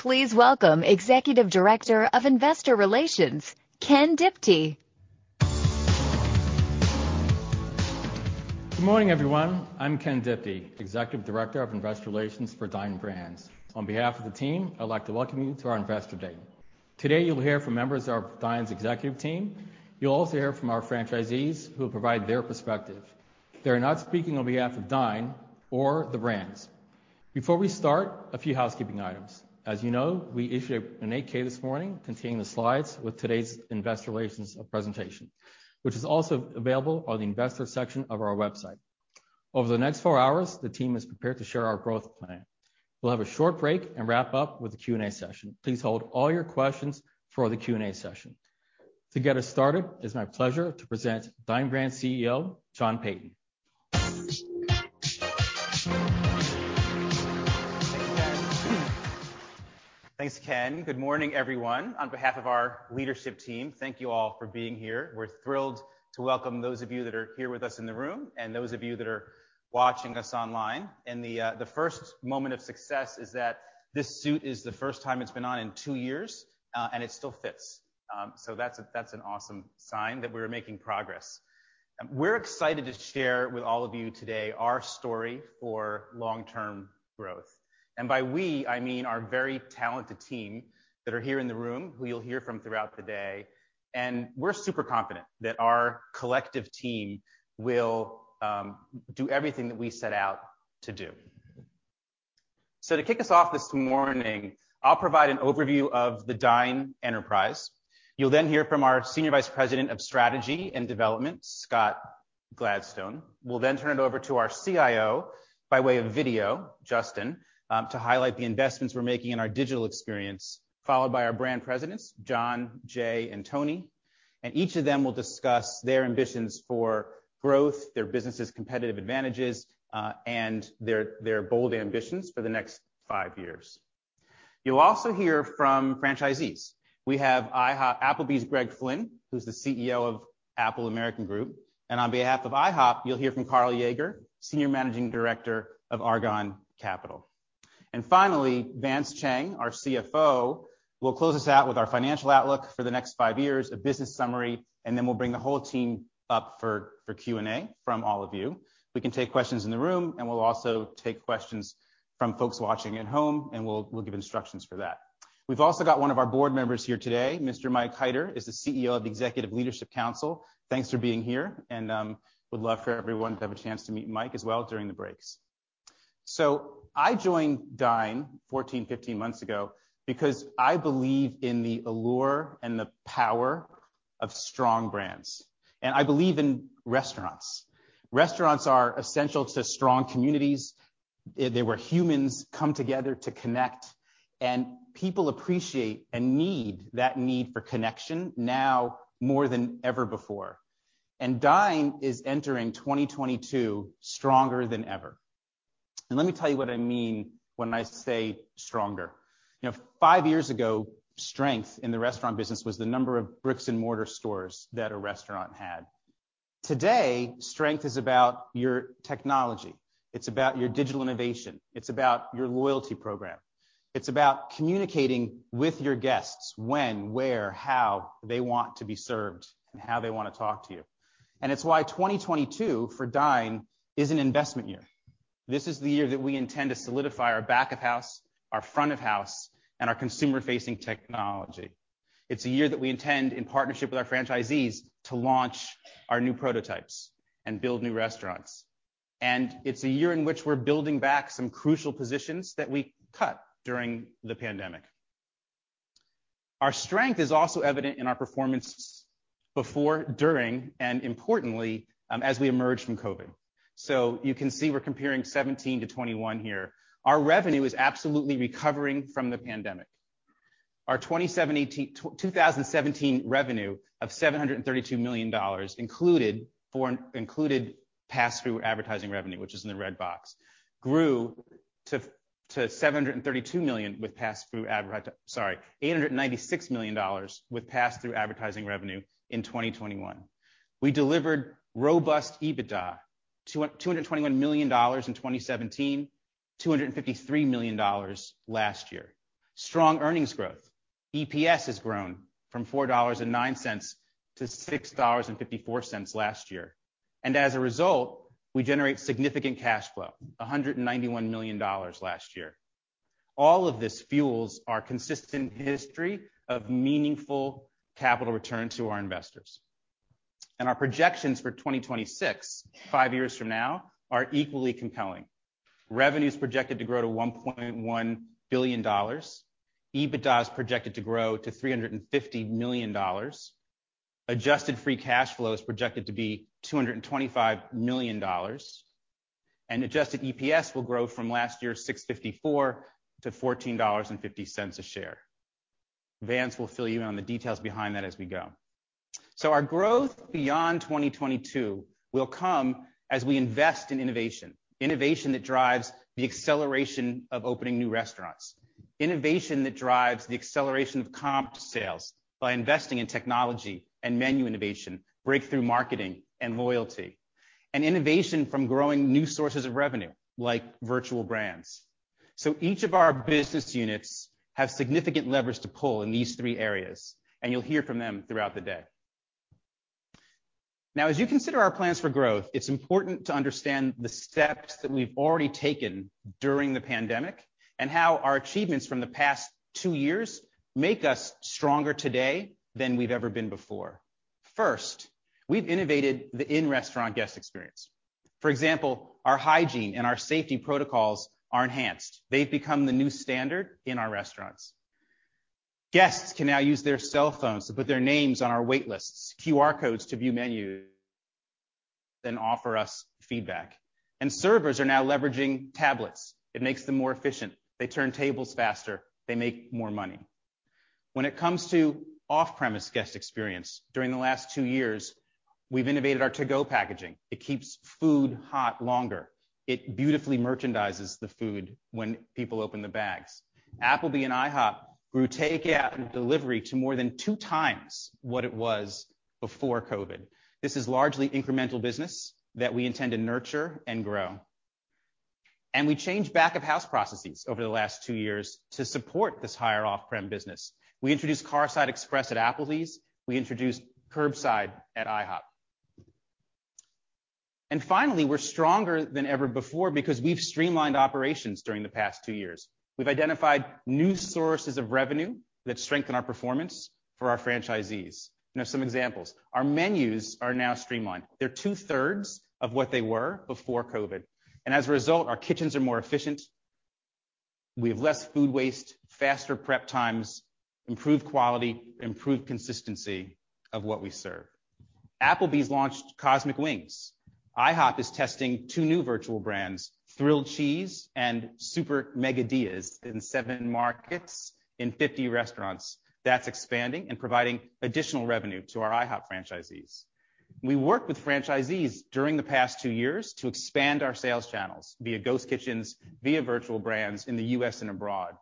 Please welcome Executive Director of Investor Relations, Ken Diptee. Good morning, everyone. I'm Ken Diptee, Executive Director of Investor Relations for Dine Brands. On behalf of the team, I'd like to welcome you to our Investor Day. Today, you'll hear from members of Dine's executive team. You'll also hear from our franchisees who will provide their perspective. They are not speaking on behalf of Dine or the brands. Before we start, a few housekeeping items. As you know, we issued an 8-K this morning containing the slides with today's investor relations presentation, which is also available on the investor section of our website. Over the next four hours, the team is prepared to share our growth plan. We'll have a short break and wrap up with a Q&A session. Please hold all your questions for the Q&A session. To get us started, it's my pleasure to present Dine Brands CEO, John Peyton. Thanks, Ken. Good morning, everyone. On behalf of our leadership team, thank you all for being here. We're thrilled to welcome those of you that are here with us in the room and those of you that are watching us online. The first moment of success is that this suit is the first time it's been on in two years, and it still fits. That's an awesome sign that we're making progress. We're excited to share with all of you today our story for long-term growth. By we, I mean our very talented team that are here in the room, who you'll hear from throughout the day. We're super confident that our collective team will do everything that we set out to do. To kick us off this morning, I'll provide an overview of the Dine enterprise. You'll then hear from our Senior Vice President of Strategy and Development, Scott Gladstone. We'll then turn it over to our CIO by way of video, Justin, to highlight the investments we're making in our digital experience, followed by our brand presidents, John, Jay, and Tony. Each of them will discuss their ambitions for growth, their business' competitive advantages, and their bold ambitions for the next five years. You'll also hear from franchisees. We have IHOP Applebee's Greg Flynn, who's the CEO of Apple American Group. On behalf of IHOP, you'll hear from Karl Jaeger, Senior Managing Director of Argonne Capital. Finally, Vance Chang, our CFO, will close us out with our financial outlook for the next five years, a business summary, and then we'll bring the whole team up for Q&A from all of you. We can take questions in the room, and we'll also take questions from folks watching at home, and we'll give instructions for that. We've also got one of our board members here today. Mr. Mike Hyter is the CEO of Executive Leadership Council. Thanks for being here and would love for everyone to have a chance to meet Mike as well during the breaks. I joined Dine 14, 15 months ago because I believe in the allure and the power of strong brands. I believe in restaurants. Restaurants are essential to strong communities. They're where humans come together to connect, and people appreciate and need that need for connection now more than ever before. Dine is entering 2022 stronger than ever. Let me tell you what I mean when I say stronger. You know, five years ago, strength in the restaurant business was the number of bricks and mortar stores that a restaurant had. Today, strength is about your technology. It's about your digital innovation. It's about your loyalty program. It's about communicating with your guests when, where, how they want to be served and how they want to talk to you. It's why 2022 for Dine is an investment year. This is the year that we intend to solidify our back of house, our front of house, and our consumer facing technology. It's a year that we intend, in partnership with our franchisees, to launch our new prototypes and build new restaurants. It's a year in which we're building back some crucial positions that we cut during the pandemic. Our strength is also evident in our performance before, during, and importantly, as we emerge from COVID. You can see we're comparing 2017-2021 here. Our revenue is absolutely recovering from the pandemic. Our 2017 revenue of $732 million included pass-through advertising revenue, which is in the red box, grew to sorry, $896 million with pass-through advertising revenue in 2021. We delivered robust EBITDA, $221 million in 2017, $253 million last year. Strong earnings growth. EPS has grown from $4.09- $6.54 last year. As a result, we generate significant cash flow, $191 million last year. All of this fuels our consistent history of meaningful capital return to our investors. Our projections for 2026, five years from now, are equally compelling. Revenue is projected to grow to $1.1 billion. EBITDA is projected to grow to $350 million. Adjusted free cash flow is projected to be $225 million. Adjusted EPS will grow from last year's $6.54 -$14.50 a share. Vance will fill you in on the details behind that as we go. Our growth beyond 2022 will come as we invest in innovation. Innovation that drives the acceleration of opening new restaurants. Innovation that drives the acceleration of comp sales by investing in technology and menu innovation, breakthrough marketing and loyalty. Innovation from growing new sources of revenue like virtual brands. Each of our business units have significant leverage to pull in these three areas, and you'll hear from them throughout the day. Now, as you consider our plans for growth, it's important to understand the steps that we've already taken during the pandemic and how our achievements from the past two years make us stronger today than we've ever been before. First, we've innovated the in-restaurant guest experience. For example, our hygiene and our safety protocols are enhanced. They've become the new standard in our restaurants. Guests can now use their cell phones to put their names on our wait lists, QR codes to view menus, then offer us feedback. Servers are now leveraging tablets. It makes them more efficient. They turn tables faster, they make more money. When it comes to off-premise guest experience, during the last two years, we've innovated our To-Go packaging. It keeps food hot longer. It beautifully merchandises the food when people open the bags. Applebee's and IHOP grew takeout and delivery to more than two times what it was before COVID. This is largely incremental business that we intend to nurture and grow. We changed back-of-house processes over the last two years to support this higher off-prem business. We introduced Carside Express at Applebee's. We introduced curbside at IHOP. Finally, we're stronger than ever before because we've streamlined operations during the past two years. We've identified new sources of revenue that strengthen our performance for our franchisees. You know some examples. Our menus are now streamlined. They're 2/3 of what they were before COVID, and as a result, our kitchens are more efficient, we have less food waste, faster prep times, improved quality, improved consistency of what we serve. Applebee's launched Cosmic Wings. IHOP is testing two new virtual brands, Thrilled Cheese and Super Mega Dilla in seven markets in 50 restaurants. That's expanding and providing additional revenue to our IHOP franchisees. We worked with franchisees during the past two years to expand our sales channels via ghost kitchens, via virtual brands in the U.S. and abroad.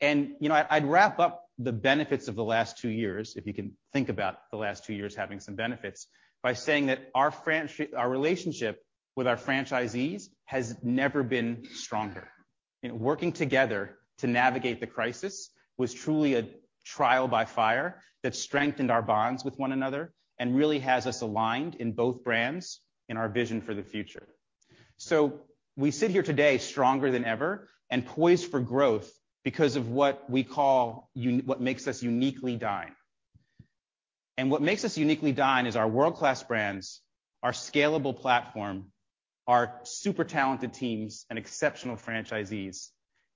You know, I'd wrap up the benefits of the last two years, if you can think about the last two years having some benefits, by saying that our relationship with our franchisees has never been stronger. Working together to navigate the crisis was truly a trial by fire that strengthened our bonds with one another and really has us aligned in both brands in our vision for the future. We sit here today stronger than ever and poised for growth because of what makes us uniquely Dine. What makes us uniquely Dine is our world-class brands, our scalable platform, our super talented teams and exceptional franchisees,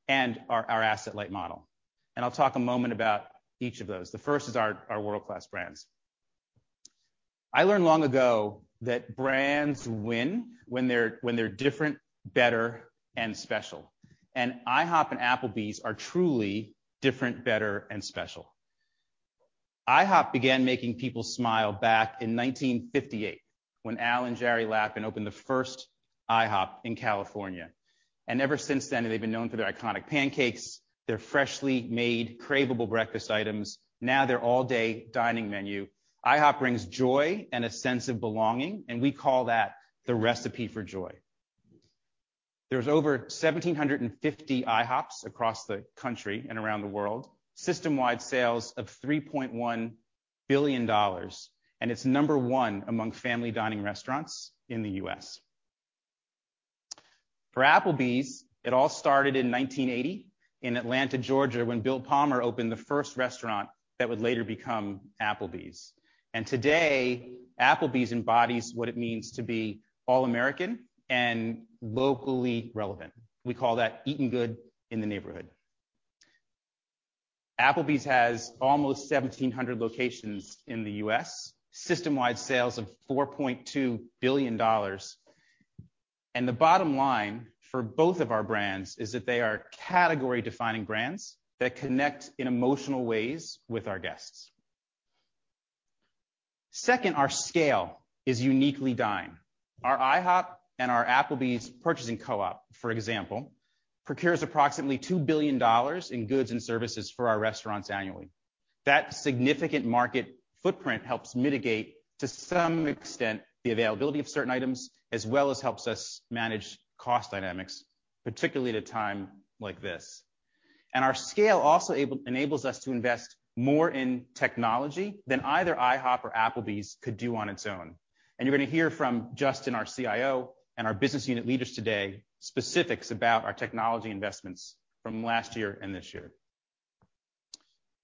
and our asset-light model. I'll talk a moment about each of those. The first is our world-class brands. I learned long ago that brands win when they're different, better, and special. IHOP and Applebee's are truly different, better, and special. IHOP began making people smile back in 1958 when Al and Jerry Lapin opened the first IHOP in California. Ever since then, they've been known for their iconic Pancakes, their freshly made craveable breakfast items, now their all-day dining menu. IHOP brings joy and a sense of belonging, and we call that the recipe for joy. There's over 1,750 IHOPs across the country and around the world. System-wide sales of $3.1 billion, and it's No. 1 among family dining restaurants in the U.S. For Applebee's, it all started in 1980 in Atlanta, Georgia, when Bill Palmer opened the first restaurant that would later become Applebee's. Today, Applebee's embodies what it means to be all American and locally relevant. We call that eating good in the neighborhood. Applebee's has almost 1,700 locations in the U.S. System-wide sales of $4.2 billion. The bottom line for both of our brands is that they are category-defining brands that connect in emotional ways with our guests. Second, our scale is uniquely Dine. Our IHOP and our Applebee's purchasing co-op, for example, procures approximately $2 billion in goods and services for our restaurants annually. That significant market footprint helps mitigate, to some extent, the availability of certain items, as well as helps us manage cost dynamics, particularly at a time like this. Our scale also enables us to invest more in technology than either IHOP or Applebee's could do on its own. You're going to hear from Justin, our CIO, and our business unit leaders today, specifics about our technology investments from last year and this year.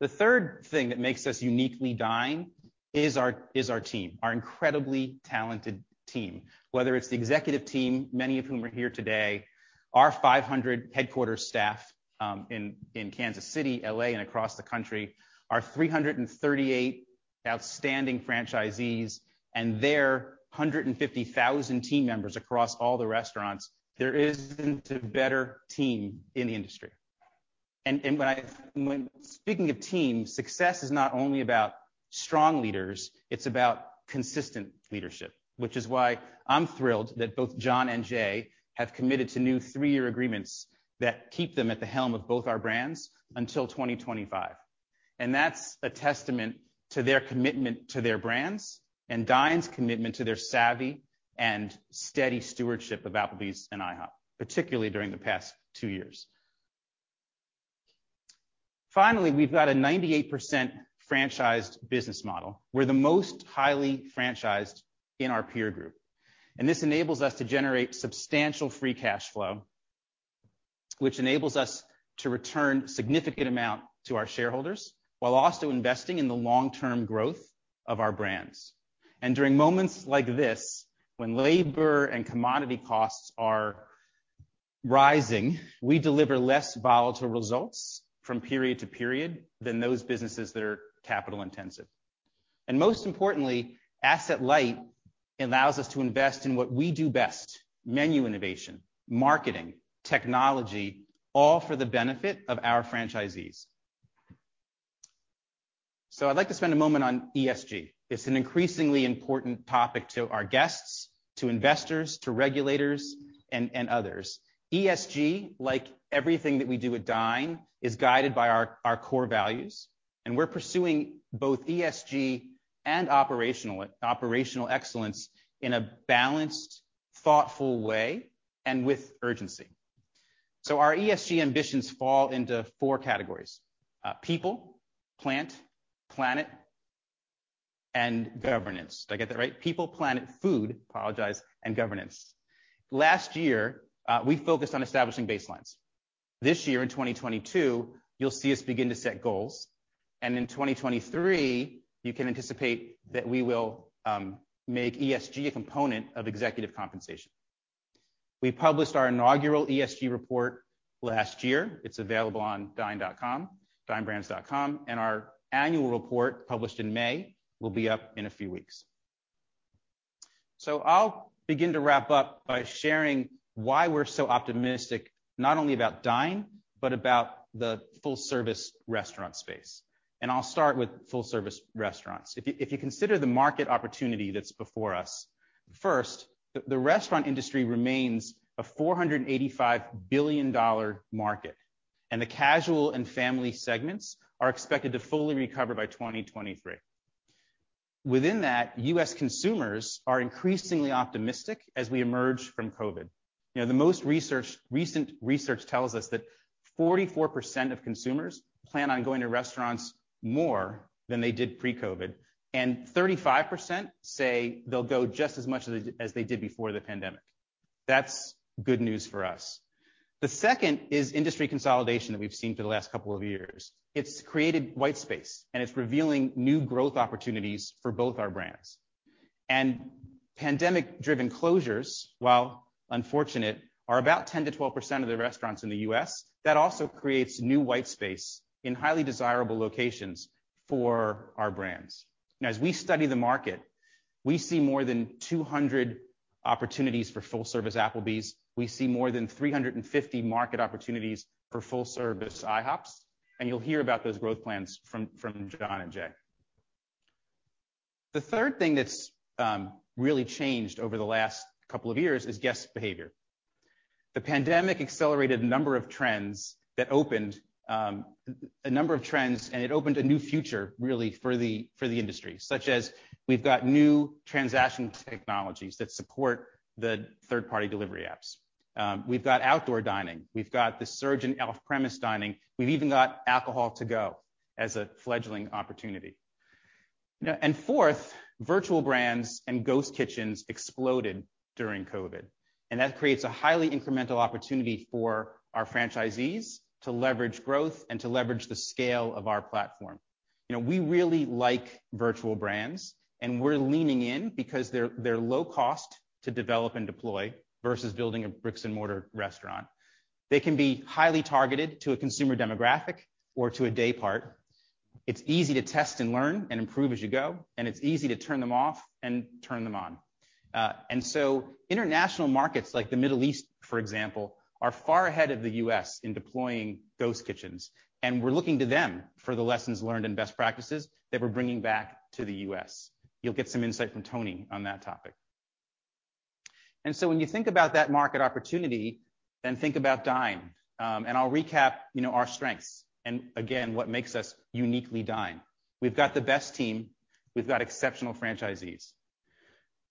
The third thing that makes us uniquely Dine is our team, our incredibly talented team. Whether it's the executive team, many of whom are here today, our 500 headquarter staff in Kansas City, L.A., and across the country, our 338 outstanding franchisees and their 150,000 team members across all the restaurants. There isn't a better team in the industry. When speaking of teams, success is not only about strong leaders, it's about consistent leadership. Which is why I'm thrilled that both John and Jay have committed to new three-year agreements that keep them at the helm of both our brands until 2025. That's a testament to their commitment to their brands and Dine's commitment to their savvy and steady stewardship of Applebee's and IHOP, particularly during the past two years. Finally, we've got a 98% franchised business model. We're the most highly franchised in our peer group, and this enables us to generate substantial free cash flow, which enables us to return significant amount to our shareholders while also investing in the long-term growth of our brands. During moments like this, when labor and commodity costs are rising, we deliver less volatile results from period to period than those businesses that are capital intensive. Most importantly, asset light allows us to invest in what we do best, menu innovation, marketing, technology, all for the benefit of our franchisees. I'd like to spend a moment on ESG. It's an increasingly important topic to our guests, to investors, to regulators and others. ESG, like everything that we do at Dine, is guided by our core values, and we're pursuing both ESG and operational excellence in a balanced, thoughtful way and with urgency. Our ESG ambitions fall into four categories, People, plant, planet, and governance. Did I get that right? People, Planet, Food, sorry, and governance. Last year, we focused on establishing baselines. This year, in 2022, you'll see us begin to set goals, and in 2023, you can anticipate that we will make ESG a component of executive compensation. We published our inaugural ESG report last year. It's available on dinebrands.com, and our annual report, published in May, will be up in a few weeks. I'll begin to wrap up by sharing why we're so optimistic, not only about Dine, but about the full service restaurant space. I'll start with full service restaurants. If you consider the market opportunity that's before us, first, the restaurant industry remains a $485 billion market, and the casual and family segments are expected to fully recover by 2023. Within that, U.S. consumers are increasingly optimistic as we emerge from COVID. You know, recent research tells us that 44% of consumers plan on going to restaurants more than they did pre-COVID, and 35% say they'll go just as much as they did before the pandemic. That's good news for us. The second is industry consolidation that we've seen for the last couple of years. It's created white space, and it's revealing new growth opportunities for both our brands. Pandemic driven closures, while unfortunate, are about 10%-12% of the restaurants in the U.S. That also creates new white space in highly desirable locations for our brands. Now, as we study the market, we see more than 200 opportunities for full service Applebee's. We see more than 350 market opportunities for full service IHOPs, and you'll hear about those growth plans from John and Jay. The third thing that's really changed over the last couple of years is guest behavior. The pandemic accelerated a number of trends, and it opened a new future, really, for the industry, such as we've got new transaction technologies that support the third-party delivery apps. We've got outdoor dining. We've got the surge in off-premise dining. We've even got alcohol to go as a fledgling opportunity. Now, fourth, virtual brands and ghost kitchens exploded during COVID, and that creates a highly incremental opportunity for our franchisees to leverage growth and to leverage the scale of our platform. You know, we really like virtual brands, and we're leaning in because they're low cost to develop and deploy versus building a bricks and mortar restaurant. They can be highly targeted to a consumer demographic or to a day part. It's easy to test and learn and improve as you go, and it's easy to turn them off and turn them on. International markets, like the Middle East, for example, are far ahead of the U.S. in deploying ghost kitchens, and we're looking to them for the lessons learned and best practices that we're bringing back to the U.S. You'll get some insight from Tony on that topic. When you think about that market opportunity, then think about Dine. I'll recap, you know, our strengths, and again, what makes us uniquely Dine. We've got the best team. We've got exceptional franchisees.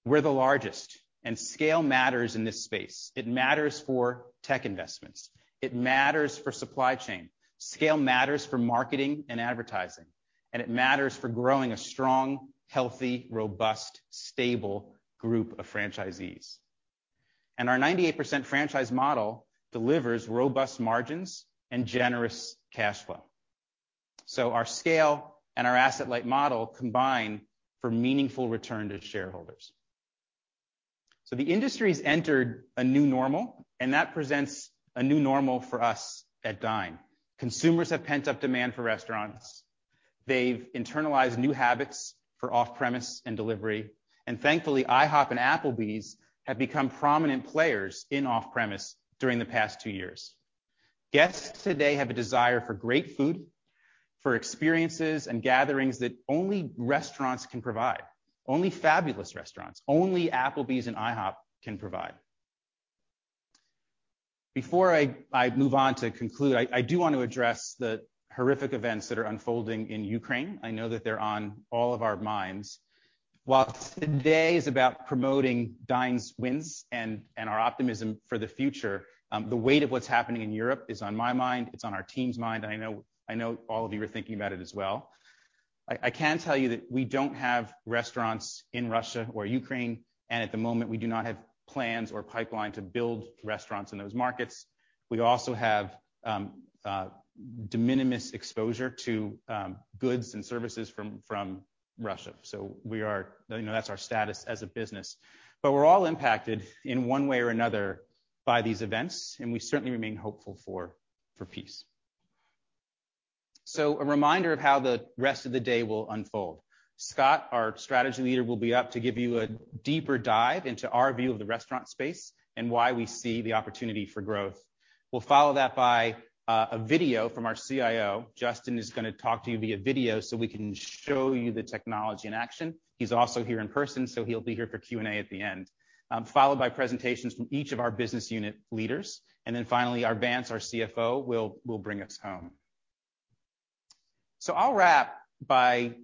We're the largest, and scale matters in this space. It matters for tech investments. It matters for supply chain. Scale matters for marketing and advertising, and it matters for growing a strong, healthy, robust, stable group of franchisees. Our 98% franchise model delivers robust margins and generous cash flow. Our scale and our asset-light model combine for meaningful return to shareholders. The industry's entered a new normal, and that presents a new normal for us at Dine. Consumers have pent-up demand for restaurants. They've internalized new habits for off-premise and delivery. Thankfully, IHOP and Applebee's have become prominent players in off-premise during the past two years. Guests today have a desire for great food, for experiences and gatherings that only restaurants can provide, only fabulous restaurants, only Applebee's and IHOP can provide. Before I move on to conclude, I do want to address the horrific events that are unfolding in Ukraine. I know that they're on all of our minds. While today is about promoting Dine’s wins and our optimism for the future, the weight of what’s happening in Europe is on my mind, it’s on our team’s mind, and I know all of you are thinking about it as well. I can tell you that we don’t have restaurants in Russia or Ukraine, and at the moment, we do not have plans or pipeline to build restaurants in those markets. We also have de minimis exposure to goods and services from Russia. So, you know, that’s our status as a business. But we’re all impacted in one way or another by these events, and we certainly remain hopeful for peace. So a reminder of how the rest of the day will unfold. Scott, our strategy leader, will be up to give you a deeper dive into our view of the restaurant space and why we see the opportunity for growth. We'll follow that by a video from our CIO. Justin is gonna talk to you via video so we can show you the technology in action. He's also here in person, so he'll be here for Q&A at the end. Followed by presentations from each of our business unit leaders. Then finally, Vance, our CFO, will bring us home. I'll wrap by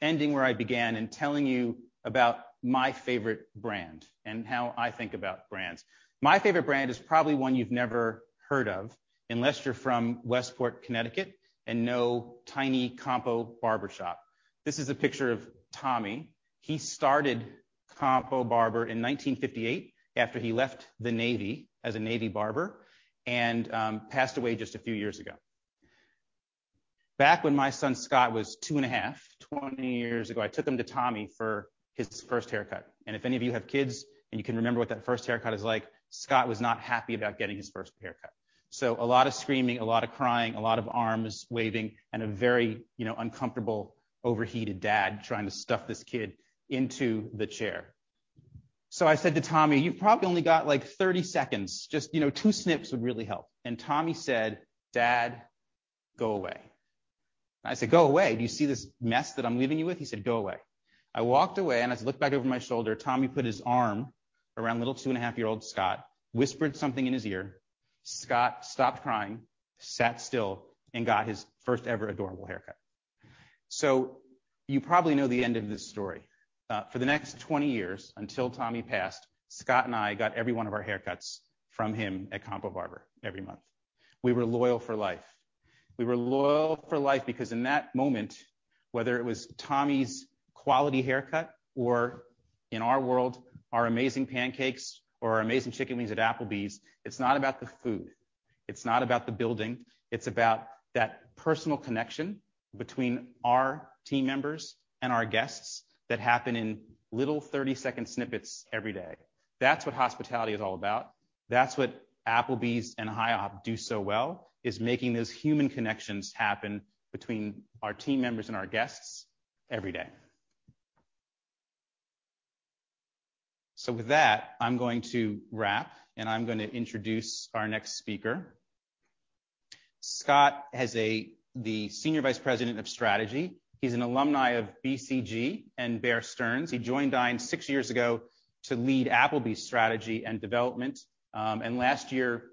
ending where I began and telling you about my favorite brand and how I think about brands. My favorite brand is probably one you've never heard of unless you're from Westport, Connecticut, and know tiny Compo Barber Shop. This is a picture of Tommy. He started Compo Barber in 1958 after he left the Navy as a Navy barber, and passed away just a few years ago. Back when my son Scott was 2.5, 20 years ago, I took him to Tommy for his first haircut. If any of you have kids, and you can remember what that first haircut is like, Scott was not happy about getting his first haircut. A lot of screaming, a lot of crying, a lot of arms waving, and a very, you know, uncomfortable, overheated dad trying to stuff this kid into the chair. I said to Tommy, "You've probably only got like 30 seconds. Just, you know, two snips would really help." Tommy said, "Dad, go away." I said, "Go away? Do you see this mess that I'm leaving you with?" He said, "Go away." I walked away, and as I looked back over my shoulder, Tommy put his arm around little 2.5-year-old Scott, whispered something in his ear. Scott stopped crying, sat still, and got his first ever adorable haircut. You probably know the end of this story. For the next 20 years, until Tommy passed, Scott and I got every one of our haircuts from him at Compo Barber every month. We were loyal for life. We were loyal for life because in that moment, whether it was Tommy's quality haircut or in our world, our amazing Pancakes or our amazing chicken wings at Applebee's, it's not about the food. It's not about the building. It's about that personal connection between our team members and our guests that happen in little 30-second snippets every day. That's what hospitality is all about. That's what Applebee's and IHOP do so well, is making those human connections happen between our team members and our guests every day. With that, I'm going to wrap, and I'm gonna introduce our next speaker. Scott is the Senior Vice President of Strategy. H e's an alumni of BCG and Bear Stearns. He joined Dine six years ago to lead Applebee's strategy and development, and last year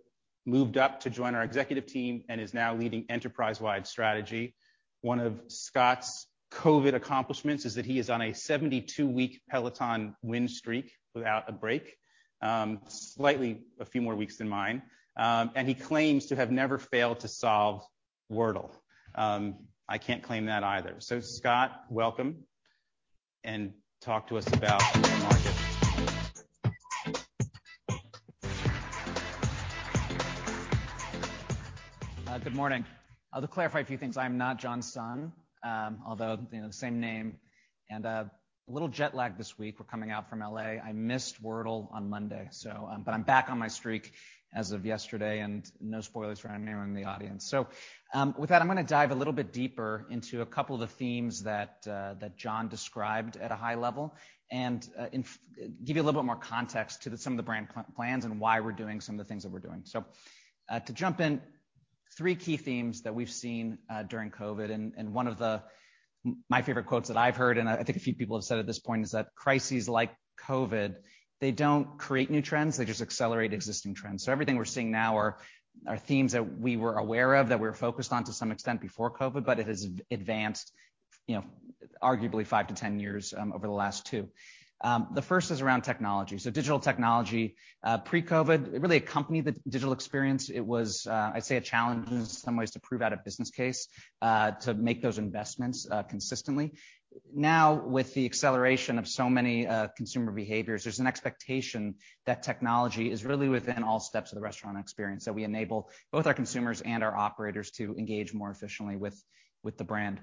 moved up to join our executive team and is now leading enterprise-wide strategy. One of Scott's COVID accomplishments is that he is on a 72-week Peloton win streak without a break, slightly a few more weeks than mine. And he claims to have never failed to solve Wordle. I can't claim that either. Scott, welcome, and talk to us about the market. Good morning. To clarify a few things, I'm not John's son, although, you know, the same name and a little jet lagged this week. We're coming out from L.A. I missed Wordle on Monday, but I'm back on my streak as of yesterday and no spoilers for anyone in the audience. With that, I'm gonna dive a little bit deeper into a couple of the themes that John described at a high level and give you a little bit more context to some of the brand plans and why we're doing some of the things that we're doing. To jump in, three key themes that we've seen during COVID and one of the my favorite quotes that I've heard, and I think a few people have said at this point, is that crises like COVID, they don't create new trends. They just accelerate existing trends. Everything we're seeing now are themes that we were aware of, that we were focused on to some extent before COVID, but it has advanced, you know, arguably five-10 years over the last two. The first is around technology. Digital technology, pre-COVID, it really accompanied the digital experience. It was, I'd say a challenge in some ways to prove out a business case to make those investments consistently. Now, with the acceleration of so many consumer behaviors, there's an expectation that technology is really within all steps of the restaurant experience, that we enable both our consumers and our operators to engage more efficiently with the brand.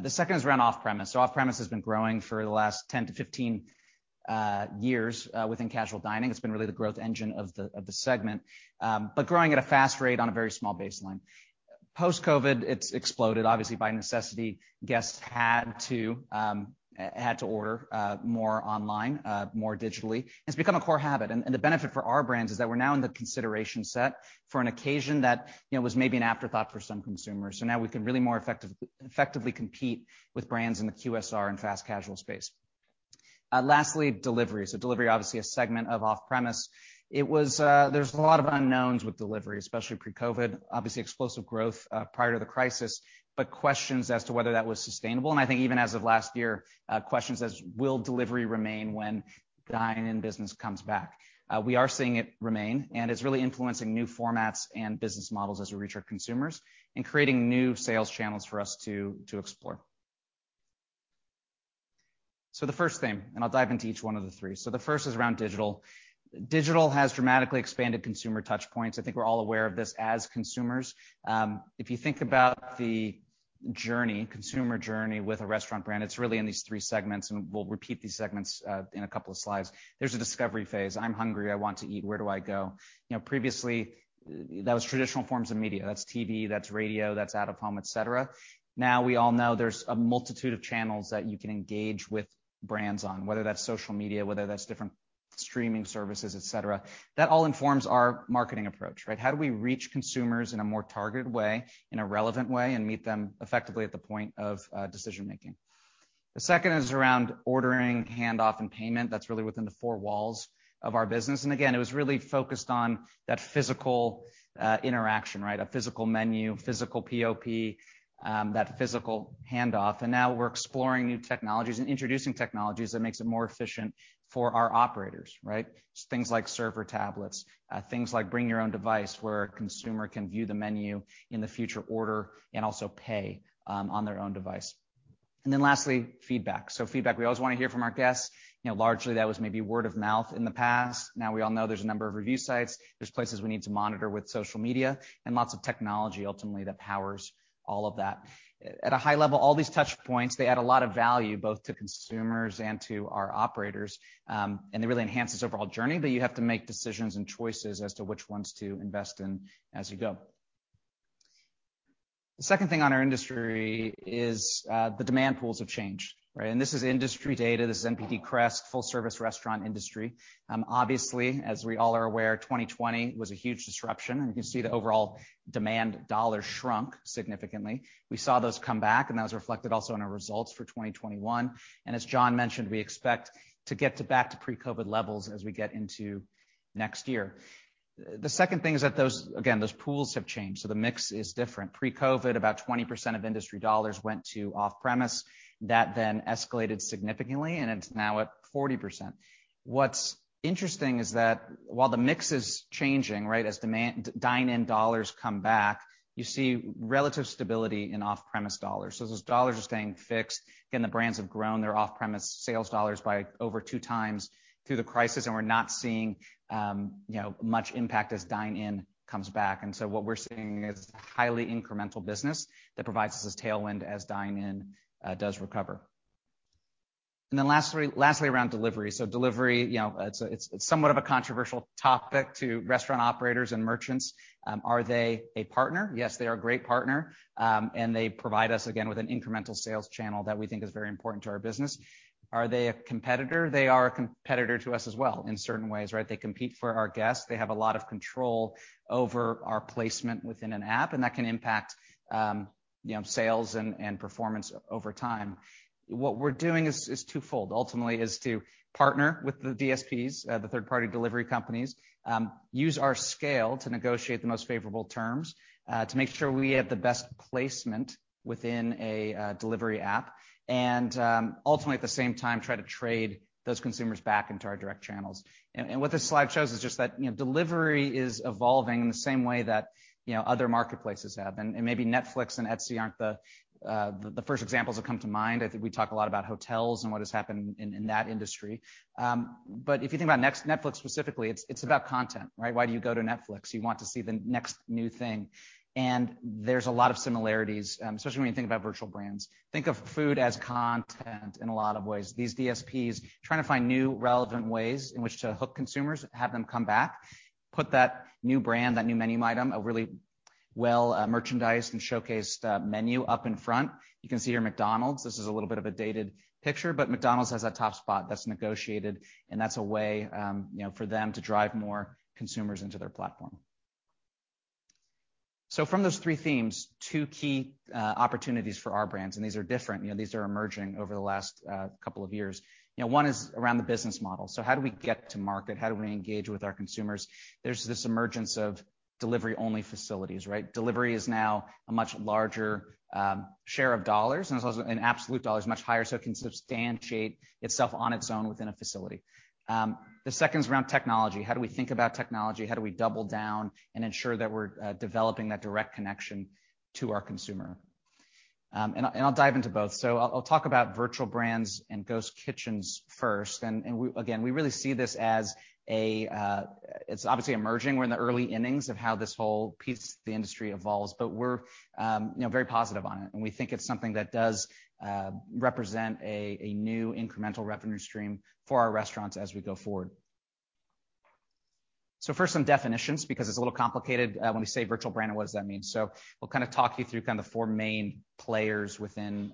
The second is around off-premise. Off-premise has been growing for the last 10-15 years within casual dining. It's been really the growth engine of the segment, but growing at a fast rate on a very small baseline. Post-COVID, it's exploded, obviously by necessity. Guests had to order more online, more digitally. It's become a core habit. The benefit for our brands is that we're now in the consideration set for an occasion that, you know, was maybe an afterthought for some consumers. Now we can really more effectively compete with brands in the QSR and fast casual space. Lastly, delivery. Delivery, obviously a segment of off-premise. It was, there's a lot of unknowns with delivery, especially pre-COVID. Obviously explosive growth prior to the crisis, but questions as to whether that was sustainable. I think even as of last year, questions as will delivery remain when dine-in business comes back. We are seeing it remain, and it's really influencing new formats and business models as we reach our consumers and creating new sales channels for us to explore. The first theme, and I'll dive into each one of the three. The first is around digital. Digital has dramatically expanded consumer touch points. I think we're all aware of this as consumers. If you think about the journey, consumer journey with a restaurant brand, it's really in these three segments, and we'll repeat these segments in a couple of slides. There's a discovery phase. I'm hungry, I want to eat. Where do I go? You know, previously that was traditional forms of media, that's TV, that's radio, that's out of home, et cetera. Now, we all know there's a multitude of channels that you can engage with brands on, whether that's social media, whether that's different streaming services, et cetera. That all informs our marketing approach, right? How do we reach consumers in a more targeted way, in a relevant way, and meet them effectively at the point of decision making? The second is around ordering, hand off and payment. That's really within the four walls of our business. Again, it was really focused on that physical interaction, right? A physical menu, physical POP, that physical handoff. Now we're exploring new technologies and introducing technologies that makes it more efficient for our operators, right? Things like server tablets, things like bring your own device, where a consumer can view the menu in the future order and also pay on their own device. Then lastly, feedback. Feedback, we always wanna hear from our guests. You know, largely that was maybe word of mouth in the past. Now we all know there's a number of review sites, there's places we need to monitor with social media and lots of technology ultimately that powers all of that. At a high level, all these touch points, they add a lot of value, both to consumers and to our operators, and they really enhance this overall journey, but you have to make decisions and choices as to which ones to invest in as you go. The second thing on our industry is, the demand pools have changed, right? This is industry data. This is NPD CREST full-service restaurant industry. Obviously, as we all are aware, 2020 was a huge disruption, and you can see the overall demand dollars shrunk significantly. We saw those come back, and that was reflected also in our results for 2021. As John mentioned, we expect to get back to pre-COVID levels as we get into next year. The second thing is that those, again, those pools have changed, so the mix is different. Pre-COVID, about 20% of industry dollars went to off-premise. That then escalated significantly, and it's now at 40%. What's interesting is that while the mix is changing, right? As demand dine-in dollars come back, you see relative stability in off-premise dollars. Those dollars are staying fixed. Again, the brands have grown their off-premise sales dollars by over 2x through the crisis, and we're not seeing you know much impact as dine-in comes back. What we're seeing is highly incremental business that provides us this tailwind as dine-in does recover. Lastly, around delivery, you know, it's somewhat of a controversial topic to restaurant operators and merchants. Are they a partner? Yes, they are a great partner. They provide us, again, with an incremental sales channel that we think is very important to our business. Are they a competitor? They are a competitor to us as well in certain ways, right? They compete for our guests. They have a lot of control over our placement within an app, and that can impact, you know, sales and performance over time. What we're doing is twofold. Ultimately is to partner with the DSPs, the third-party delivery companies, use our scale to negotiate the most favorable terms, to make sure we have the best placement within a delivery app. Ultimately, at the same time, try to trade those consumers back into our direct channels. What this slide shows is just that, you know, delivery is evolving in the same way that, you know, other marketplaces have. Maybe Netflix and Etsy aren't the first examples that come to mind. I think we talk a lot about hotels and what has happened in that industry. If you think about Netflix specifically, it's about content, right? Why do you go to Netflix? You want to see the next new thing. There's a lot of similarities, especially when you think about virtual brands. Think of food as content in a lot of ways. These DSPs trying to find new relevant ways in which to hook consumers, have them come back, put that new brand, that new menu item, a really well merchandised and showcased menu up in front. You can see here McDonald's, this is a little bit of a dated picture, but McDonald's has that top spot that's negotiated, and that's a way, you know, for them to drive more consumers into their platform. From those three themes, two key opportunities for our brands, and these are different, you know, these are emerging over the last couple of years. You know, one is around the business model. How do we get to market? How do we engage with our consumers? There's this emergence of delivery only facilities, right? Delivery is now a much larger share of dollars, and it's also an absolute dollar is much higher, so it can substantiate itself on its own within a facility. The second is around technology. How do we think about technology? How do we double down and ensure that we're developing that direct connection to our consumer? I'll dive into both. I'll talk about virtual brands and ghost kitchens first. We really see this as a, it's obviously emerging. We're in the early innings of how this whole piece of the industry evolves, but we're, you know, very positive on it, and we think it's something that does represent a new incremental revenue stream for our restaurants as we go forward. First, some definitions, because it's a little complicated. When we say virtual brand, what does that mean? We'll kind of talk you through kind of the four main players within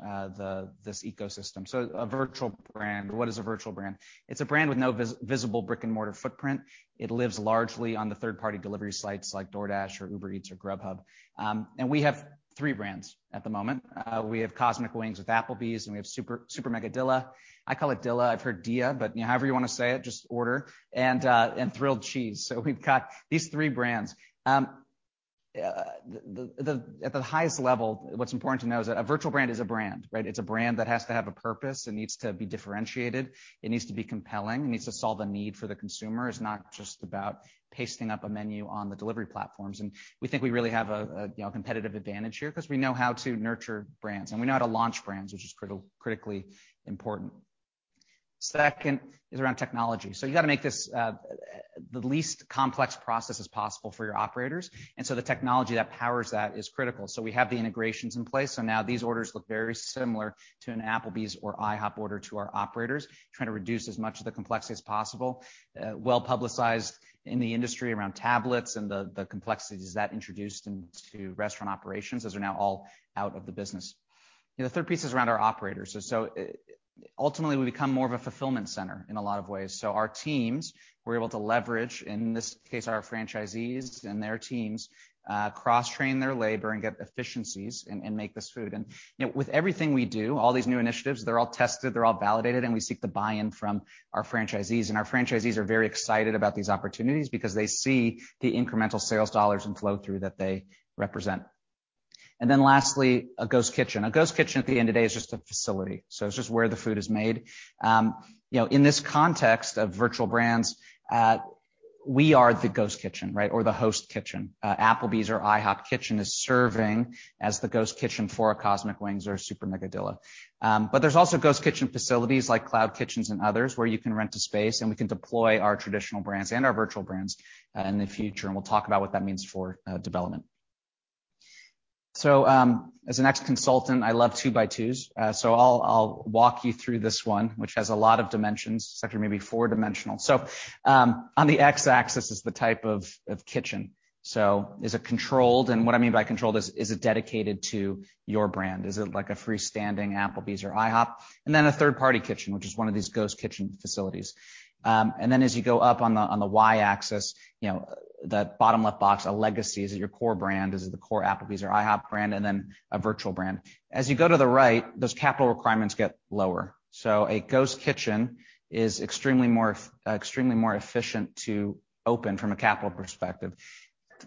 this ecosystem. A virtual brand. What is a virtual brand? It's a brand with no visible brick-and-mortar footprint. It lives largely on the third-party delivery sites like DoorDash or Uber Eats or Grubhub. We have three brands at the moment. We have Cosmic Wings with Applebee's, and we have Super Mega Dilla. I call it Dilla. I've heard Dia, but however you want to say it, just order. Thrilled Cheese. We've got these three brands. At the highest level, what's important to know is that a virtual brand is a brand, right? It's a brand that has to have a purpose. It needs to be differentiated, it needs to be compelling, it needs to solve a need for the consumer. It's not just about pasting up a menu on the delivery platforms. We think we really have a you know, competitive advantage here because we know how to nurture brands and we know how to launch brands, which is critically important. Second is around technology. You got to make this the least complex process as possible for your operators. The technology that powers that is critical. We have the integrations in place. Now these orders look very similar to an Applebee's or IHOP order to our operators, trying to reduce as much of the complexity as possible, well-publicized in the industry around tablets and the complexities that introduced into restaurant operations. Those are now all out of the business. The third piece is around our operators. Ultimately we become more of a fulfillment center in a lot of ways. Our teams, we're able to leverage, in this case, our franchisees and their teams, cross-train their labor and get efficiencies and make this food. You know, with everything we do, all these new initiatives, they're all tested, they're all validated, and we seek the buy in from our franchisees. Our franchisees are very excited about these opportunities because they see the incremental sales dollars and flow through that they represent. Then lastly, a ghost kitchen. A ghost kitchen at the end of the day is just a facility. It's just where the food is made. You know, in this context of virtual brands, we are the ghost kitchen, right, or the host kitchen. Applebee's or IHOP Kitchen is serving as the ghost kitchen for a Cosmic Wings or Super Mega Dilla. There's also ghost kitchen facilities like CloudKitchens and others, where you can rent a space, and we can deploy our traditional brands and our virtual brands in the future. We'll talk about what that means for development. As an ex-consultant, I love two by twos. I'll walk you through this one, which has a lot of dimensions. It's actually maybe four-dimensional. On the x-axis is the type of kitchen. Is it controlled? What I mean by controlled is it dedicated to your brand? Is it like a freestanding Applebee's or IHOP? Then a third-party kitchen, which is one of these ghost kitchen facilities. As you go up on the y-axis, you know, the bottom left box, a legacy. Is it your core brand? Is it the core Applebee's or IHOP brand? Then a virtual brand. As you go to the right, those capital requirements get lower. A ghost kitchen is extremely more efficient to open from a capital perspective.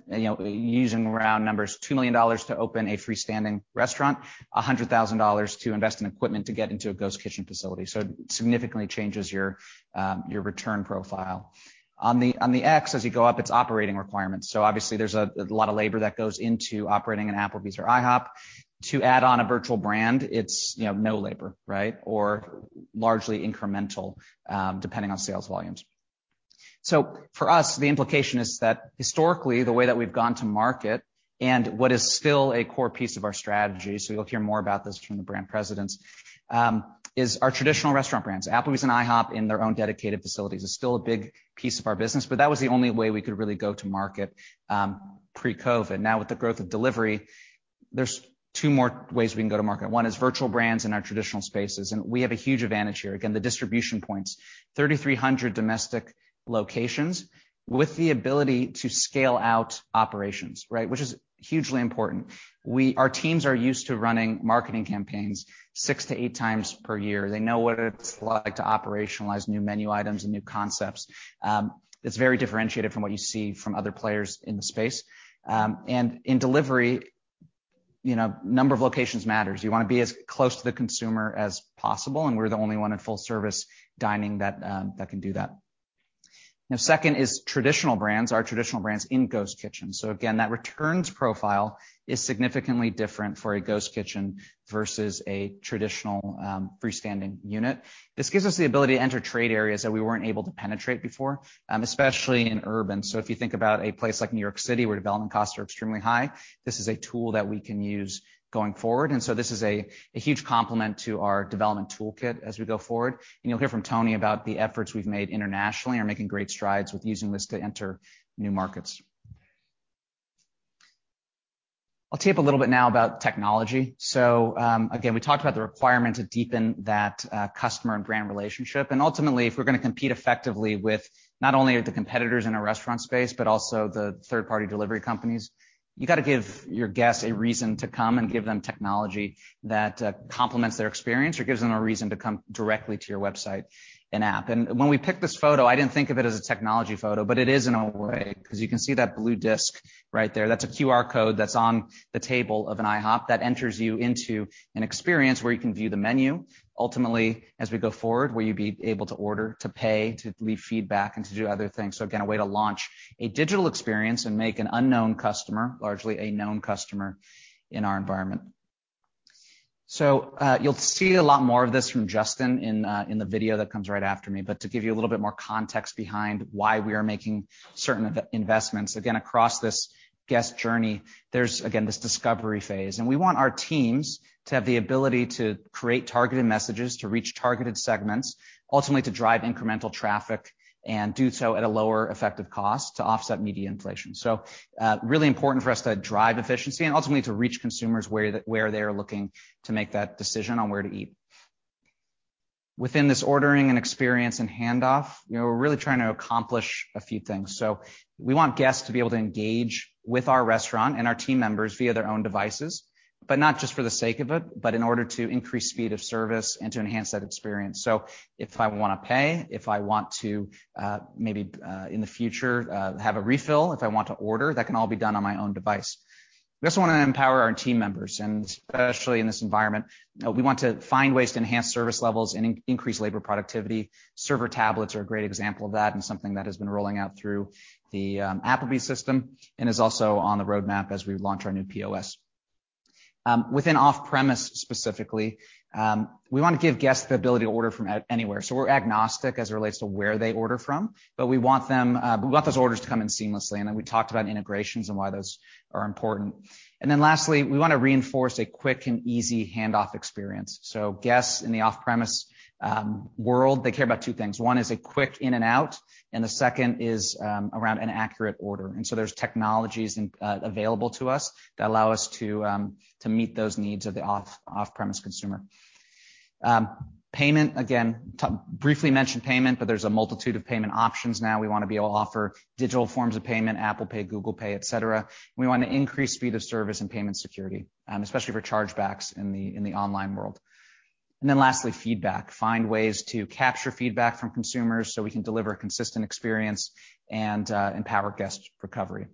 You know, using round numbers, $2 million to open a freestanding restaurant, $100,000 to invest in equipment to get into a ghost kitchen facility. It significantly changes your return profile. On the x as you go up, it's operating requirements. Obviously there's a lot of labor that goes into operating an Applebee's or IHOP. To add on a virtual brand, it's you know, no labor, right? Or largely incremental, depending on sales volumes. For us, the implication is that historically, the way that we've gone to market and what is still a core piece of our strategy, so you'll hear more about this from the brand presidents, is our traditional restaurant brands, Applebee's and IHOP, in their own dedicated facilities. It's still a big piece of our business, but that was the only way we could really go to market, pre-COVID. Now, with the growth of delivery, there's two more ways we can go to market. One is virtual brands in our traditional spaces, and we have a huge advantage here. Again, the distribution points, 3,300 domestic locations with the ability to scale out operations, right? Which is hugely important. Our teams are used to running marketing campaigns six to eight times per year. They know what it's like to operationalize new menu items and new concepts. It's very differentiated from what you see from other players in the space. In delivery, you know, number of locations matters. You want to be as close to the consumer as possible, and we're the only one in full service dining that can do that. Now, second is traditional brands in ghost kitchens. Again, that returns profile is significantly different for a ghost kitchen versus a traditional, freestanding unit. This gives us the ability to enter trade areas that we weren't able to penetrate before, especially in urban. If you think about a place like New York City, where development costs are extremely high, this is a tool that we can use going forward. This is a huge complement to our development toolkit as we go forward. You'll hear from Tony about the efforts we've made internationally, which are making great strides with using this to enter new markets. I'll tell you a little bit now about technology. Again, we talked about the requirement to deepen that customer and brand relationship. Ultimately, if we're going to compete effectively with not only the competitors in a restaurant space, but also the third-party delivery companies, you got to give your guests a reason to come and give them technology that complements their experience or gives them a reason to come directly to your website and app. When we picked this photo, I didn't think of it as a technology photo, but it is in a way, 'cause you can see that blue disk right there. That's a QR code that's on the table of an IHOP that enters you into an experience where you can view the menu. Ultimately, as we go forward, where you'll be able to order, to pay, to leave feedback, and to do other things. Again, a way to launch a digital experience and make an unknown customer largely a known customer in our environment. You'll see a lot more of this from Justin in the video that comes right after me. To give you a little bit more context behind why we are making certain investments, again, across this guest journey, there's again, this discovery phase. We want our teams to have the ability to create targeted messages, to reach targeted segments, ultimately to drive incremental traffic and do so at a lower effective cost to offset media inflation. Really important for us to drive efficiency and ultimately to reach consumers where they are looking to make that decision on where to eat. Within this ordering and experience and handoff, you know, we're really trying to accomplish a few things. We want guests to be able to engage with our restaurant and our team members via their own devices, but not just for the sake of it, but in order to increase speed of service and to enhance that experience. If I wanna pay, if I want to, maybe, in the future, have a refill, if I want to order, that can all be done on my own device. We also want to empower our team members, and especially in this environment, we want to find ways to enhance service levels and increase labor productivity. Server tablets are a great example of that and something that has been rolling out through the Applebee's system and is also on the roadmap as we launch our new POS. Within off-premise specifically, we want to give guests the ability to order from anywhere, so we're agnostic as it relates to where they order from. We want those orders to come in seamlessly, and then we talked about integrations and why those are important. Lastly, we want to reinforce a quick and easy handoff experience. Guests in the off-premise world, they care about two things. One is a quick in and out, and the second is around an accurate order. There's technologies available to us that allow us to meet those needs of the off-premise consumer. Payment, again, briefly mentioned payment, but there's a multitude of payment options now. We want to be able to offer digital forms of payment, Apple Pay, Google Pay, et cetera. We want to increase speed of service and payment security, especially for chargebacks in the online world. Lastly, feedback. Find ways to capture feedback from consumers so we can deliver a consistent experience and empower guest recovery.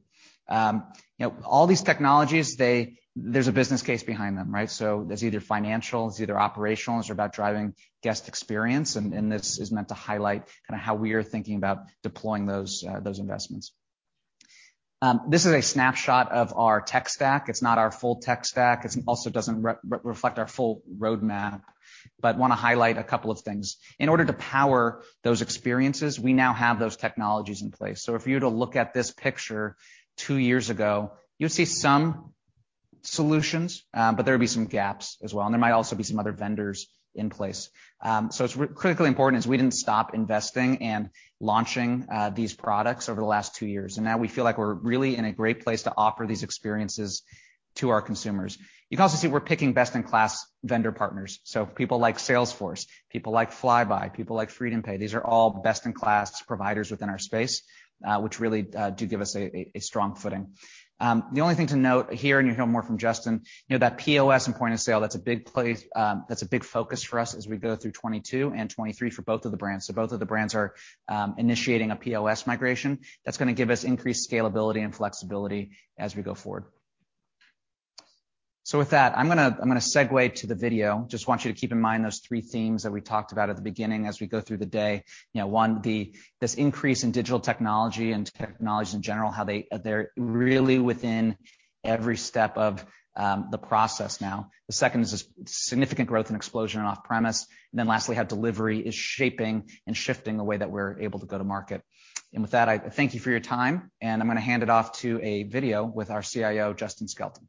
You know, all these technologies, there's a business case behind them, right? There's either financial, there's either operational, it's about driving guest experience, and this is meant to highlight kind of how we are thinking about deploying those investments. This is a snapshot of our tech stack. It's not our full tech stack. It also doesn't reflect our full roadmap, but wanna highlight a couple of things. In order to power those experiences, we now have those technologies in place. If you were to look at this picture two years ago, you'd see some solutions, but there would be some gaps as well, and there might also be some other vendors in place. It's critically important that we didn't stop investing and launching these products over the last two years, and now we feel like we're really in a great place to offer these experiences to our consumers. You can also see we're picking best in class vendor partners, so people like Salesforce, people like Flybuy, people like FreedomPay. These are all best in class providers within our space, which really do give us a strong footing. The only thing to note here, and you'll hear more from Justin, you know that POS and point of sale, that's a big place, that's a big focus for us as we go through 2022 and 2023 for both of the brands. Both of the brands are initiating a POS migration that's gonna give us increased scalability and flexibility as we go forward. With that, I'm gonna segue to the video. Just want you to keep in mind those three themes that we talked about at the beginning as we go through the day. You know, one, this increase in digital technology and technology in general, how they're really within every step of the process now. The second is this significant growth and explosion in off-premise. Then lastly, how delivery is shaping and shifting the way that we're able to go to market. With that, I thank you for your time, and I'm gonna hand it off to a video with our CIO, Justin Skelton.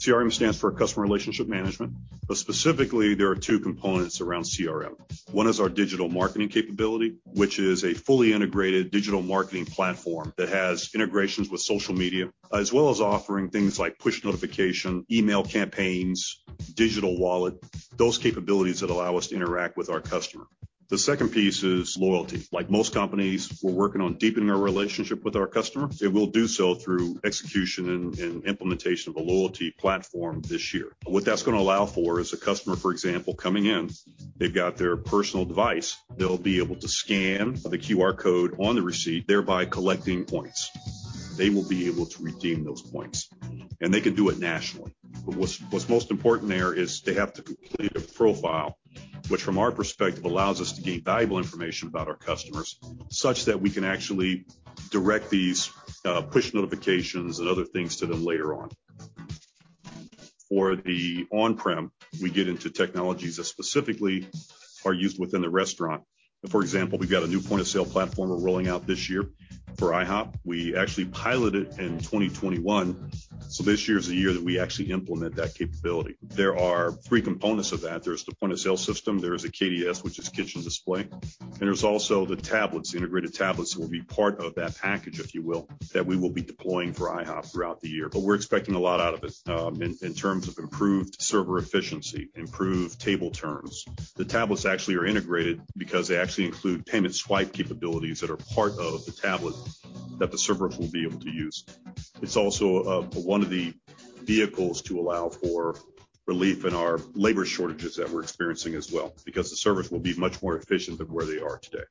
CRM stands for customer relationship management, but specifically there are two components around CRM. One is our digital marketing capability, which is a fully integrated digital marketing platform that has integrations with social media, as well as offering things like push notification, email campaigns, digital wallet, those capabilities that allow us to interact with our customer. The second piece is loyalty. Like most companies, we're working on deepening our relationship with our customer, and we'll do so through execution and implementation of a loyalty platform this year. What that's going to allow for is a customer, for example, coming in, they've got their personal device. They'll be able to scan the QR code on the receipt, thereby collecting points. They will be able to redeem those points, and they can do it nationally. What's most important there is they have to complete a profile, which from our perspective allows us to gain valuable information about our customers such that we can actually direct these push notifications and other things to them later on. For the on-prem, we get into technologies that specifically are used within the restaurant. For example, we've got a new point of sale platform we're rolling out this year for IHOP. We actually pilot it in 2021, so this year is the year that we actually implement that capability. There are three components of that. There's the point of sale system, there is a KDS, which is kitchen display, and there's also the tablets, integrated tablets that will be part of that package, if you will, that we will be deploying for IHOP throughout the year. We're expecting a lot out of this, in terms of improved server efficiency, improved table turns. The tablets actually are integrated because they actually include payment swipe capabilities that are part of the tablet that the servers will be able to use. It's also one of the vehicles to allow for relief in our labor shortages that we're experiencing as well, because the servers will be much more efficient than where they are today.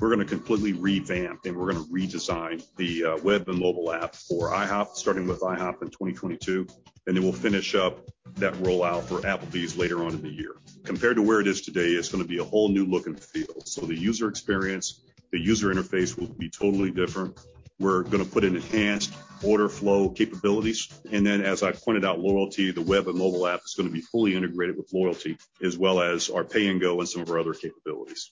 We're going to completely revamp and we're going to redesign the web and mobile app for IHOP, starting with IHOP in 2022, and then we'll finish up that rollout for Applebee's later on in the year. Compared to where it is today, it's going to be a whole new look and feel. The user experience, the user interface will be totally different. We're going to put in enhanced order flow capabilities, and then as I pointed out, loyalty, the web and mobile app is going to be fully integrated with loyalty as well as our Pay and Go and some of our other capabilities.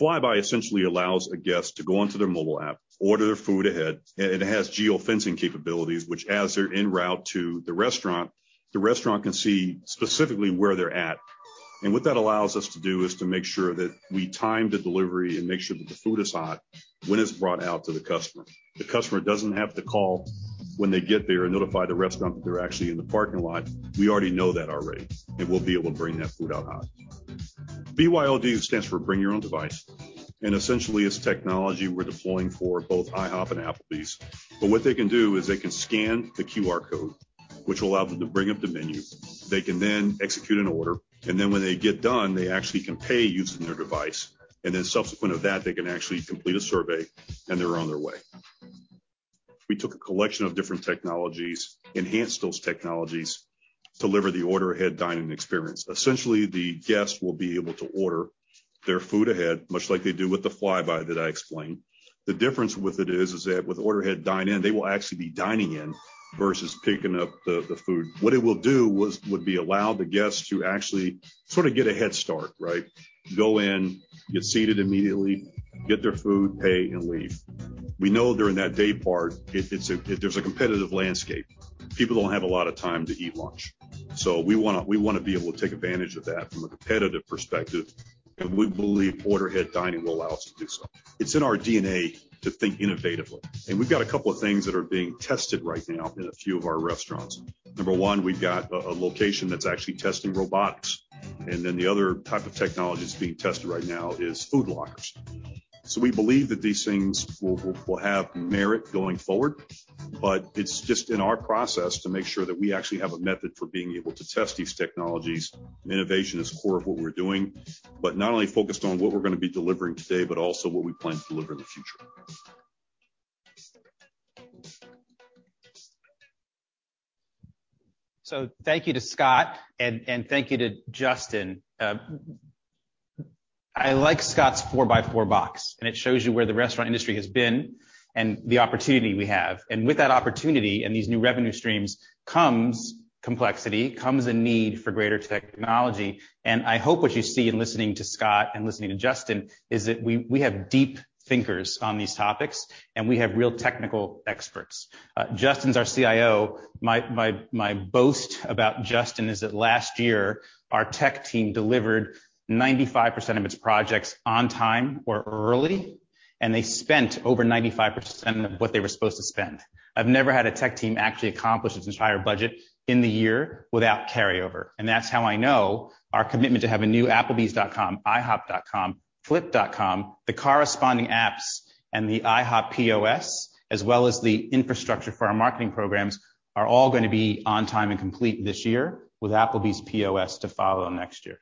Flybuy essentially allows a guest to go onto their mobile app, order their food ahead. It has geofencing capabilities which as they're en route to the restaurant, the restaurant can see specifically where they're at. What that allows us to do is to make sure that we time the delivery and make sure that the food is hot when it's brought out to the customer. The customer doesn't have to call when they get there and notify the restaurant that they're actually in the parking lot. We already know that, and we'll be able to bring that food out hot. BYOD stands for Bring Your Own Device, and essentially it's technology we're deploying for both IHOP and Applebee's. What they can do is they can scan the QR code, which will allow them to bring up the menu. They can then execute an order, and then when they get done, they actually can pay using their device. Then subsequent of that, they can actually complete a survey, and they're on their way. We took a collection of different technologies, enhanced those technologies to deliver the order ahead dining experience. Essentially, the guests will be able to order their food ahead, much like they do with the Flybuy that I explained. The difference with it is that with order ahead dine in, they will actually be dining in versus picking up the food. What it will do would be allow the guests to actually sort of get a head start, right? Go in, get seated immediately, get their food, pay, and leave. We know during that day part, it's a competitive landscape. People don't have a lot of time to eat lunch. We wanna be able to take advantage of that from a competitive perspective, and we believe order ahead dining will allow us to do so. It's in our DNA to think innovatively, and we've got a couple of things that are being tested right now in a few of our restaurants. Number one, we've got a location that's actually testing robotics. Then the other type of technology that's being tested right now is food lockers. We believe that these things will have merit going forward, but it's just in our process to make sure that we actually have a method for being able to test these technologies. Innovation is core of what we're doing, but not only focused on what we're gonna be delivering today, but also what we plan to deliver in the future. Thank you to Scott, and thank you to Justin. I like Scott's 4-by-4 box, and it shows you where the restaurant industry has been and the opportunity we have. With that opportunity and these new revenue streams comes complexity, comes a need for greater technology. I hope what you see in listening to Scott and listening to Justin is that we have deep thinkers on these topics, and we have real technical experts. Justin's our CIO. My boast about Justin is that last year, our tech team delivered 95% of its projects on time or early, and they spent over 95% of what they were supposed to spend. I've never had a tech team actually accomplish its entire budget in the year without carryover. That's how I know our commitment to have a new applebee's.com, ihop.com, flipd.com, the corresponding apps and the IHOP POS, as well as the infrastructure for our marketing programs, are all gonna be on time and complete this year with Applebee's POS to follow next year.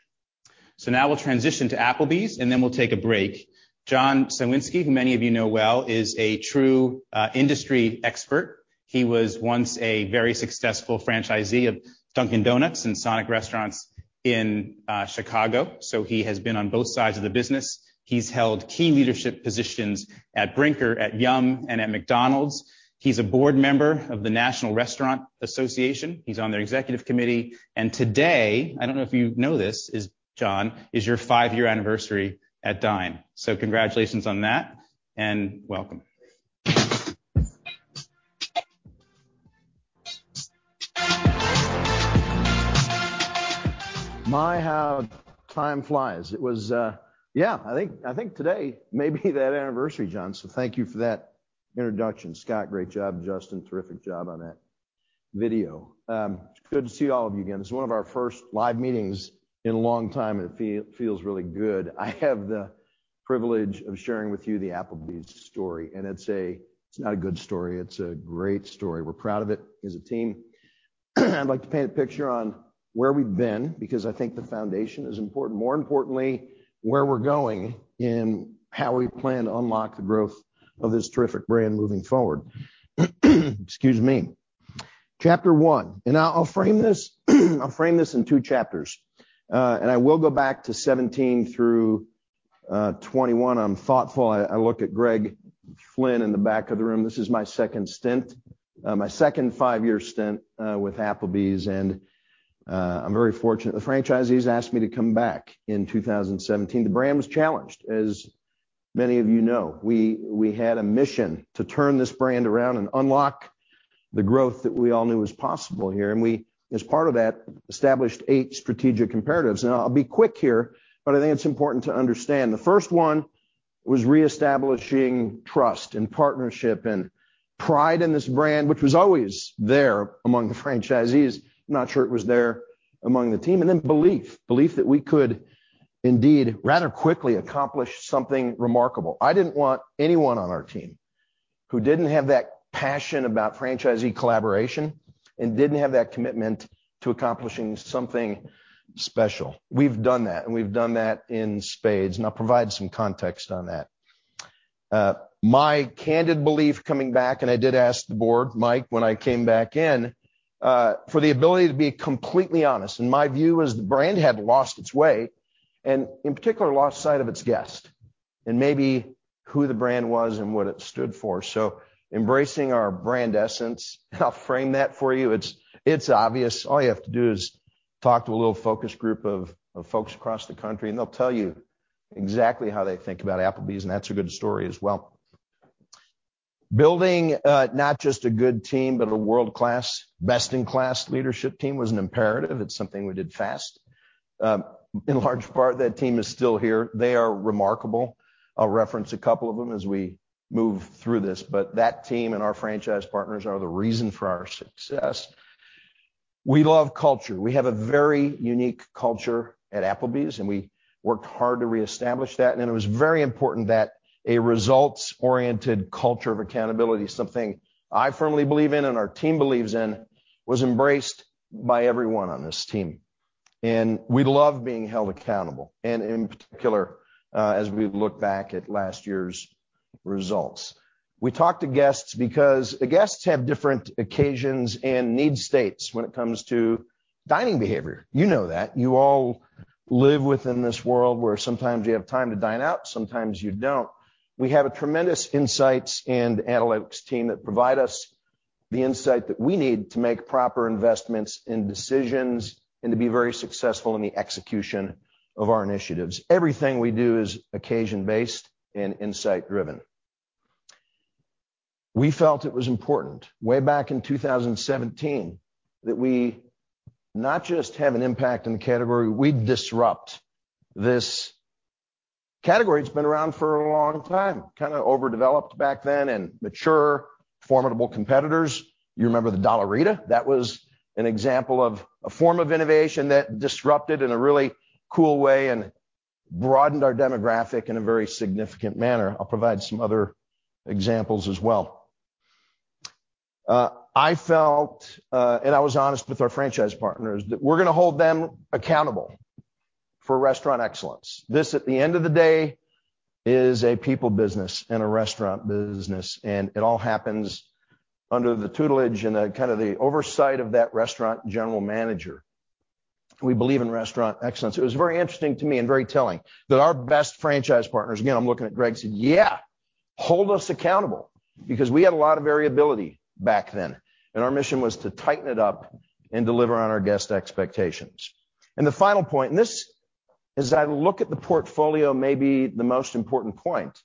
Now we'll transition to Applebee's, and then we'll take a break. John Cywinski, who many of you know well, is a true industry expert. He was once a very successful franchisee of Dunkin' Donuts and SONIC restaurants in Chicago. He has been on both sides of the business. He's held key leadership positions at Brinker, at Yum!, and at McDonald's. He's a board member of the National Restaurant Association. He's on their executive committee. Today, I don't know if you know this, is your five-year anniversary at Dine. Congratulations on that, and welcome. My, how time flies. Yeah, I think today may be that anniversary, John. Thank you for that introduction. Scott, great job. Justin, terrific job on that video. It's good to see all of you again. This is one of our first live meetings in a long time, and it feels really good. I have the privilege of sharing with you the Applebee's story, and it's not a good story, it's a great story. We're proud of it as a team. I'd like to paint a picture on where we've been because I think the foundation is important. More importantly, where we're going and how we plan to unlock the growth of this terrific brand moving forward. Excuse me. Chapter one, and I'll frame this in two chapters. I will go back to 2017 through 2021. I'm thoughtful. I look at Greg Flynn in the back of the room. This is my second stint, my second five-year stint, with Applebee's, and I'm very fortunate. The franchisees asked me to come back in 2017. The brand was challenged, as many of you know. We had a mission to turn this brand around and unlock the growth that we all knew was possible here. We, as part of that, established eight strategic imperatives. Now I'll be quick here, but I think it's important to understand. The first one was reestablishing trust and partnership and pride in this brand, which was always there among the franchisees. Not sure it was there among the team. Then belief that we could indeed rather quickly accomplish something remarkable. I didn't want anyone on our team who didn't have that passion about franchisee collaboration and didn't have that commitment to accomplishing something special. We've done that, and we've done that in spades, and I'll provide some context on that. My candid belief coming back, and I did ask the board, Mike, when I came back in, for the ability to be completely honest, and my view was the brand had lost its way, and in particular, lost sight of its guest and maybe who the brand was and what it stood for. Embracing our brand essence, and I'll frame that for you. It's obvious. All you have to do is talk to a little focus group of folks across the country, and they'll tell you exactly how they think about Applebee's, and that's a good story as well. Building not just a good team, but a world-class, best-in-class leadership team was an imperative. It's something we did fast. In large part, that team is still here. They are remarkable. I'll reference a couple of them as we move through this, but that team and our franchise partners are the reason for our success. We love culture. We have a very unique culture at Applebee's, and we worked hard to reestablish that. It was very important that a results-oriented culture of accountability, something I firmly believe in, and our team believes in, was embraced by everyone on this team. We love being held accountable, and in particular, as we look back at last year's results. We talk to guests because the guests have different occasions and need states when it comes to dining behavior. You know that. You all live within this world where sometimes you have time to dine out, sometimes you don't. We have a tremendous insights and analytics team that provide us the insight that we need to make proper investments and decisions, and to be very successful in the execution of our initiatives. Everything we do is occasion-based and insight-driven. We felt it was important, way back in 2017, that we not just have an impact in the category, we disrupt this category. It's been around for a long time, kinda overdeveloped back then and mature, formidable competitors. You remember the Dollarita? That was an example of a form of innovation that disrupted in a really cool way and broadened our demographic in a very significant manner. I'll provide some other examples as well. I felt, and I was honest with our franchise partners, that we're gonna hold them accountable for restaurant excellence. This, at the end of the day, is a people business and a restaurant business, and it all happens under the tutelage and the kinda oversight of that restaurant general manager. We believe in restaurant excellence. It was very interesting to me and very telling that our best franchise partners, again, I'm looking at Greg, said, "Yeah, hold us accountable." Because we had a lot of variability back then, and our mission was to tighten it up and deliver on our guest expectations. The final point, and this, as I look at the portfolio, may be the most important point.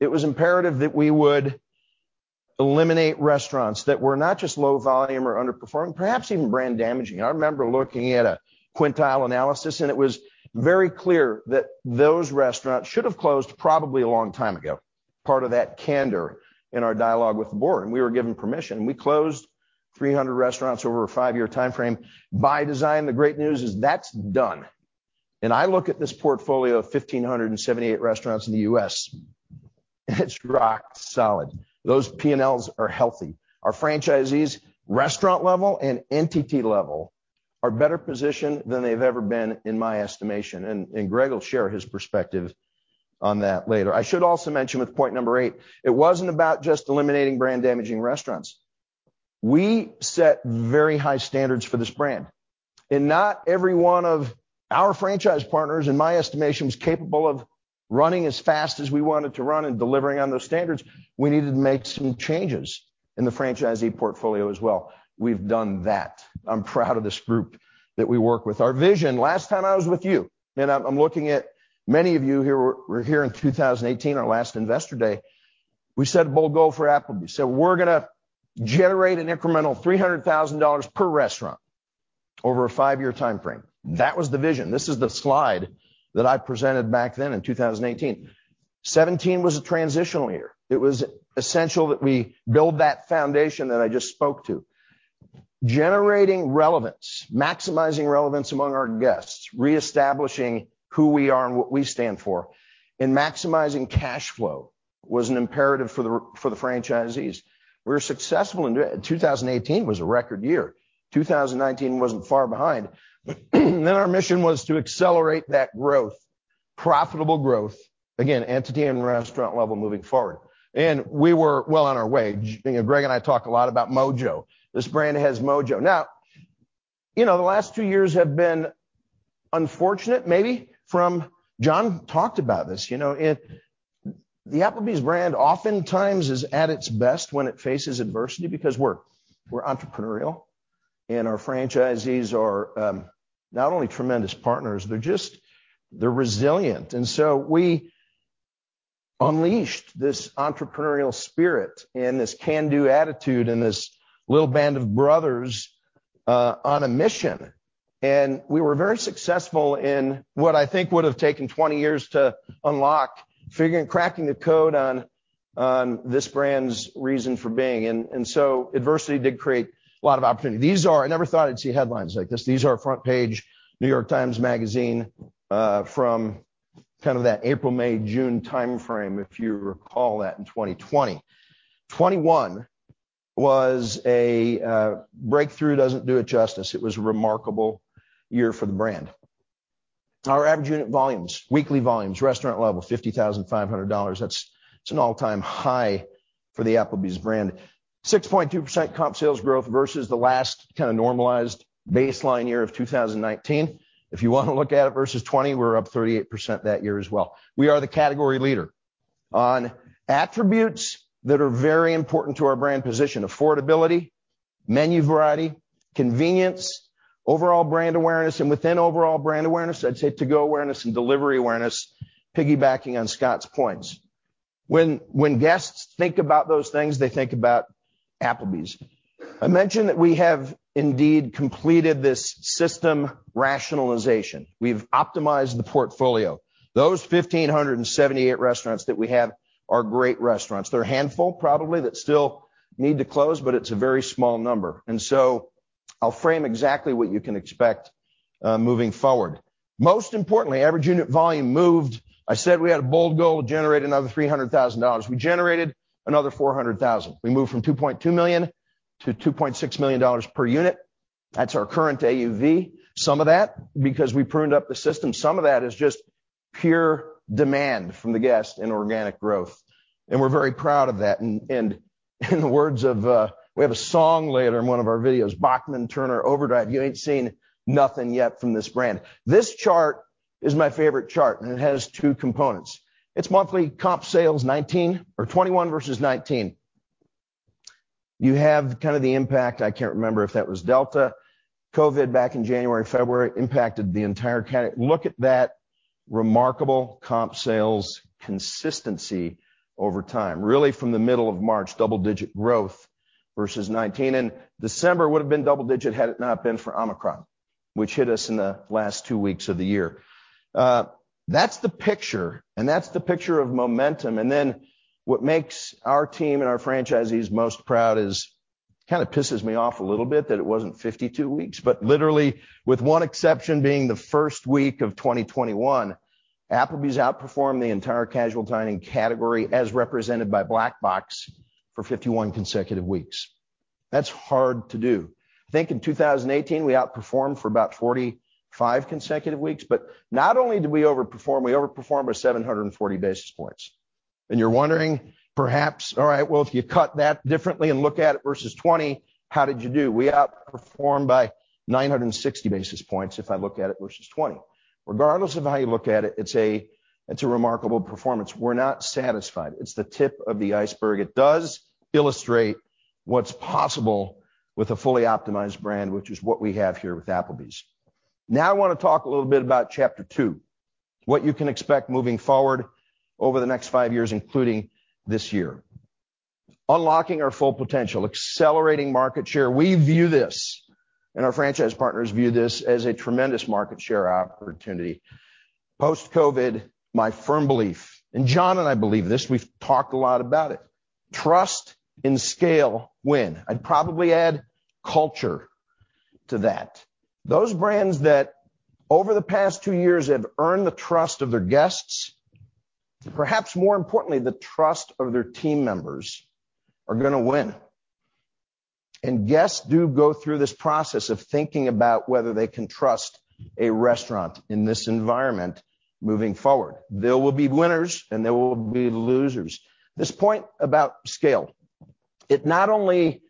It was imperative that we would eliminate restaurants that were not just low volume or underperforming, perhaps even brand damaging. I remember looking at a quintile analysis, and it was very clear that those restaurants should have closed probably a long time ago. Part of that candor in our dialogue with the board, and we were given permission. We closed 300 restaurants over a five-year timeframe. By design, the great news is that's done. I look at this portfolio of 1,578 restaurants in the U.S., it's rock solid. Those P&Ls are healthy. Our franchisees, restaurant level and entity level, are better positioned than they've ever been, in my estimation, and Greg will share his perspective on that later. I should also mention with point number eight, it wasn't about just eliminating brand-damaging restaurants. We set very high standards for this brand, and not every one of our franchise partners, in my estimation, is capable of running as fast as we want it to run and delivering on those standards. We needed to make some changes in the franchisee portfolio as well. We've done that. I'm proud of this group that we work with. Our vision. Last time I was with you, and I'm looking at many of you here were here in 2018, our last Investor Day. We said bold goal for Applebee's. We're gonna generate an incremental $300,000 per restaurant over a five-year timeframe. That was the vision. This is the slide that I presented back then in 2018. 2017 was a transitional year. It was essential that we build that foundation that I just spoke to. Generating relevance, maximizing relevance among our guests, reestablishing who we are and what we stand for, and maximizing cash flow was an imperative for the franchisees. We were successful in doing it. 2018 was a record year. 2019 wasn't far behind. Our mission was to accelerate that growth, profitable growth, again, entity and restaurant level moving forward. We were well on our way. You know, Greg and I talk a lot about mojo. This brand has mojo. Now, you know, the last two years have been unfortunate, maybe. John talked about this. You know, the Applebee's brand oftentimes is at its best when it faces adversity because we're entrepreneurial and our franchisees are not only tremendous partners, they're just resilient. We unleashed this entrepreneurial spirit and this can-do attitude and this little band of brothers on a mission. We were very successful in what I think would have taken 20 years to unlock, figuring, cracking the code on this brand's reason for being. Adversity did create a lot of opportunity. These are. I never thought I'd see headlines like this. These are front page New York Times Magazine from kind of that April-May-June timeframe, if you recall that in 2020. 2021 was a breakthrough doesn't do it justice. It was a remarkable year for the brand. Our average unit volumes, weekly volumes, restaurant level, $50,500. That's an all-time high for the Applebee's brand. 6.2% comp sales growth versus the last kinda normalized baseline year of 2019. If you wanna look at it versus 2020, we're up 38% that year as well. We are the category leader on attributes that are very important to our brand position: affordability, menu variety, convenience, overall brand awareness, and within overall brand awareness, I'd say To-Go awareness and delivery awareness, piggybacking on Scott's points. When guests think about those things, they think about Applebee's. I mentioned that we have indeed completed this system rationalization. We've optimized the portfolio. Those 1,578 restaurants that we have are great restaurants. There are a handful probably that still need to close, but it's a very small number. I'll frame exactly what you can expect moving forward. Most importantly, average unit volume moved. I said we had a bold goal to generate another $300,000. We generated another $400,000. We moved from $2.2 million-$2.6 million per unit. That's our current AUV. Some of that because we pruned up the system. Some of that is just pure demand from the guests in organic growth, and we're very proud of that. In the words of, we have a song later in one of our videos, Bachman-Turner Overdrive, "You ain't seen nothing yet from this brand." This chart is my favorite chart, and it has two components. It's monthly comp sales 2019 or 2021 versus 2019. You have kind of the impact, I can't remember if that was Delta. COVID back in January, February impacted the entire category. Look at that remarkable comp sales consistency over time. Really from the middle of March, double-digit growth versus 2019. December would have been double digit had it not been for Omicron, which hit us in the last two weeks of the year. That's the picture, and that's the picture of momentum. What makes our team and our franchisees most proud is, kind of pisses me off a little bit that it wasn't 52 weeks, but literally, with one exception being the first week of 2021, Applebee's outperformed the entire casual dining category as represented by Black Box for 51 consecutive weeks. That's hard to do. I think in 2018, we outperformed for about 45 consecutive weeks. But not only did we overperform, we overperformed by 740 basis points. You're wondering perhaps, all right, well, if you cut that differently and look at it versus 2020, how did you do? We outperformed by 960 basis points if I look at it versus 20. Regardless of how you look at it's a remarkable performance. We're not satisfied. It's the tip of the iceberg. It does illustrate what's possible with a fully optimized brand, which is what we have here with Applebee's. Now, I want to talk a little bit about chapter two, what you can expect moving forward over the next five years, including this year. Unlocking our full potential, accelerating market share. We view this, and our franchise partners view this, as a tremendous market share opportunity. Post-COVID, my firm belief, and John and I believe this, we've talked a lot about it. Trust and scale win. I'd probably add culture to that. Those brands that over the past two years have earned the trust of their guests, perhaps more importantly, the trust of their team members, are gonna win. Guests do go through this process of thinking about whether they can trust a restaurant in this environment moving forward. There will be winners and there will be losers. This point about scale not only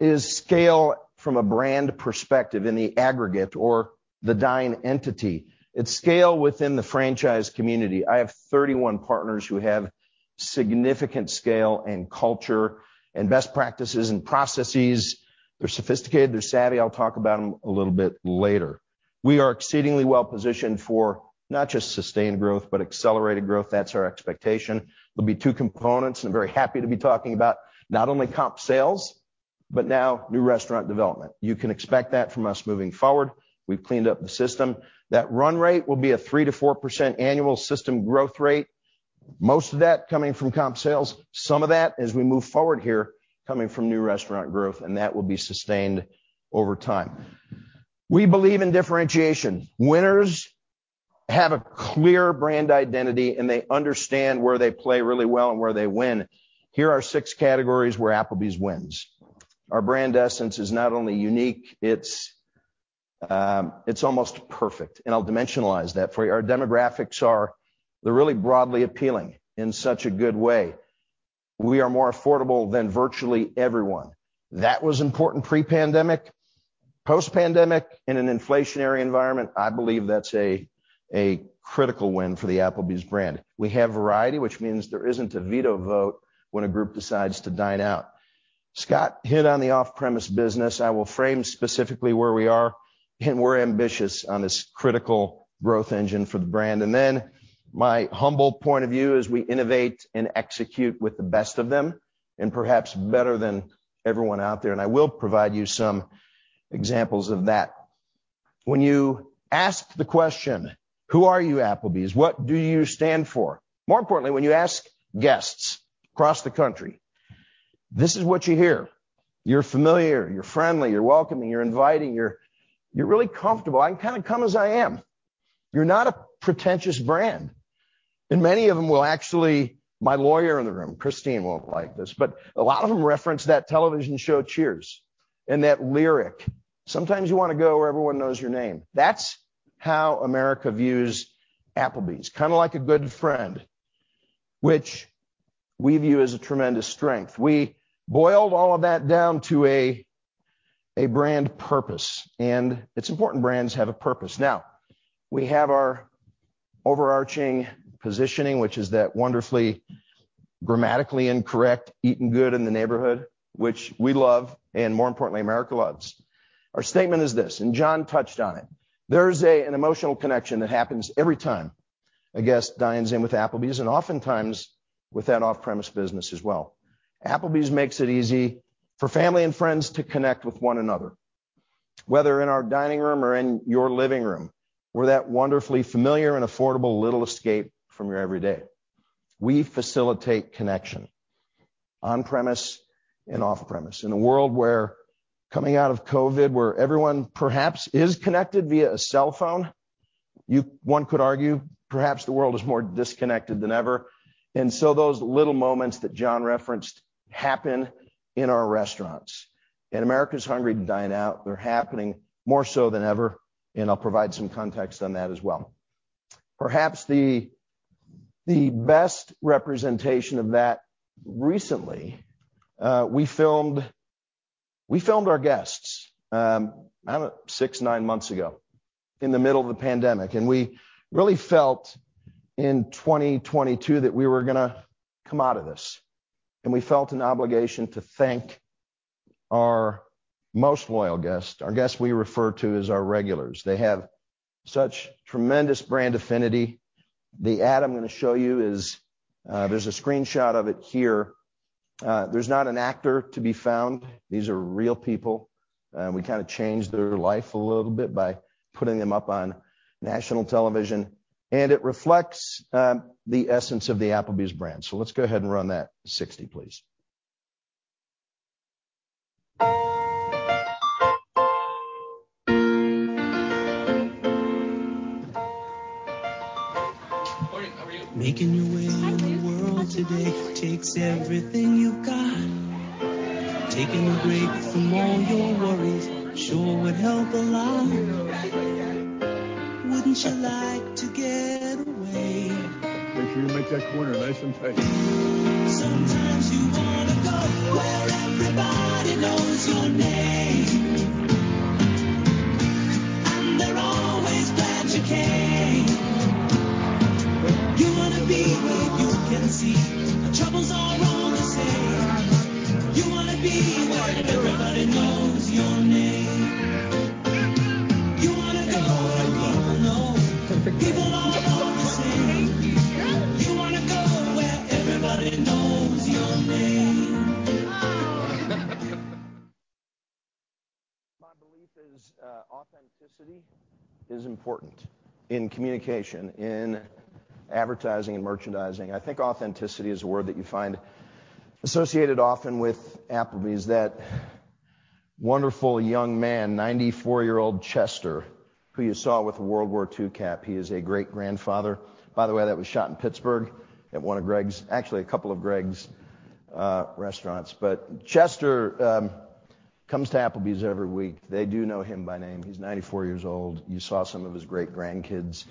is scale from a brand perspective in the aggregate or the Dine entity, it's scale within the franchise community. I have 31 partners who have significant scale and culture and best practices and processes. They're sophisticated, they're savvy. I'll talk about them a little bit later. We are exceedingly well positioned for not just sustained growth, but accelerated growth. That's our expectation. There'll be two components, and I'm very happy to be talking about not only comp sales, but now new restaurant development. You can expect that from us moving forward. We've cleaned up the system. That run rate will be a 3%-4% annual system growth rate. Most of that coming from comp sales. Some of that as we move forward here, coming from new restaurant growth, and that will be sustained over time. We believe in differentiation. Winners have a clear brand identity, and they understand where they play really well and where they win. Here are six categories where Applebee's wins. Our brand essence is not only unique, it's almost perfect, and I'll dimensionalize that for you. Our demographics are they're really broadly appealing in such a good way. We are more affordable than virtually everyone. That was important pre-pandemic. Post-pandemic, in an inflationary environment, I believe that's a critical win for the Applebee's brand. We have variety, which means there isn't a veto vote when a group decides to dine out. Scott hit on the off-premise business. I will frame specifically where we are, and we're ambitious on this critical growth engine for the brand. Then my humble point of view as we innovate and execute with the best of them and perhaps better than everyone out there, and I will provide you some examples of that. When you ask the question: who are you, Applebee's? What do you stand for? More importantly, when you ask guests across the country, this is what you hear. "You're familiar, you're friendly, you're welcoming, you're inviting, you're really comfortable. I can kind of come as I am. You're not a pretentious brand." Many of them will actually... My lawyer in the room, Christine, won't like this, but a lot of them reference that television show Cheers and that lyric, "Sometimes you wanna go where everyone knows your name." That's how America views Applebee's, kind of like a good friend, which we view as a tremendous strength. We boiled all of that down to a brand purpose, and it's important brands have a purpose. Now, we have our overarching positioning, which is that wonderfully grammatically incorrect, eating good in the neighborhood, which we love, and more importantly, America loves. Our statement is this, and John touched on it. There's an emotional connection that happens every time a guest dines in with Applebee's, and oftentimes with that off-premise business as well. Applebee's makes it easy for family and friends to connect with one another, whether in our dining room or in your living room. We're that wonderfully familiar and affordable little escape from your everyday. We facilitate connection on premise and off premise. In a world where coming out of COVID, where everyone perhaps is connected via a cell phone, one could argue perhaps the world is more disconnected than ever. Those little moments that John referenced happen in our restaurants. America's hungry to dine out. They're happening more so than ever, and I'll provide some context on that as well. Perhaps the best representation of that recently, we filmed our guests six to nine months ago in the middle of the pandemic, and we really felt in 2022 that we were gonna come out of this, and we felt an obligation to thank our most loyal guest, our guest we refer to as our regulars. They have such tremendous brand affinity. The ad I'm gonna show you is. There's a screenshot of it here. There's not an actor to be found. We kinda changed their life a little bit by putting them up on national television, and it reflects the essence of the Applebee's brand. Let's go ahead and run that 60, please. Morning. How are you? Making your way in the world today takes everything you've got. Taking a break from all your worries sure would help a lot. Wouldn't you like to get away? Make sure you make that corner nice and tight. Sometimes you wanna go where everybody knows your name, and they're always glad you came. You wanna be where you can see our troubles are all the same. You wanna be where everybody knows your name. You wanna go where people know people are all the same. You wanna go where everybody knows your name. My belief is, authenticity is important in communication, in advertising and merchandising. I think authenticity is a word that you find associated often with Applebee's. That wonderful young man, 94-year-old Chester, who you saw with a World War II cap. He is a great-grandfather. By the way, that was shot in Pittsburgh at one of Greg's. Actually, a couple of Greg's restaurants. Chester comes to Applebee's every week. They do know him by name. He's 94 years old. You saw some of his great-grandkids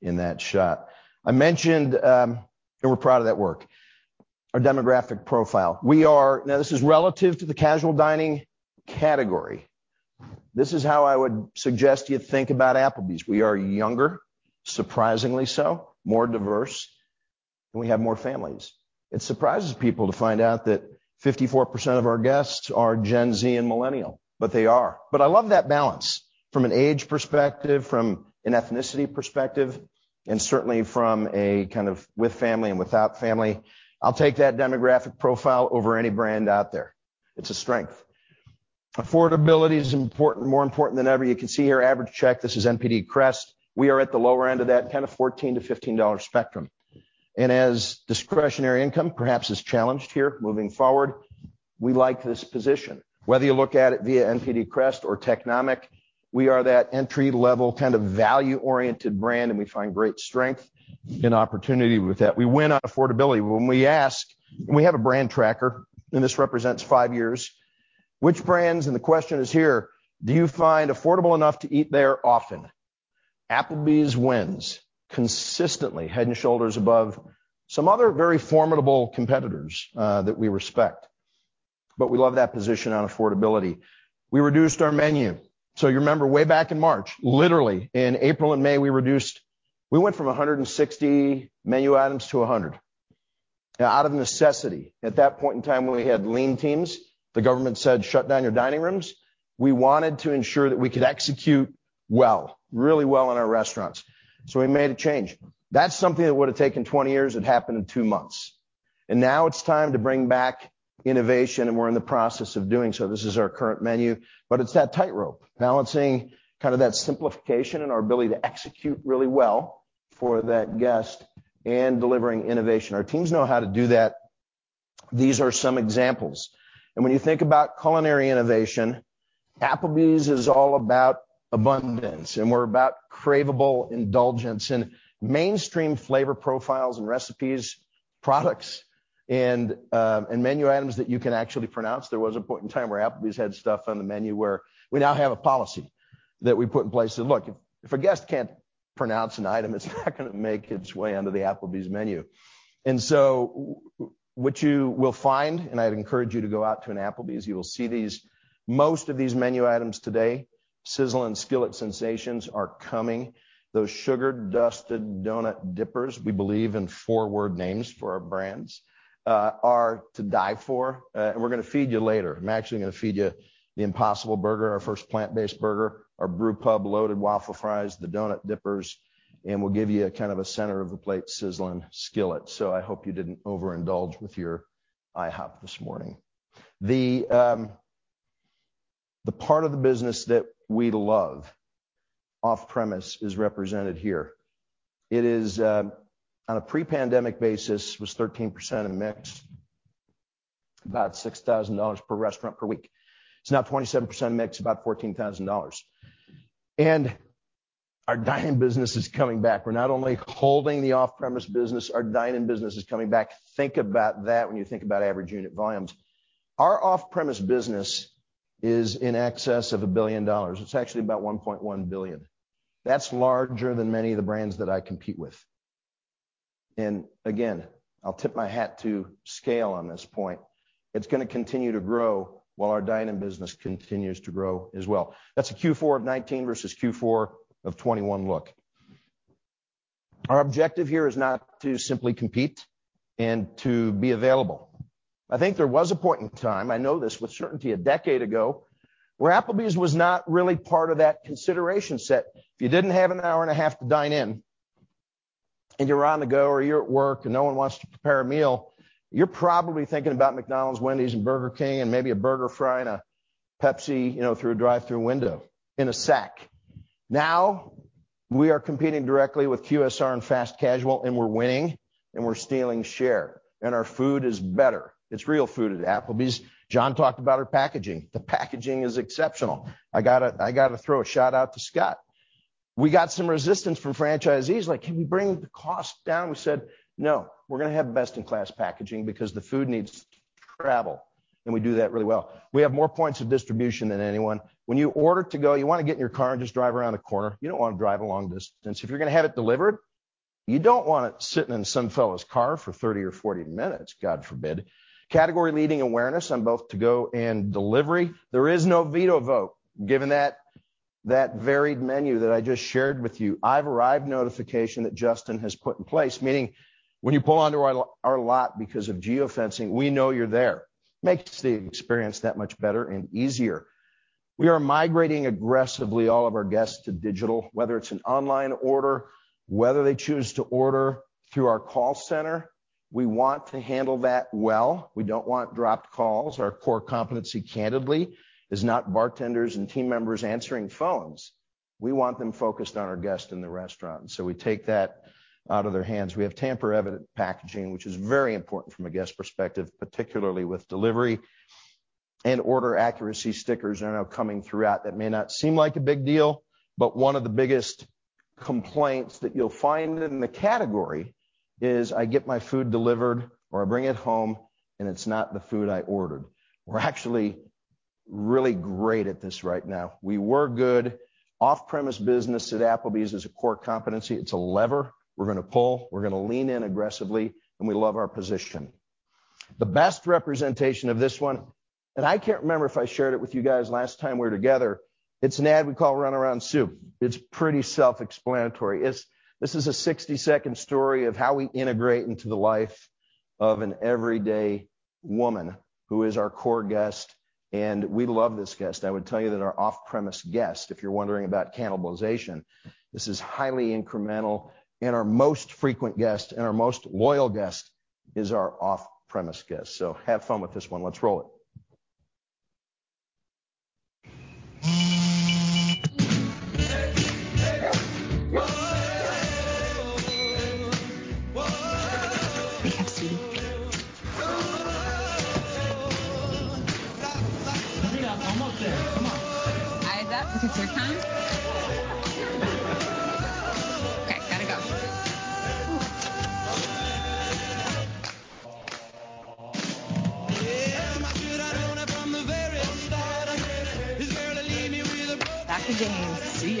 in that shot. I mentioned, and we're proud of that work. Our demographic profile. We are. Now, this is relative to the casual dining category. This is how I would suggest you think about Applebee's. We are younger, surprisingly so, more diverse, and we have more families. It surprises people to find out that 54% of our guests are Gen Z and millennial, but they are. I love that balance from an age perspective, from an ethnicity perspective, and certainly from a kind of with family and without family. I'll take that demographic profile over any brand out there. It's a strength. Affordability is important, more important than ever. You can see here average check. This is NPD CREST. We are at the lower end of that kind of $14-$15 spectrum. As discretionary income perhaps is challenged here moving forward, we like this position. Whether you look at it via NPD CREST or Technomic, we are that entry-level kind of value-oriented brand, and we find great strength and opportunity with that. We win on affordability. When we ask, and we have a brand tracker, and this represents five years, "Which brands," and the question is here, "do you find affordable enough to eat there often?" Applebee's wins consistently, head and shoulders above some other very formidable competitors that we respect, but we love that position on affordability. We reduced our menu. You remember way back in March, literally in April and May, we reduced. We went from 160 menu items to 100 out of necessity. At that point in time, when we had lean teams, the government said, "Shut down your dining rooms." We wanted to ensure that we could execute well, really well in our restaurants, so we made a change. That's something that would have taken 20 years. It happened in two months. Now it's time to bring back innovation, and we're in the process of doing so. This is our current menu, but it's that tightrope balancing kind of that simplification and our ability to execute really well for that guest and delivering innovation. Our teams know how to do that. These are some examples. When you think about culinary innovation, Applebee's is all about abundance, and we're about craveable indulgence and mainstream flavor profiles and recipes, products and menu items that you can actually pronounce. There was a point in time where Applebee's had stuff on the menu where we now have a policy that we put in place to look. If a guest can't pronounce an item, it's not gonna make its way onto the Applebee's menu. What you will find, and I'd encourage you to go out to an Applebee's, you will see these. Most of these menu items today, Sizzlin' Skillet Sensations are coming. Those Sugar-Dusted Donut Dippers, we believe in four-word names for our brands, are to die for. We're gonna feed you later. I'm actually gonna feed you the Impossible Burger, our first plant-based Burger, our Brewpub Loaded Waffle Fries, the Donut Dippers, and we'll give you a kind of a center of the plate Sizzlin' Skillet. I hope you didn't overindulge with your IHOP this morning. The part of the business that we love, off-premise, is represented here. It is on a pre-pandemic basis was 13% of mix, about $6,000 per restaurant per week. It's now 27% mix, about $14,000. Our dine-in business is coming back. We're not only holding the off-premise business, our dine-in business is coming back. Think about that when you think about average unit volumes. Our off-premise business is in excess of $1 billion. It's actually about $1.1 billion. That's larger than many of the brands that I compete with. Again, I'll tip my hat to scale on this point. It's gonna continue to grow while our dine-in business continues to grow as well. That's a Q4 of 2019 versus Q4 of 2021 look. Our objective here is not to simply compete and to be available. I think there was a point in time, I know this with certainty, a decade ago, where Applebee's was not really part of that consideration set. If you didn't have an hour and a half to dine in, and you're on the go, or you're at work, and no one wants to prepare a meal, you're probably thinking about McDonald's, Wendy's, and Burger King, and maybe a Burger, Fry & Pepsi, you know, through a drive-through window in a sack. Now, we are competing directly with QSR and fast casual, and we're winning, and we're stealing share, and our food is better. It's real food at Applebee's. John talked about our packaging. The packaging is exceptional. I gotta throw a shout-out to Scott. We got some resistance from franchisees like, "Can we bring the cost down?" We said, "No, we're gonna have best-in-class packaging because the food needs to travel," and we do that really well. We have more points of distribution than anyone. When you order to go, you wanna get in your car and just drive around the corner. You don't wanna drive a long distance. If you're gonna have it delivered, you don't want it sitting in some fella's car for 30 or 40 minutes, God forbid. Category-leading awareness on both To-Go and delivery. There is no veto vote, given that varied menu that I just shared with you. I've arrived notification that Justin has put in place, meaning when you pull onto our lot because of geofencing, we know you're there. Makes the experience that much better and easier. We are migrating aggressively all of our guests to digital, whether it's an online order, whether they choose to order through our call center. We want to handle that well. We don't want dropped calls. Our core competency, candidly, is not bartenders and team members answering phones. We want them focused on our guests in the restaurant, and so we take that out of their hands. We have tamper-evident packaging, which is very important from a guest perspective, particularly with delivery, and order accuracy stickers are now coming throughout. That may not seem like a big deal, but one of the biggest complaints that you'll find in the category is I get my food delivered, or I bring it home, and it's not the food I ordered. We're actually really great at this right now. We were good. Off-premise business at Applebee's is a core competency. It's a lever we're gonna pull. We're gonna lean in aggressively, and we love our position. The best representation of this one, and I can't remember if I shared it with you guys last time we were together. It's an ad we call Runaround Sue. It's pretty self-explanatory. It's. This is a 60-second story of how we integrate into the life of an everyday woman who is our core guest, and we love this guest. I would tell you that our off-premise guest, if you're wondering about cannibalization, this is highly incremental, and our most frequent guest and our most loyal guest is our off-premise guest. So have fun with this one. Let's roll it.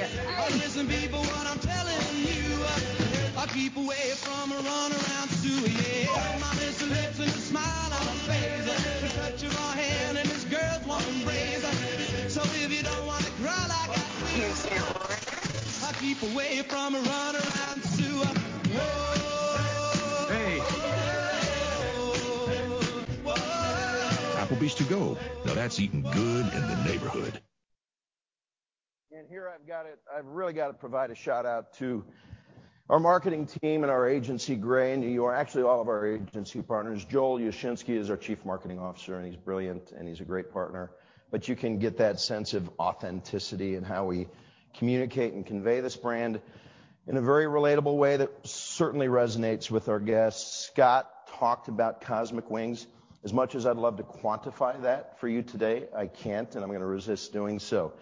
Hurry up. I'm almost there. Come on. I adapt because you're kind? Okay, gotta go. Back again. See ya. Hi. Applebee's To Go. Now that's eating good in the neighborhood. Here I've got it. I've really got to provide a shout-out to our marketing team and our agency Grey in New York. Actually, all of our agency partners. Joel Yashinsky is our Chief Marketing Officer, and he's brilliant, and he's a great partner. You can get that sense of authenticity in how we communicate and convey this brand in a very relatable way that certainly resonates with our guests. Scott talked about Cosmic Wings. As much as I'd love to quantify that for you today, I can't, and I'm gonna resist doing so.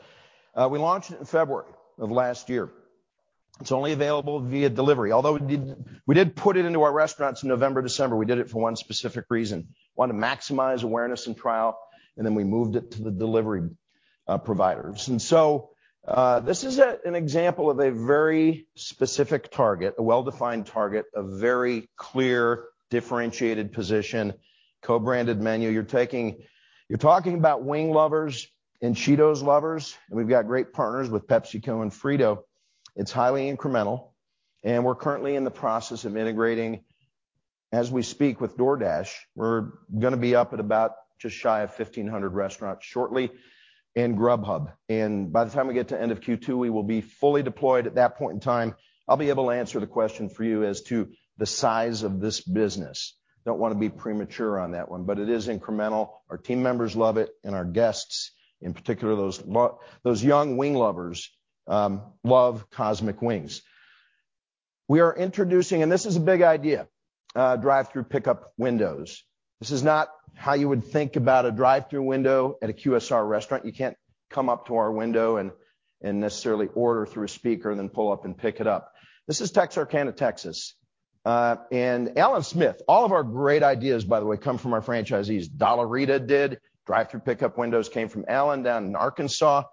We launched it in February of last year. It's only available via delivery, although we did put it into our restaurants in November, December. We did it for one specific reason. wanted to maximize awareness and trial, and then we moved it to the delivery providers. This is an example of a very specific target, a well-defined target, a very clear differentiated position, co-branded menu. You're talking about wing lovers and Cheetos lovers, and we've got great partners with PepsiCo and Frito-Lay. It's highly incremental, and we're currently in the process of integrating as we speak with DoorDash. We're gonna be up at about just shy of 1,500 restaurants shortly in Grubhub. By the time we get to end of Q2, we will be fully deployed. At that point in time, I'll be able to answer the question for you as to the size of this business. Don't wanna be premature on that one, but it is incremental. Our team members love it, and our guests, in particular those young wing lovers, love Cosmic Wings. We are introducing, and this is a big idea, drive-through pickup windows. This is not how you would think about a drive-through window at a QSR restaurant. You can't come up to our window and necessarily order through a speaker, and then pull up and pick it up. This is Texarkana, Texas. Allen Smith. All of our great ideas, by the way, come from our franchisees. Dollarita did. Drive-through pickup windows came from Allen down in Arkansas.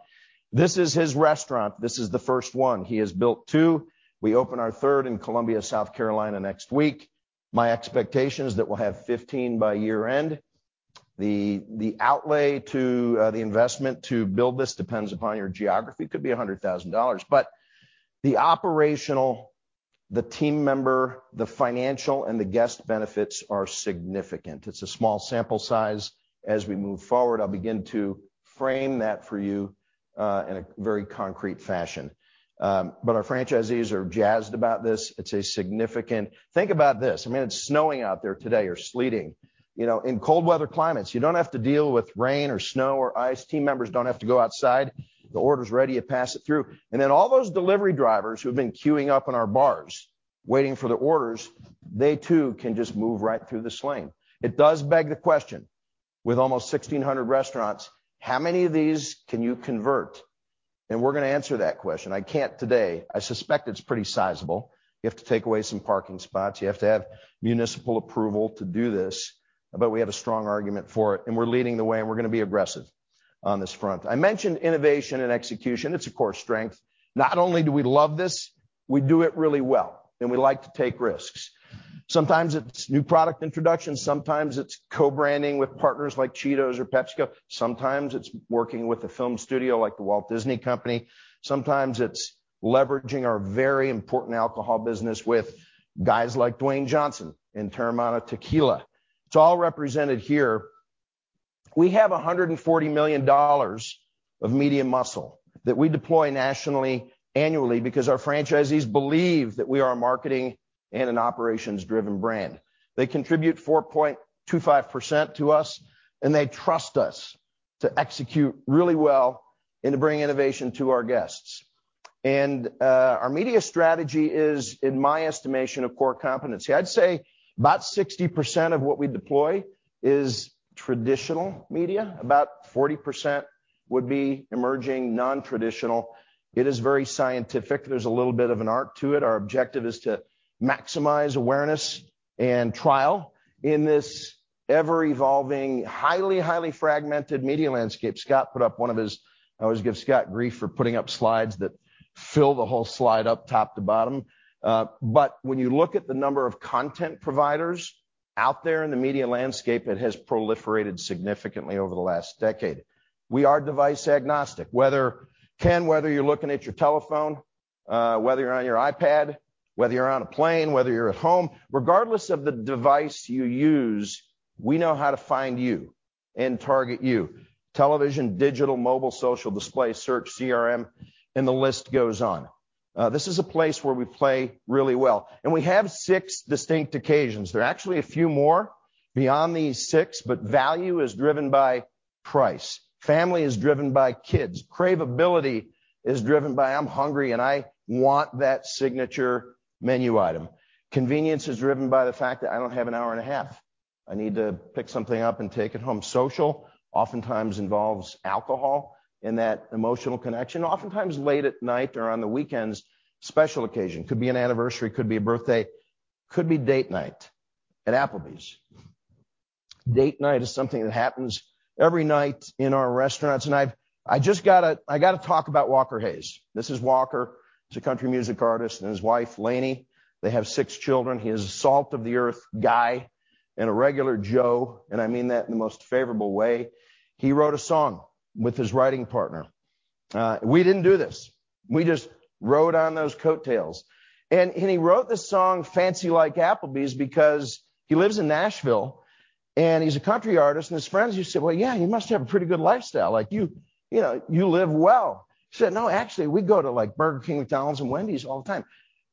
This is his restaurant. This is the first one. He has built two. We open our third in Columbia, South Carolina, next week. My expectation is that we'll have 15 by year-end. The outlay to the investment to build this depends upon your geography. Could be $100,000. The operational, the team member, the financial, and the guest benefits are significant. It's a small sample size. As we move forward, I'll begin to frame that for you in a very concrete fashion. Our franchisees are jazzed about this. It's significant. Think about this. I mean, it's snowing out there today or sleeting. You know, in cold weather climates, you don't have to deal with rain or snow or ice. Team members don't have to go outside. The order's ready, you pass it through. Then all those delivery drivers who've been queuing up in our bars waiting for their orders, they too can just move right through this lane. It does beg the question, with almost 1,600 restaurants, how many of these can you convert? We're gonna answer that question. I can't today. I suspect it's pretty sizable. You have to take away some parking spots. You have to have municipal approval to do this, but we have a strong argument for it, and we're leading the way, and we're gonna be aggressive on this front. I mentioned innovation and execution. It's a core strength. Not only do we love this, we do it really well, and we like to take risks. Sometimes it's new product introduction, sometimes it's co-branding with partners like Cheetos or PepsiCo, sometimes it's working with a film studio like The Walt Disney Company, sometimes it's leveraging our very important alcohol business with guys like Dwayne Johnson and Teremana Tequila. It's all represented here. We have $140 million of media muscle that we deploy nationally, annually because our franchisees believe that we are a marketing and an operations-driven brand. They contribute 4.25% to us, and they trust us to execute really well and to bring innovation to our guests. Our media strategy is, in my estimation, a core competency. I'd say about 60% of what we deploy is traditional media. About 40% would be emerging non-traditional. It is very scientific. There's a little bit of an art to it. Our objective is to maximize awareness and trial in this ever-evolving, highly fragmented media landscape. Scott put up one of his. I always give Scott grief for putting up slides that fill the whole slide from top to bottom. When you look at the number of content providers out there in the media landscape, it has proliferated significantly over the last decade. We are device agnostic. Whether, Ken, whether you're looking at your telephone, whether you're on your iPad, whether you're on a plane, whether you're at home, regardless of the device you use, we know how to find you and target you. Television, digital, mobile, social, display, search, CRM, and the list goes on. This is a place where we play really well. We have six distinct occasions. There are actually a few more beyond these six, but value is driven by price. Family is driven by kids. Cravability is driven by, "I'm hungry, and I want that signature menu item." Convenience is driven by the fact that I don't have an hour and a half. I need to pick something up and take it home. Social oftentimes involves alcohol and that emotional connection, oftentimes late at night or on the weekends, special occasion. Could be an anniversary, could be a birthday, could be date night at Applebee's. Date night is something that happens every night in our restaurants. I've just gotta talk about Walker Hayes. This is Walker. He's a country music artist, and his wife Laney. They have six children. He is a salt of the earth guy and a regular Joe, and I mean that in the most favorable way. He wrote a song with his writing partner. We didn't do this. We just rode on those coattails. He wrote this song Fancy Like Applebee's, because he lives in Nashville, and he's a country artist, and his friends used to say, "Well, yeah, you must have a pretty good lifestyle. Like you know, you live well." He said, "No, actually, we go to like Burger King, McDonald's, and Wendy's all the time.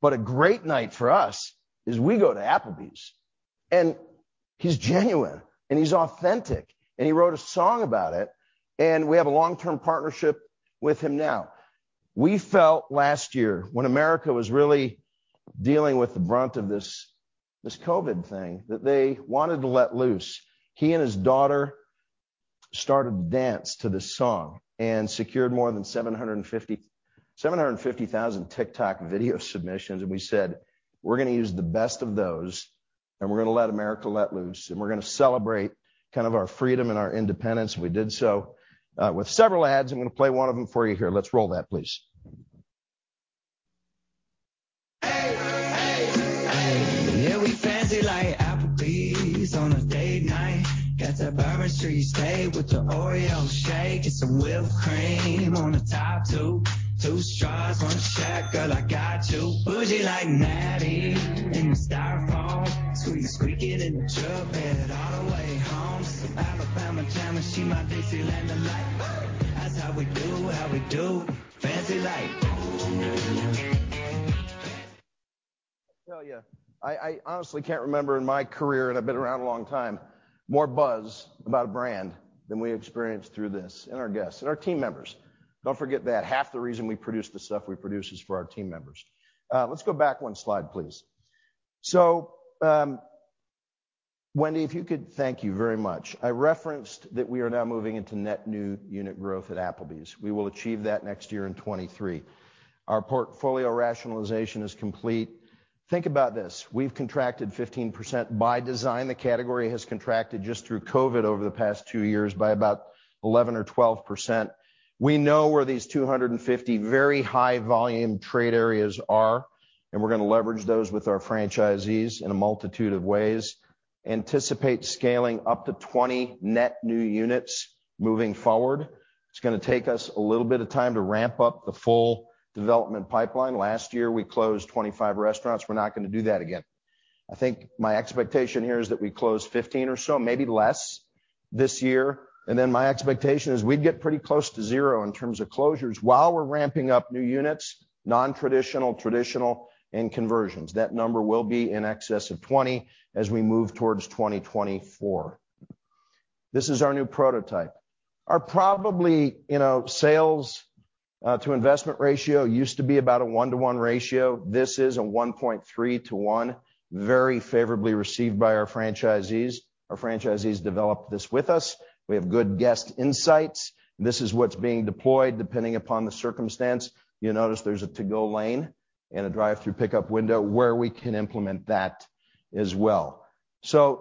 A great night for us is we go to Applebee's." He's genuine, and he's authentic, and he wrote a song about it, and we have a long-term partnership with him now. We felt last year when America was really dealing with the brunt of this COVID thing that they wanted to let loose. He and his daughter started to dance to this song and secured more than 750,000 TikTok video submissions, and we said, "We're gonna use the best of those. And we're gonna let America let loose, and we're gonna celebrate kind of our freedom and our independence." We did so with several ads. I'm gonna play one of them for you here. Let's roll that, please. Hey, hey. Yeah, we fancy like Applebee's on a date night. Got that Bourbon Street Steak with the OREO shake. Get some whipped cream on the top too. Two straws, one check. Girl, I got you. Bougie like Natty in the Styrofoam. Squeak, squeakin' in the truck bed all the way home. Alabama, Chanel, she's my Disneyland delight. That's how we do, how we do. Fancy like. I tell you, I honestly can't remember in my career, and I've been around a long time, more buzz about a brand than we experienced through this and our guests and our team members. Don't forget that half the reason we produce the stuff we produce is for our team members. Let's go back one slide, please. Wendy, if you could. Thank you very much. I referenced that we are now moving into net new unit growth at Applebee's. We will achieve that next year in 2023. Our portfolio rationalization is complete. Think about this, we've contracted 15% by design. The category has contracted just through COVID over the past two years by about 11% or 12%. We know where these 250 very high volume trade areas are, and we're gonna leverage those with our franchisees in a multitude of ways. anticipate scaling up to 20 net new units moving forward. It's gonna take us a little bit of time to ramp up the full development pipeline. Last year, we closed 25 restaurants. We're not gonna do that again. I think my expectation here is that we close 15 or so, maybe less this year, and then my expectation is we'd get pretty close to zero in terms of closures while we're ramping up new units, non-traditional, traditional, and conversions. That number will be in excess of 20 as we move towards 2024. This is our new prototype. Our prototype, you know, sales to investment ratio used to be about a 1 to 1 ratio. This is a 1.3 to 1. Very favorably received by our franchisees. Our franchisees developed this with us. We have good guest insights. This is what's being deployed depending upon the circumstance. You'll notice there's a To-Go lane and a drive-thru pickup window where we can implement that as well.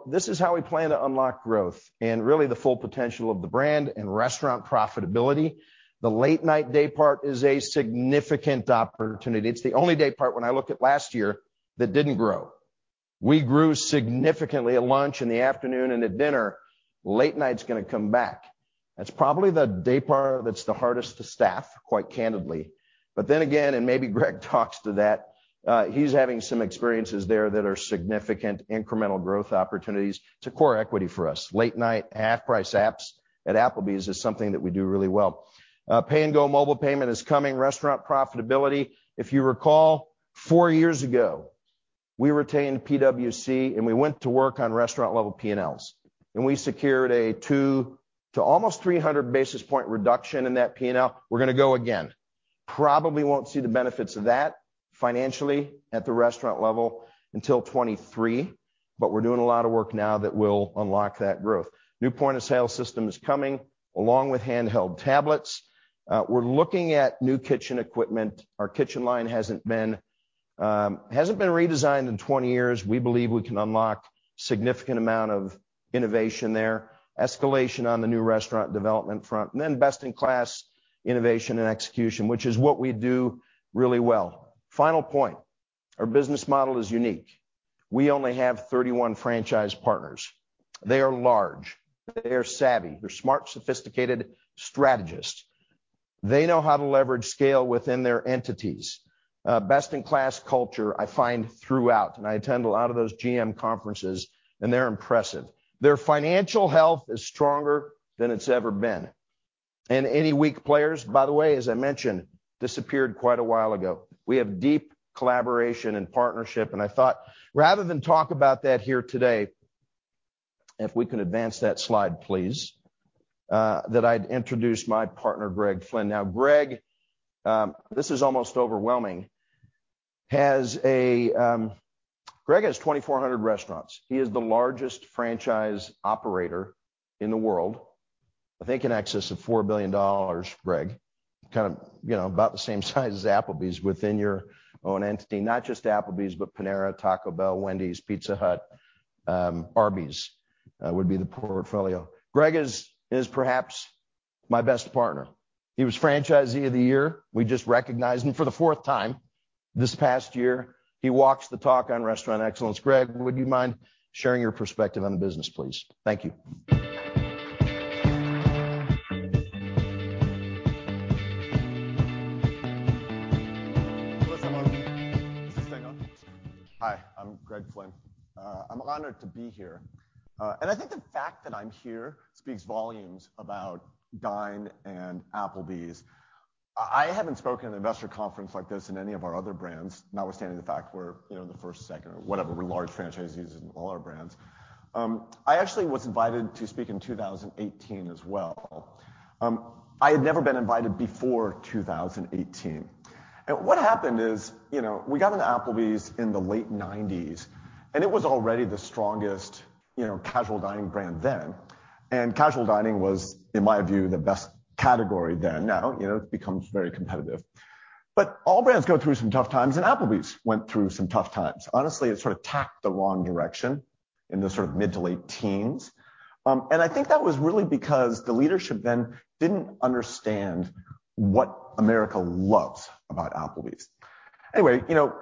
This is how we plan to unlock growth and really the full potential of the brand and restaurant profitability. The late night day part is a significant opportunity. It's the only day part when I look at last year that didn't grow. We grew significantly at lunch, in the afternoon, and at dinner. Late night's gonna come back. That's probably the day part that's the hardest to staff, quite candidly. Then again, and maybe Greg talks to that, he's having some experiences there that are significant incremental growth opportunities to core equity for us. Late night, half-price apps at Applebee's is something that we do really well. Pay and go mobile payment is coming. Restaurant profitability. If you recall, four years ago, we retained PwC, and we went to work on restaurant-level P&Ls. We secured a 200 to almost 300 basis-point reduction in that P&L. We're gonna go again. Probably won't see the benefits of that financially at the restaurant level until 2023, but we're doing a lot of work now that will unlock that growth. New point of sale system is coming along with handheld tablets. We're looking at new kitchen equipment. Our kitchen line hasn't been redesigned in 20 years. We believe we can unlock significant amount of innovation there. Escalation on the new restaurant development front, and then best in class innovation and execution, which is what we do really well. Final point, our business model is unique. We only have 31 franchise partners. They are large. They are savvy. They're smart, sophisticated strategists. They know how to leverage scale within their entities. Best-in-class culture I find throughout, and I attend a lot of those GM conferences, and they're impressive. Their financial health is stronger than it's ever been. Any weak players, by the way, as I mentioned, disappeared quite a while ago. We have deep collaboration and partnership, and I thought rather than talk about that here today, if we can advance that slide, please, that I'd introduce my partner, Greg Flynn. Now Greg, this is almost overwhelming. Greg has 2,400 restaurants. He is the largest franchise operator in the world. I think in excess of $4 billion, Greg. Kind of, you know, about the same size as Applebee's within your own entity. Not just Applebee's, but Panera, Taco Bell, Wendy's, Pizza Hut, Arby's would be the portfolio. Greg is perhaps my best partner. He was Franchisee of the Year. We just recognized him for the fourth time this past year. He walks the talk on restaurant excellence. Greg, would you mind sharing your perspective on the business, please? Thank you. Is this on? Is this thing on? Hi, I'm Greg Flynn. I'm honored to be here. I think the fact that I'm here speaks volumes about Dine and Applebee's. I haven't spoken at an investor conference like this in any of our other brands, notwithstanding the fact we're, you know, the first, second, or whatever, we're large franchisees in all our brands. I actually was invited to speak in 2018 as well. I had never been invited before 2018. What happened is, you know, we got into Applebee's in the late 1990s, and it was already the strongest, you know, casual dining brand then. Casual dining was, in my view, the best category then. Now, you know, it's become very competitive. All brands go through some tough times, and Applebee's went through some tough times. Honestly, it sort of tapped the wrong direction in the sort of mid to late teens. I think that was really because the leadership then didn't understand what America loves about Applebee's. Anyway, you know,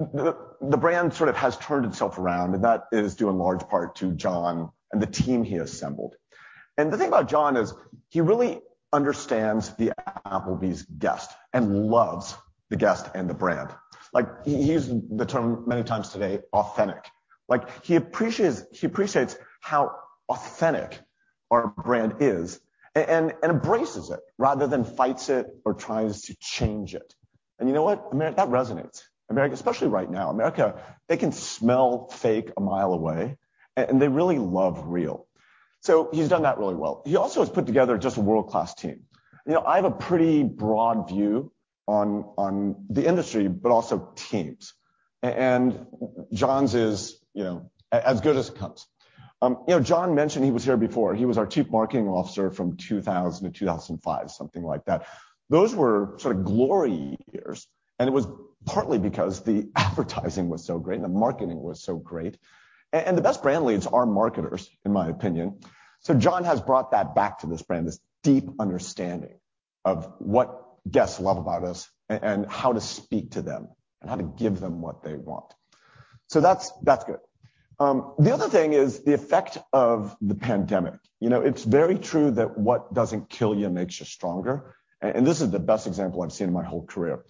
the brand sort of has turned itself around, and that is due in large part to John and the team he assembled. The thing about John is he really understands the Applebee's guest and loves the guest and the brand. Like, he used the term many times today, authentic. Like, he appreciates how authentic our brand is and embraces it rather than fights it or tries to change it. You know what? That resonates. America, especially right now, America, they can smell fake a mile away, and they really love real. He's done that really well. He also has put together just a world-class team. You know, I have a pretty broad view on the industry, but also teams. John's is, you know, as good as it comes. You know, John mentioned he was here before. He was our Chief Marketing Officer from 2000 to 2005, something like that. Those were sort of glory years, and it was partly because the advertising was so great and the marketing was so great. The best brand leads are marketers, in my opinion. So John has brought that back to this brand, this deep understanding of what guests love about us and how to speak to them and how to give them what they want. So that's good. The other thing is the effect of the pandemic. You know, it's very true that what doesn't kill you makes you stronger. This is the best example I've seen in my whole career.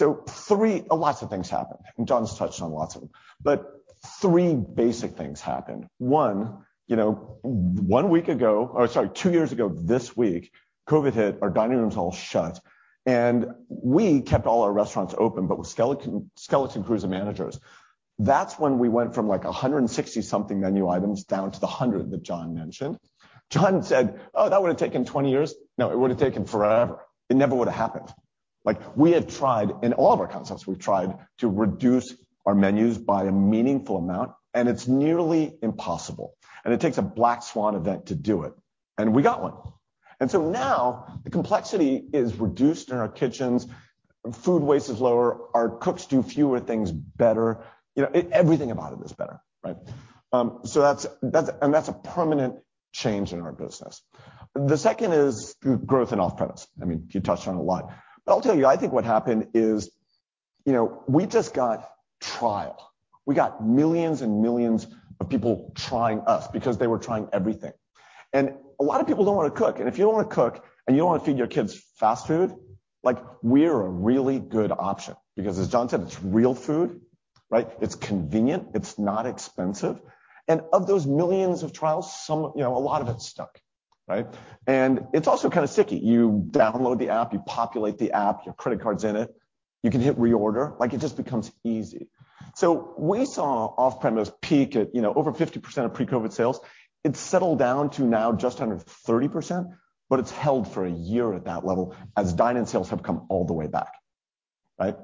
Lots of things happened, and John's touched on lots of them, but three basic things happened. One, you know, one week ago or, sorry, two years ago this week, COVID hit. Our dining rooms all shut, and we kept all our restaurants open, but with skeleton crews and managers. That's when we went from like 160-something menu items down to the 100 that John mentioned. John said, "Oh, that would've taken 20 years." No, it would've taken forever. It never would've happened. Like, we have tried, in all of our concepts, we've tried to reduce our menus by a meaningful amount, and it's nearly impossible, and it takes a black swan event to do it. We got one. Now the complexity is reduced in our kitchens. Food waste is lower. Our cooks do fewer things better. You know, everything about it is better, right? That's a permanent change in our business. The second is growth in off-premise. I mean, you touched on it a lot. I'll tell you, I think what happened is, you know, we just got trial. We got millions and millions of people trying us because they were trying everything. A lot of people don't want to cook. If you don't want to cook, and you don't want to feed your kids fast food, like, we're a really good option because as John said, it's real food, right? It's convenient, it's not expensive. Of those millions of trials, some of you know, a lot of it stuck, right? It's also kind of sticky. You download the app, you populate the app, your credit card's in it, you can hit reorder. Like, it just becomes easy. We saw off-premise peak at, you know, over 50% of pre-COVID sales. It settled down to now just under 30%, but it's held for a year at that level as dine-in sales have come all the way back, right?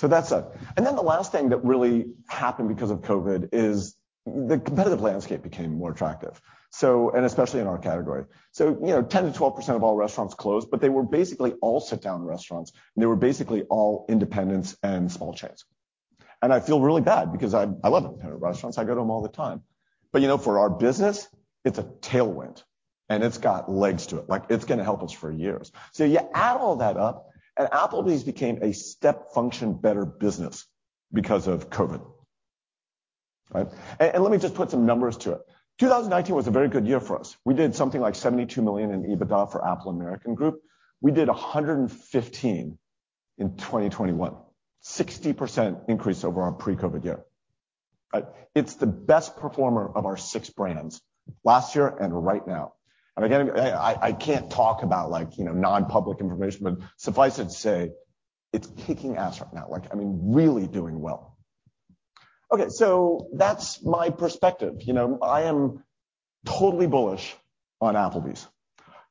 That's it. The last thing that really happened because of COVID is the competitive landscape became more attractive. Especially in our category. You know, 10%-12% of all restaurants closed, but they were basically all sit-down restaurants, and they were basically all independents and small chains. I feel really bad because I love independent restaurants. I go to them all the time. You know, for our business, it's a tailwind, and it's got legs to it, like it's gonna help us for years. You add all that up, and Applebee's became a step function better business because of COVID, right? Let me just put some numbers to it. 2019 was a very good year for us. We did something like $72 million in EBITDA for Apple American Group. We did $115 million in 2021. 60% increase over our pre-COVID year, right? It's the best performer of our six brands last year and right now. I can't talk about like, you know, non-public information, but suffice it to say it's kicking ass right now. Like, I mean, really doing well. Okay, that's my perspective. You know, I am totally bullish on Applebee's,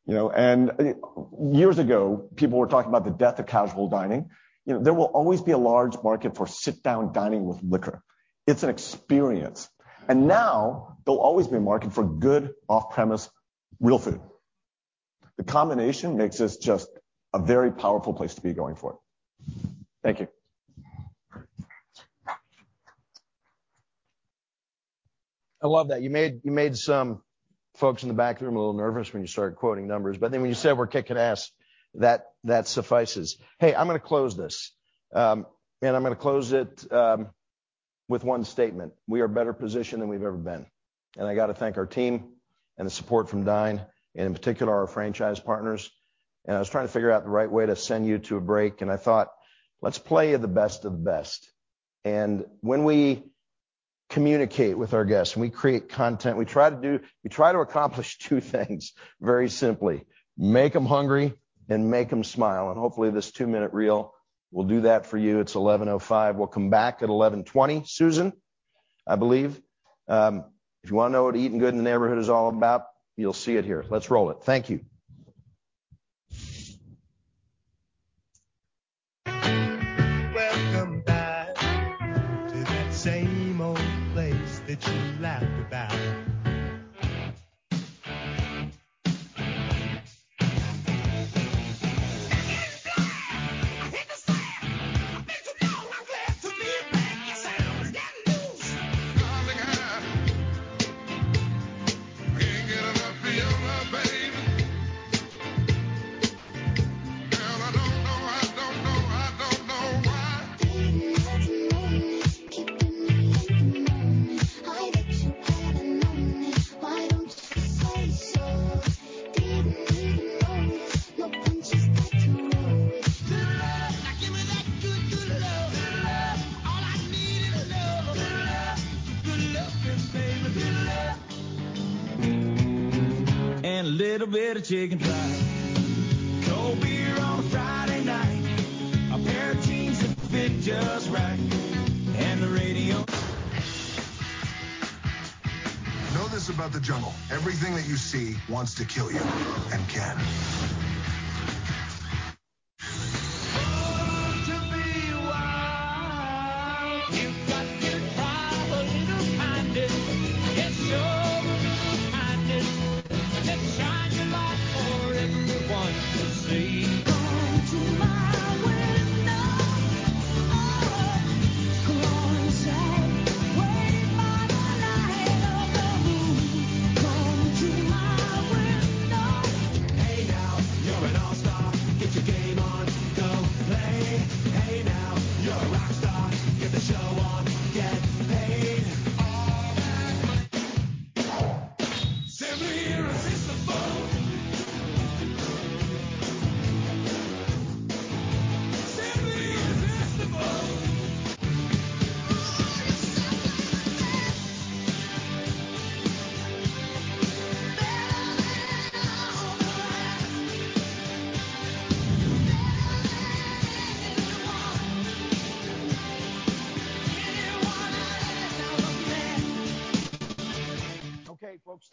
you know. Years ago, people were talking about the death of casual dining. You know, there will always be a large market for sit-down dining with liquor. It's an experience. Now there'll always be a market for good off-premise real food. The combination makes this just a very powerful place to be going forward. Thank you. I love that. You made some folks in the back room a little nervous when you started quoting numbers, but then when you said, "We're kicking ass," that suffices. Hey, I'm gonna close this, and I'm gonna close it with one statement. We are better positioned than we've ever been. I got to thank our team and the support from Dine, and in particular our franchise partners. I was trying to figure out the right way to send you to a break, and I thought, "Let's play you the best of the best." When we communicate with our guests, when we create content, we try to accomplish two things very simply, make them hungry and make them smile. Hopefully, this two-minute reel will do that for you. It's 11:05. We'll come back at 11:20. Susan, I believe. If you wanna know what eating good in the neighborhood is all about, you'll see it here. Let's roll it. Thank you. Okay, folks,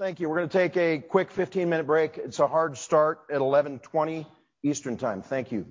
thank you. We're gonna take a quick 15-minute break. It's a hard start at 11:20 Eastern Time. Thank you.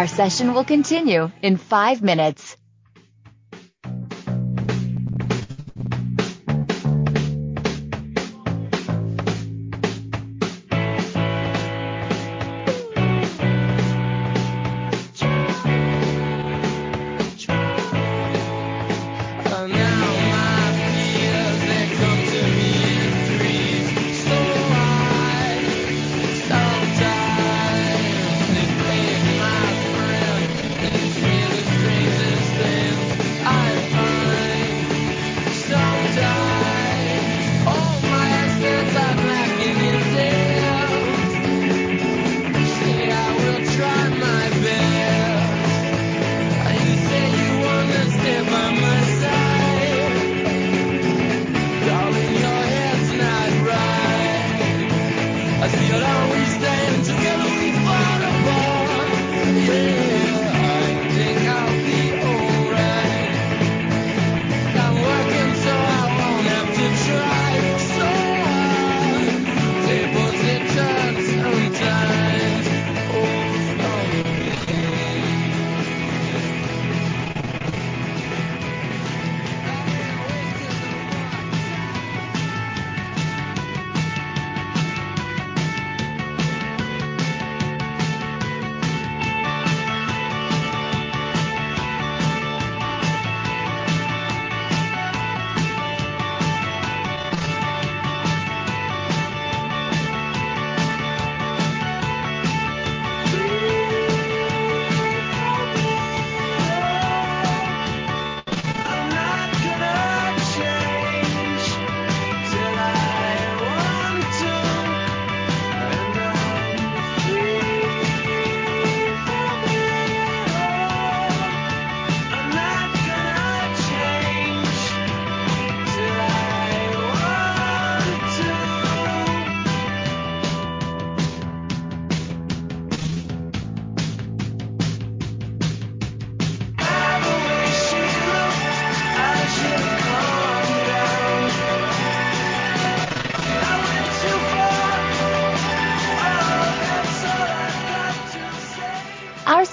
Our session will continue in five minutes.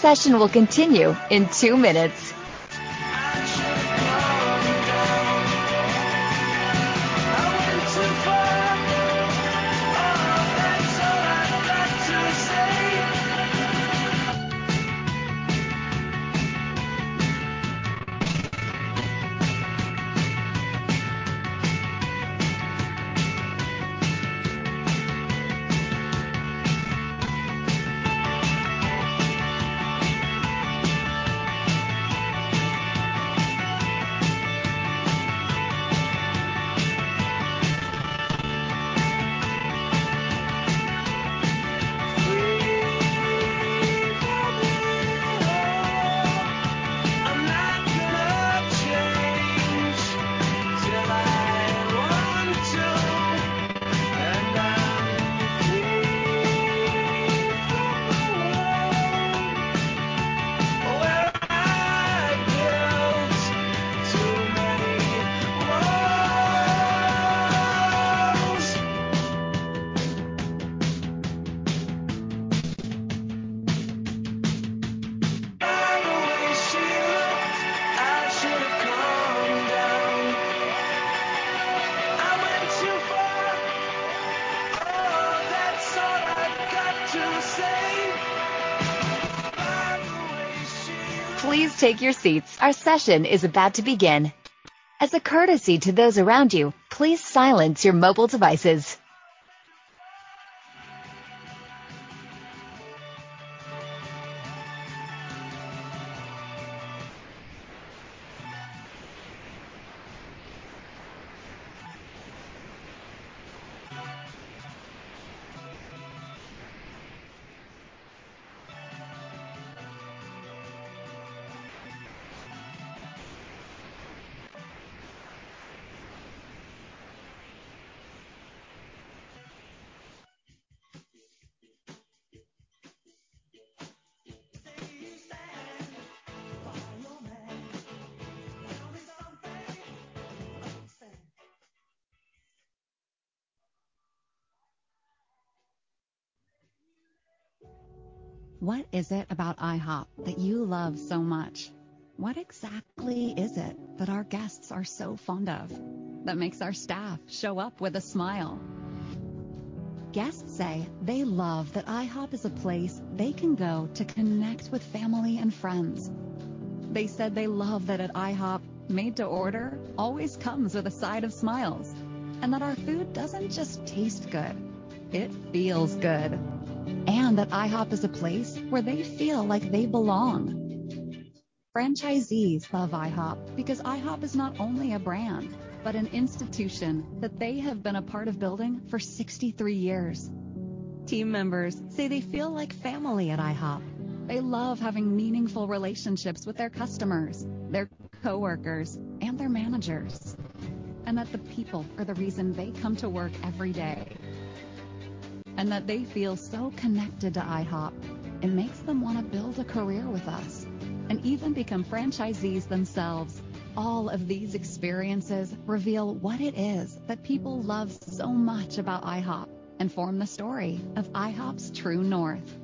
Our session will continue in two minutes. Please take your seats. Our session is about to begin. As a courtesy to those around you, please silence your mobile devices. What is it about IHOP that you love so much? What exactly is it that our guests are so fond of that makes our staff show up with a smile? Guests say they love that IHOP is a place they can go to connect with family and friends. They said they love that at IHOP, made to order always comes with a side of smiles, and that our food doesn't just taste good, it feels good. That IHOP is a place where they feel like they belong. Franchisees love IHOP because IHOP is not only a brand, but an institution that they have been a part of building for 63 years. Team members say they feel like family at IHOP. They love having meaningful relationships with their customers, their coworkers, and their managers. That the people are the reason they come to work every day. That they feel so connected to IHOP, it makes them wanna build a career with us and even become franchisees themselves. All of these experiences reveal what it is that people love so much about IHOP and form the story of IHOP's True North.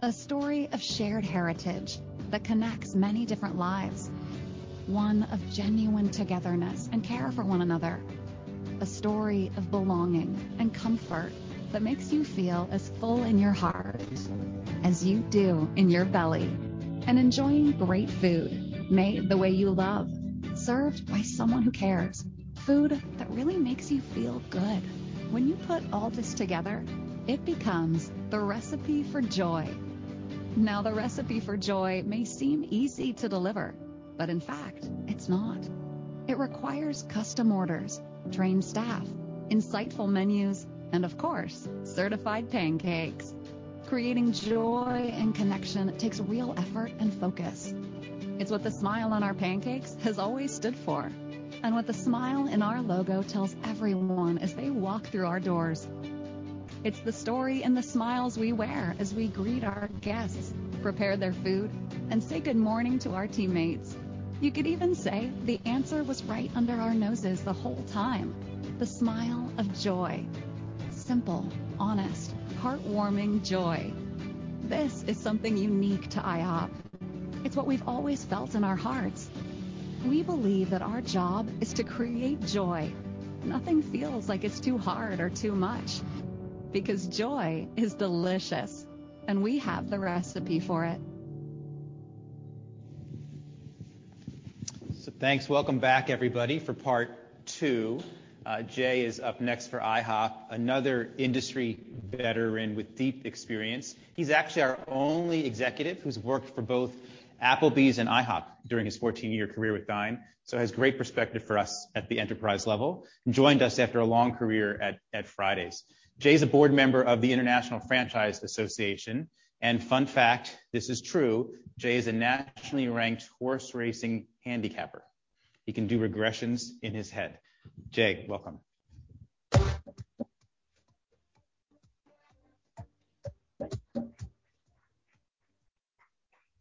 A story of shared heritage that connects many different lives. One of genuine togetherness and care for one another. A story of belonging and comfort that makes you feel as full in your heart as you do in your belly. Enjoying great food made the way you love, served by someone who cares. Food that really makes you feel good. When you put all this together, it becomes the recipe for joy. Now, the recipe for joy may seem easy to deliver, but in fact it's not. It requires custom orders, trained staff, insightful menus, and of course, certified Pancakes. Creating joy and connection takes real effort and focus. It's what the smile on our Pancakes has always stood for, and what the smile in our logo tells everyone as they walk through our doors. It's the story and the smiles we wear as we greet our guests, prepare their food, and say good morning to our teammates. You could even say the answer was right under our noses the whole time. The smile of joy. Simple, honest, heartwarming joy. This is something unique to IHOP. It's what we've always felt in our hearts. We believe that our job is to create joy. Nothing feels like it's too hard or too much, because joy is delicious, and we have the recipe for it. Thanks. Welcome back, everybody, for part two. Jay is up next for IHOP, another industry veteran with deep experience. He's actually our only executive who's worked for both Applebee's and IHOP during his 14-year career with Dine has great perspective for us at the enterprise level, and joined us after a long career at Fridays. Jay is a board member of the International Franchise Association. Fun fact, this is true, Jay is a nationally ranked horse racing handicapper. He can do regressions in his head. Jay, welcome. It's a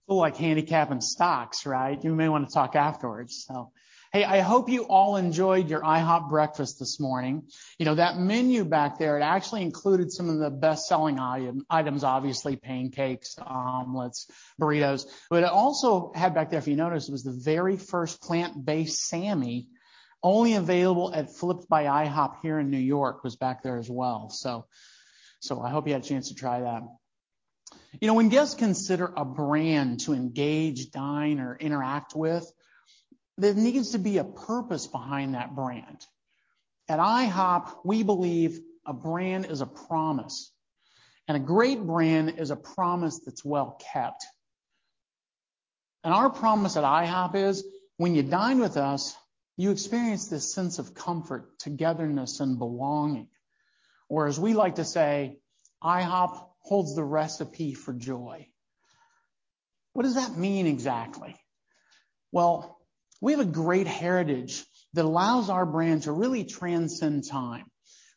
little like handicapping stocks, right? You may want to talk afterwards. Hey, I hope you all enjoyed your IHOP breakfast this morning. You know, that menu back there, it actually included some of the best-selling items, obviously Pancakes, Omelets, Burritos. It also had back there, if you noticed, it was the very first plant-based Sammie only available at flip'd by IHOP here in New York, was back there as well. I hope you had a chance to try that. You know, when guests consider a brand to engage, dine, or interact with, there needs to be a purpose behind that brand. At IHOP, we believe a brand is a promise. A great brand is a promise that's well kept. Our promise at IHOP is when you dine with us, you experience this sense of comfort, togetherness, and belonging. Or as we like to say, "IHOP holds the recipe for joy." What does that mean exactly? Well, we have a great heritage that allows our brand to really transcend time.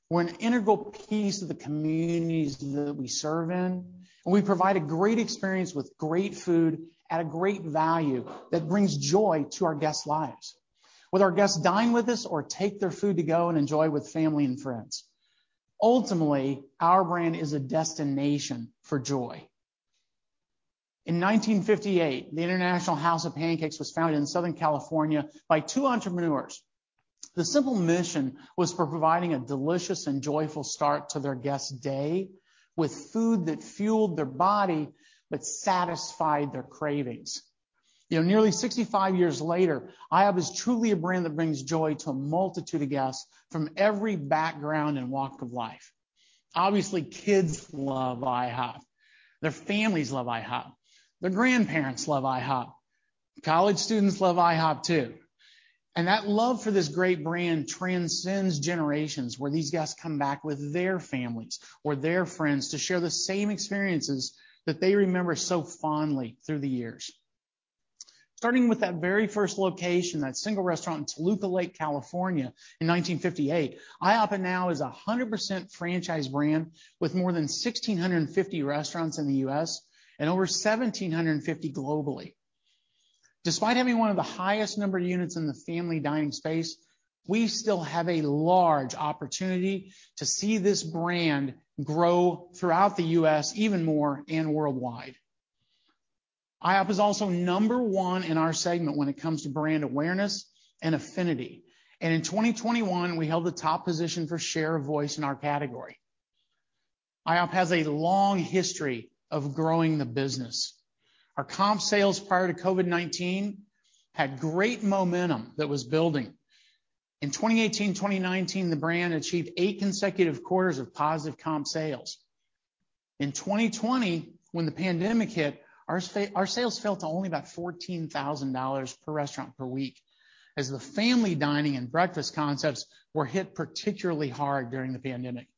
We're an integral piece of the communities that we serve in, and we provide a great experience with great food at a great value that brings joy to our guests' lives, whether our guests dine with us or take their food to go and enjoy with family and friends. Ultimately, our brand is a destination for joy. In 1958, the International House of Pancakes was founded in Southern California by two entrepreneurs. The simple mission was for providing a delicious and joyful start to their guests' day, with food that fueled their body but satisfied their cravings. You know, nearly 65 years later, IHOP is truly a brand that brings joy to a multitude of guests from every background and walk of life. Obviously, kids love IHOP. Their families love IHOP. Their grandparents love IHOP. College students love IHOP, too. That love for this great brand transcends generations, where these guests come back with their families or their friends to share the same experiences that they remember so fondly through the years. Starting with that very first location, that single restaurant in Toluca Lake, California, in 1958, IHOP now is 100% franchise brand with more than 1,650 restaurants in the U.S. and over 1,750 globally. Despite having one of the highest number of units in the family dining space, we still have a large opportunity to see this brand grow throughout the U.S. even more and worldwide. IHOP is also number one in our segment when it comes to brand awareness and affinity. In 2021, we held the top position for share of voice in our category. IHOP has a long history of growing the business. Our comp sales prior to COVID-19 had great momentum that was building. In 2018, 2019, the brand achieved eight consecutive quarters of positive comp sales. In 2020, when the pandemic hit, our sales fell to only about $14,000 per restaurant per week as the family dining and breakfast concepts were hit particularly hard during the pandemic.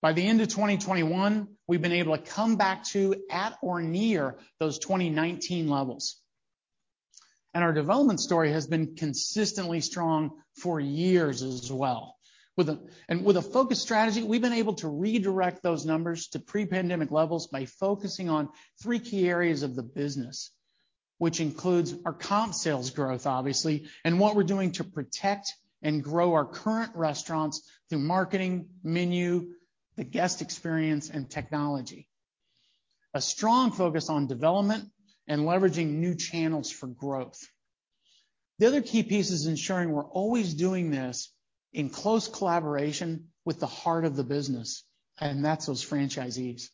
By the end of 2021, we've been able to come back to at or near those 2019 levels. Our development story has been consistently strong for years as well. With a focused strategy, we've been able to redirect those numbers to pre-pandemic levels by focusing on three key areas of the business, which includes our comp sales growth, obviously, and what we're doing to protect and grow our current restaurants through marketing, menu, the guest experience, and technology. A strong focus on development and leveraging new channels for growth. The other key piece is ensuring we're always doing this in close collaboration with the heart of the business, and that's those franchisees.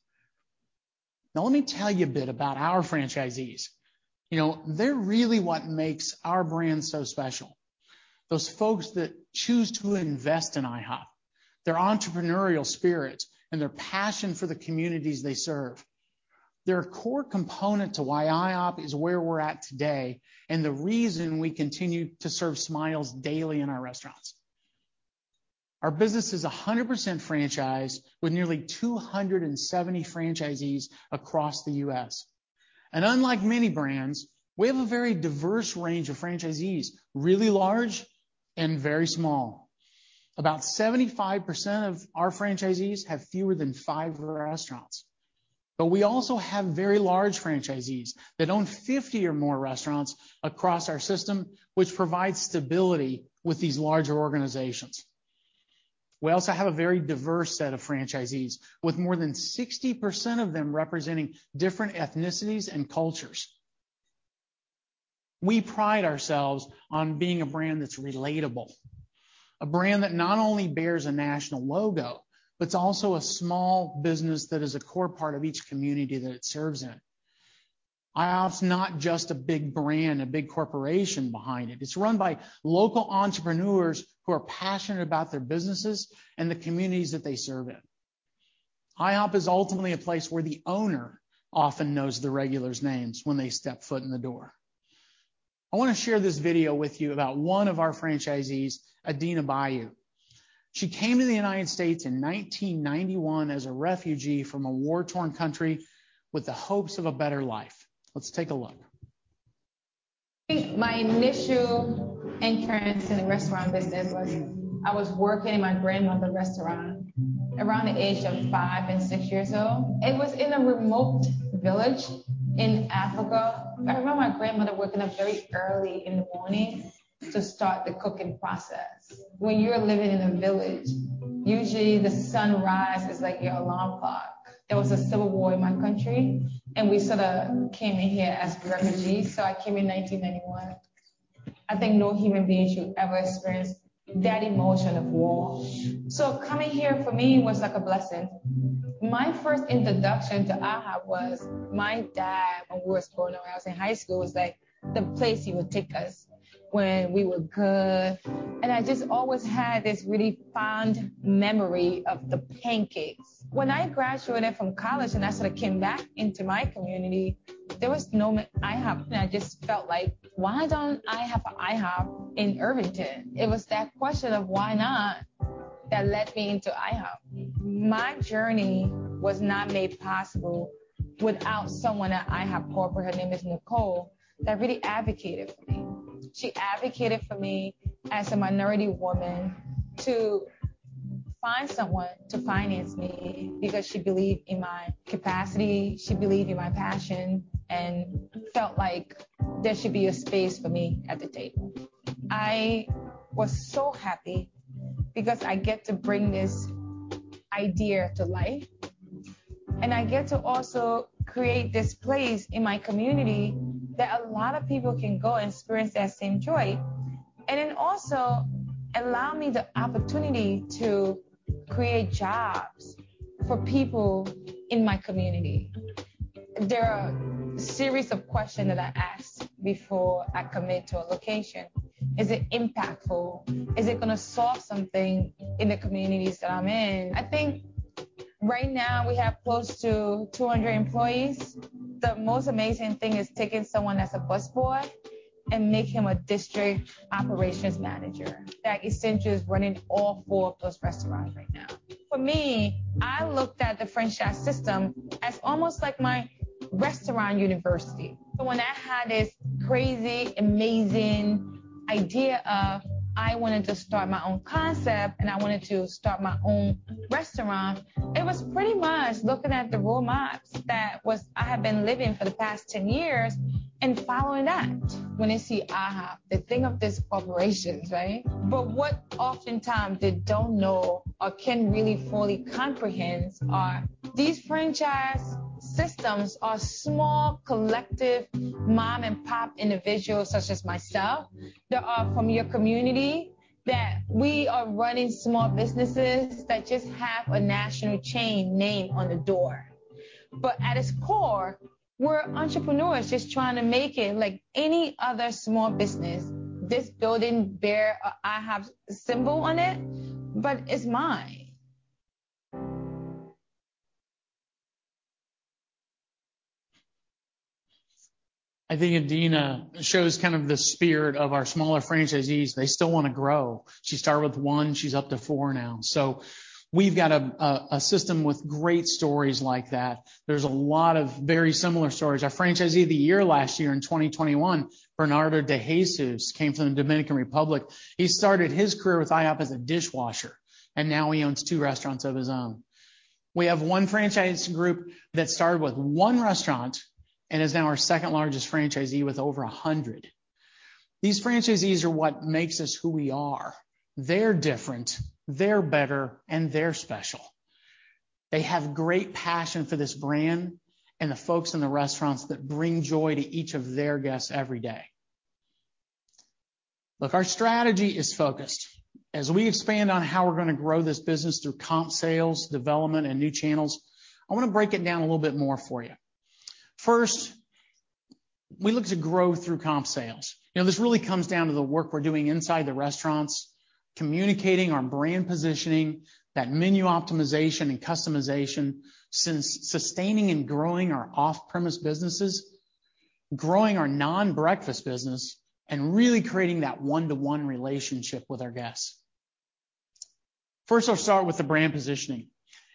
Now, let me tell you a bit about our franchisees. You know, they're really what makes our brand so special. Those folks that choose to invest in IHOP, their entrepreneurial spirits and their passion for the communities they serve. They're a core component to why IHOP is where we're at today, and the reason we continue to serve smiles daily in our restaurants. Our business is 100% franchise with nearly 270 franchisees across the U.S. Unlike many brands, we have a very diverse range of franchisees, really large and very small. About 75% of our franchisees have fewer than five restaurants. We also have very large franchisees that own 50 or more restaurants across our system, which provides stability with these larger organizations. We also have a very diverse set of franchisees, with more than 60% of them representing different ethnicities and cultures. We pride ourselves on being a brand that's relatable. A brand that not only bears a national logo, but it's also a small business that is a core part of each community that it serves in. IHOP's not just a big brand, a big corporation behind it. It's run by local entrepreneurs who are passionate about their businesses and the communities that they serve in. IHOP is ultimately a place where the owner often knows the regulars' names when they step foot in the door. I wanna share this video with you about one of our franchisees, Adena Bayo. She came to the United States in 1991 as a refugee from a war-torn country with the hopes of a better life. Let's take a look. My initial entrance in the restaurant business was I was working in my grandmother restaurant around the age of five and six years old. It was in a remote village in Africa. I remember my grandmother waking up very early in the morning to start the cooking process. When you're living in a village, usually the sunrise is like your alarm clock. There was a civil war in my country, and we sorta came in here as refugees. I came in 1991. I think no human being should ever experience that emotion of war. Coming here for me was like a blessing. My first introduction to IHOP was my dad when we were growing up. When I was in high school, it was like the place he would take us when we were good. I just always had this really fond memory of the Pancakes. When I graduated from college, I sort of came back into my community, there was no IHOP. I just felt like, "Why don't I have an IHOP in Irvington?" It was that question of, why not, that led me into IHOP. My journey was not made possible without someone at IHOP corporate, her name is Nicole, that really advocated for me. She advocated for me as a minority woman to find someone to finance me because she believed in my capacity, she believed in my passion, and felt like there should be a space for me at the table. I was so happy because I get to bring this idea to life, and I get to also create this place in my community that a lot of people can go and experience that same joy. It also allow me the opportunity to create jobs for people in my community. There are a series of questions that I ask before I commit to a location. Is it impactful? Is it gonna solve something in the communities that I'm in? I think right now we have close to 200 employees. The most amazing thing is taking someone as a busboy and make him a district operations manager that essentially is running all four of those restaurants right now. For me, I looked at the franchise system as almost like my restaurant university. When I had this crazy, amazing idea of I wanted to start my own concept and I wanted to start my own restaurant, it was pretty much looking at the roadmaps I have been living for the past 10 years and following that. When they see IHOP, they think of this corporation, right? What oftentimes they don't know or can't really fully comprehend are these franchise systems are small, collective mom-and-pop individuals such as myself, that are from your community, that we are running small businesses that just have a national chain name on the door. At its core, we're entrepreneurs just trying to make it like any other small business. This building bears an IHOP symbol on it, but it's mine. I think Adena shows kind of the spirit of our smaller franchisees. They still wanna grow. She started with one, she's up to four now. We've got a system with great stories like that. There's a lot of very similar stories. Our Franchisee of the Year last year in 2021, Bernardo DeJesus, came from the Dominican Republic. He started his career with IHOP as a dishwasher, and now he owns two restaurants of his own. We have one franchise group that started with one restaurant and is now our second-largest franchisee with over a hundred. These franchisees are what makes us who we are. They're different, they're better, and they're special. They have great passion for this brand and the folks in the restaurants that bring joy to each of their guests every day. Look, our strategy is focused. As we expand on how we're gonna grow this business through comp sales, development, and new channels, I wanna break it down a little bit more for you. First, we look to grow through comp sales. You know, this really comes down to the work we're doing inside the restaurants, communicating our brand positioning, the menu optimization and customization, and sustaining and growing our off-premise businesses, growing our non-breakfast business, and really creating that one-to-one relationship with our guests. First, I'll start with the brand positioning.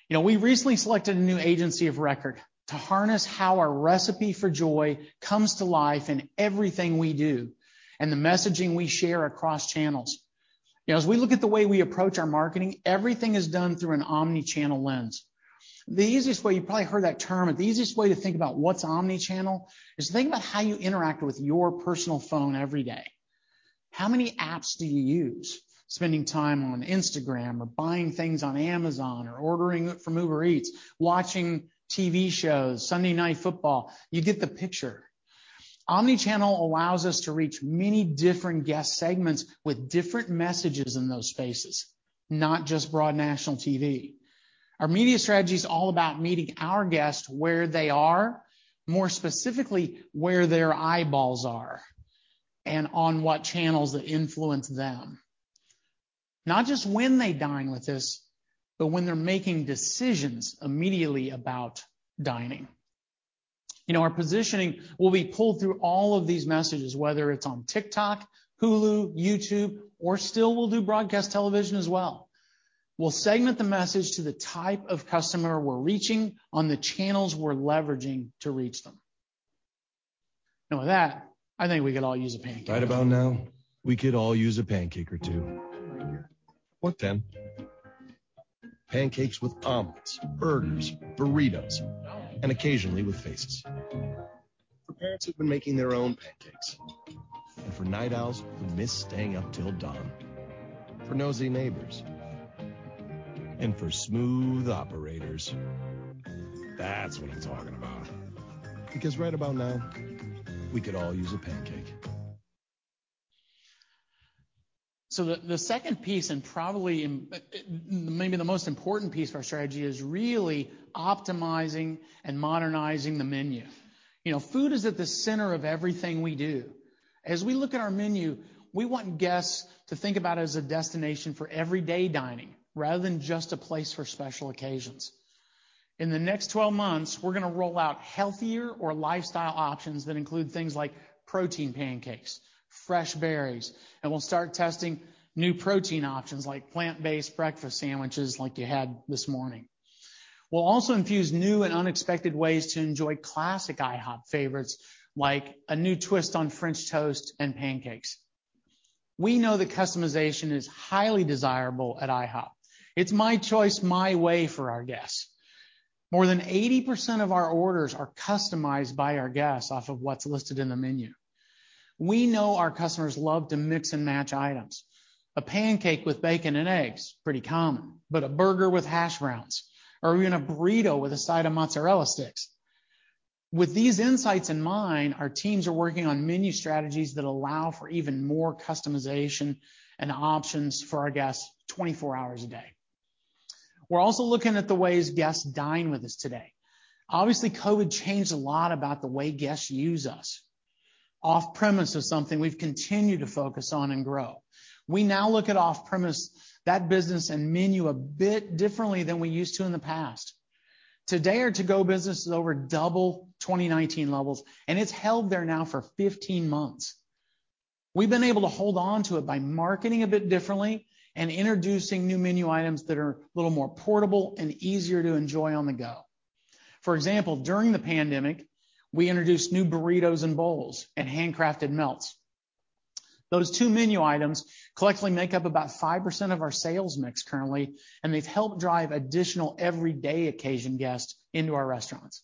You know, we recently selected a new agency of record to harness how our recipe for joy comes to life in everything we do and the messaging we share across channels. You know, as we look at the way we approach our marketing, everything is done through an omni-channel lens. The easiest way, you probably heard that term, the easiest way to think about what's omni-channel is think about how you interact with your personal phone every day. How many apps do you use, spending time on Instagram or buying things on Amazon or ordering from Uber Eats, watching TV shows, Sunday Night Football. You get the picture. Omni-channel allows us to reach many different guest segments with different messages in those spaces, not just broad national TV. Our media strategy is all about meeting our guests where they are, more specifically, where their eyeballs are, and on what channels that influence them. Not just when they dine with us, but when they're making decisions immediately about dining. You know, our positioning will be pulled through all of these messages, whether it's on TikTok, Hulu, YouTube, or still we'll do broadcast television as well. We'll segment the message to the type of customer we're reaching on the channels we're leveraging to reach them. Now with that, I think we could all use a pancake. Right about now, we could all use a pancake or two. 10. Pancakes with Omelets, Burgers, Burritos, and occasionally with faces. For parents who've been making their own Pancakes, and for night owls who miss staying up till dawn, for nosy neighbors, and for smooth operators. That's what I'm talking about. Because right about now, we could all use a pancake. The second piece, and probably maybe the most important piece of our strategy is really optimizing and modernizing the menu. You know, food is at the center of everything we do. As we look at our menu, we want guests to think about it as a destination for everyday dining rather than just a place for special occasions. In the next 12 months, we're gonna roll out healthier or lifestyle options that include things like protein Pancakes, fresh berries, and we'll start testing new protein options like plant-based breakfast sandwiches like you had this morning. We'll also infuse new and unexpected ways to enjoy classic IHOP favorites, like a new twist on French toast and Pancakes. We know that customization is highly desirable at IHOP. It's my choice, my way for our guests. More than 80% of our orders are customized by our guests off of what's listed in the menu. We know our customers love to mix and match items. A pancake with bacon and eggs, pretty common. A Burger with hash browns or even a Burrito with a side of Mozzarella Sticks. With these insights in mind, our teams are working on menu strategies that allow for even more customization and options for our guests 24 hours a day. We're also looking at the ways guests dine with us today. Obviously, COVID changed a lot about the way guests use us. Off-premise is something we've continued to focus on and grow. We now look at off-premise, that business and menu a bit differently than we used to in the past. Today, our To-Go business is over double 2019 levels, and it's held there now for 15 months. We've been able to hold on to it by marketing a bit differently and introducing new menu items that are a little more portable and easier to enjoy on the go. For example, during the pandemic, we introduced new Burritos & Bowls and Handcrafted Melts. Those two menu items collectively make up about 5% of our sales mix currently, and they've helped drive additional everyday occasion guests into our restaurants.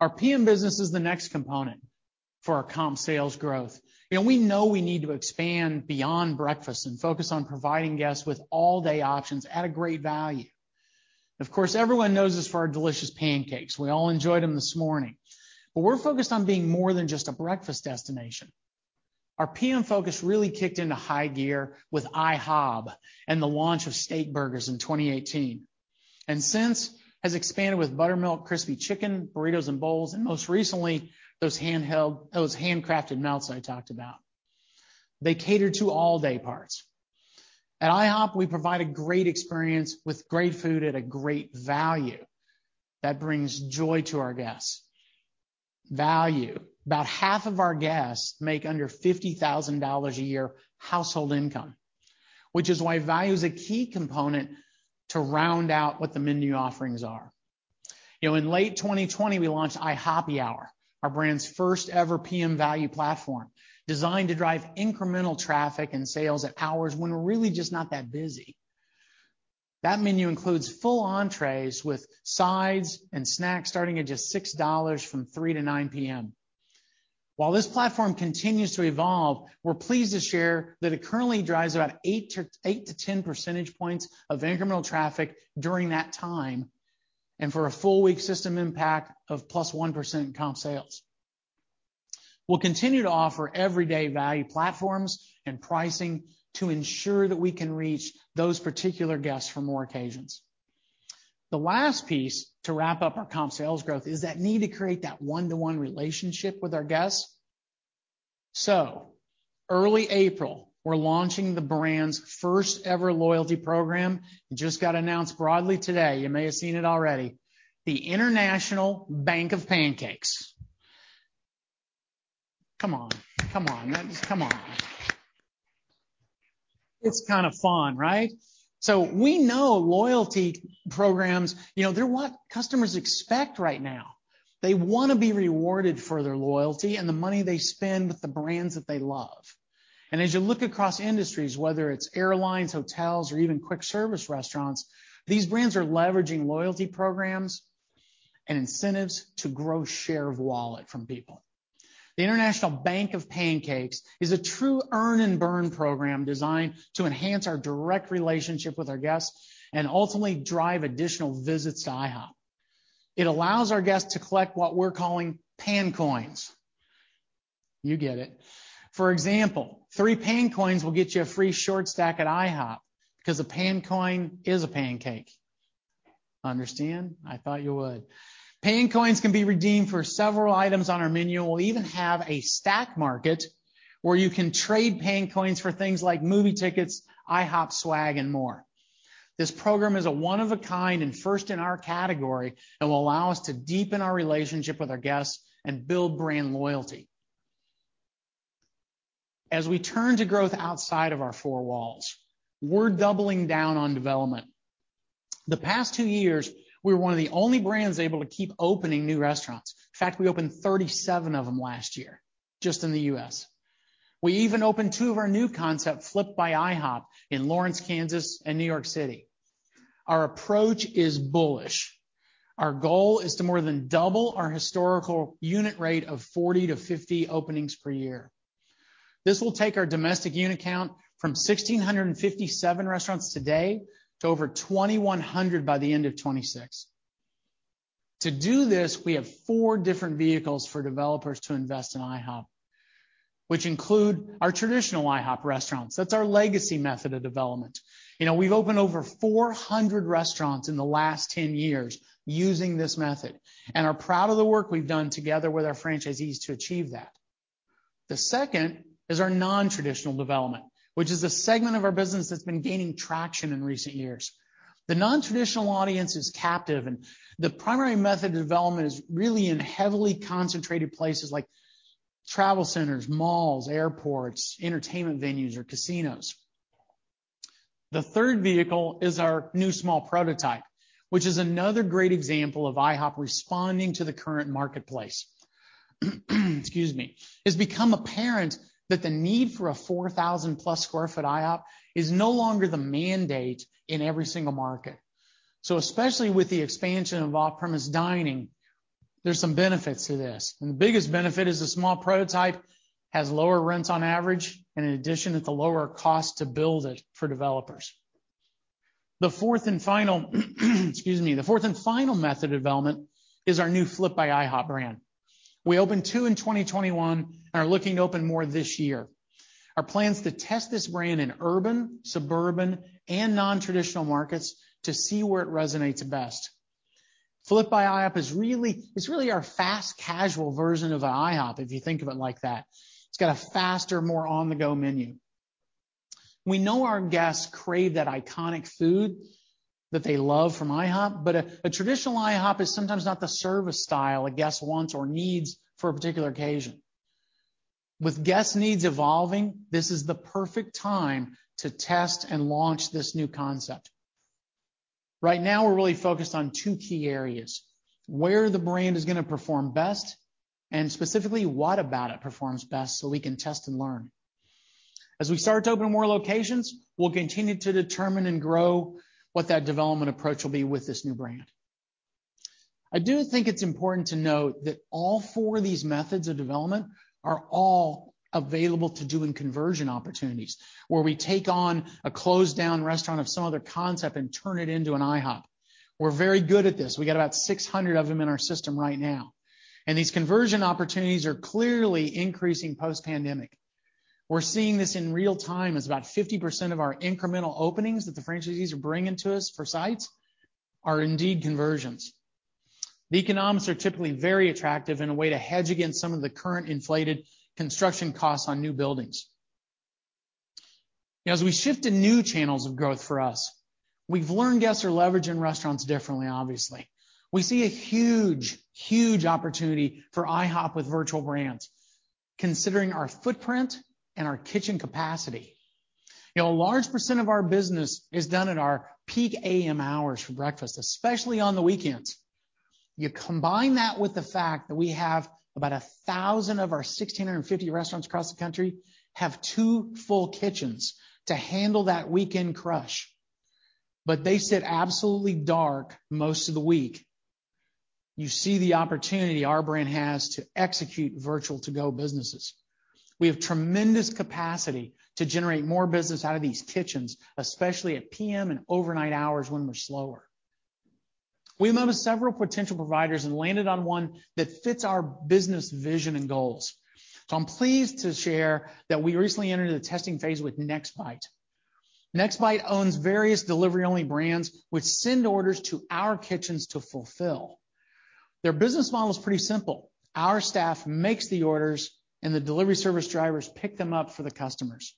Our PM business is the next component for our comp sales growth. You know, we know we need to expand beyond breakfast and focus on providing guests with all-day options at a great value. Of course, everyone knows us for our delicious Pancakes. We all enjoyed them this morning. We're focused on being more than just a breakfast destination. Our PM focus really kicked into high gear with IHOb and the launch of Steakburgers in 2018, and since has expanded with Buttermilk Crispy Chicken, Burritos & Bowls, and most recently, those Handcrafted Melts I talked about. They cater to all day parts. At IHOP, we provide a great experience with great food at a great value that brings joy to our guests. Value. About half of our guests make under $50,000 a year household income, which is why value is a key component to round out what the menu offerings are. You know, in late 2020, we launched IHOPPY Hour, our brand's first ever PM value platform designed to drive incremental traffic and sales at hours when we're really just not that busy. That menu includes full entrees with sides and snacks starting at just $6 from 3 P.M to 9 P.M. While this platform continues to evolve, we're pleased to share that it currently drives about 8-10 percentage points of incremental traffic during that time, and for a full week system impact of +1% in comp sales. We'll continue to offer everyday value platforms and pricing to ensure that we can reach those particular guests for more occasions. The last piece to wrap up our comp sales growth is that need to create that one-to-one relationship with our guests. Early April, we're launching the brand's first ever loyalty program. It just got announced broadly today. You may have seen it already. The International Bank of Pancakes. Come on. It's kind of fun, right? We know loyalty programs, you know, they're what customers expect right now. They want to be rewarded for their loyalty and the money they spend with the brands that they love. As you look across industries, whether it's airlines, hotels, or even quick service restaurants, these brands are leveraging loyalty programs and incentives to grow share of wallet from people. The International Bank of Pancakes is a true earn and burn program designed to enhance our direct relationship with our guests and ultimately drive additional visits to IHOP. It allows our guests to collect what we're calling PanCoins. You get it. For example, three PanCoins will get you a free short stack at IHOP because a PanCoin is a pancake. Understand? I thought you would. PanCoins can be redeemed for several items on our menu. We'll even have a Stack Market where you can trade PanCoins for things like movie tickets, IHOP swag, and more. This program is one of a kind and first in our category. It will allow us to deepen our relationship with our guests and build brand loyalty. As we turn to growth outside of our four walls, we're doubling down on development. The past two years, we're one of the only brands able to keep opening new restaurants. In fact, we opened 37 of them last year just in the U.S. We even opened two of our new concept, flip'd by IHOP in Lawrence, Kansas, and New York City. Our approach is bullish. Our goal is to more than double our historical unit rate of 40-50 openings per year. This will take our domestic unit count from 1,657 restaurants today to over 2,100 by the end of 2026. To do this, we have four different vehicles for developers to invest in IHOP, which include our traditional IHOP restaurants. That's our legacy method of development. You know, we've opened over 400 restaurants in the last 10 years using this method, and are proud of the work we've done together with our franchisees to achieve that. The second is our nontraditional development, which is a segment of our business that's been gaining traction in recent years. The nontraditional audience is captive, and the primary method of development is really in heavily concentrated places like travel centers, malls, airports, entertainment venues, or casinos. The third vehicle is our new small prototype, which is another great example of IHOP responding to the current marketplace. Excuse me. It's become apparent that the need for a 4,000+ sq ft IHOP is no longer the mandate in every single market. Especially with the expansion of off-premise dining, there's some benefits to this. The biggest benefit is a small prototype has lower rents on average, and in addition, at the lower cost to build it for developers. The fourth and final method of development is our new Flip'd by IHOP brand. We opened two in 2021 and are looking to open more this year. Our plan is to test this brand in urban, suburban, and nontraditional markets to see where it resonates best. Flip'd by IHOP is really our fast casual version of IHOP, if you think of it like that. It's got a faster, more on-the-go menu. We know our guests crave that iconic food that they love from IHOP, but a traditional IHOP is sometimes not the service style a guest wants or needs for a particular occasion. With guest needs evolving, this is the perfect time to test and launch this new concept. Right now, we're really focused on two key areas, where the brand is going to perform best, and specifically what about it performs best so we can test and learn. As we start to open more locations, we'll continue to determine and grow what that development approach will be with this new brand. I do think it's important to note that all four of these methods of development are all available to do in conversion opportunities, where we take on a closed down restaurant of some other concept and turn it into an IHOP. We're very good at this. We got about 600 of them in our system right now. These conversion opportunities are clearly increasing post-pandemic. We're seeing this in real time as about 50% of our incremental openings that the franchisees are bringing to us for sites are indeed conversions. The economics are typically very attractive and a way to hedge against some of the current inflated construction costs on new buildings. As we shift to new channels of growth for us, we've learned guests are leveraging restaurants differently obviously. We see a huge, huge opportunity for IHOP with virtual brands, considering our footprint and our kitchen capacity. You know, a large percent of our business is done at our peak A.M. hours for breakfast, especially on the weekends. You combine that with the fact that we have about 1,000 of our 1,650 restaurants across the country have two full kitchens to handle that weekend crush, but they sit absolutely dark most of the week. You see the opportunity our brand has to execute virtual To-Go businesses. We have tremendous capacity to generate more business out of these kitchens, especially at P.M. and overnight hours when we're slower. We met with several potential providers and landed on one that fits our business vision and goals. I'm pleased to share that we recently entered a testing phase with Nextbite. Nextbite owns various delivery-only brands which send orders to our kitchens to fulfill. Their business model is pretty simple. Our staff makes the orders, and the delivery service drivers pick them up for the customers.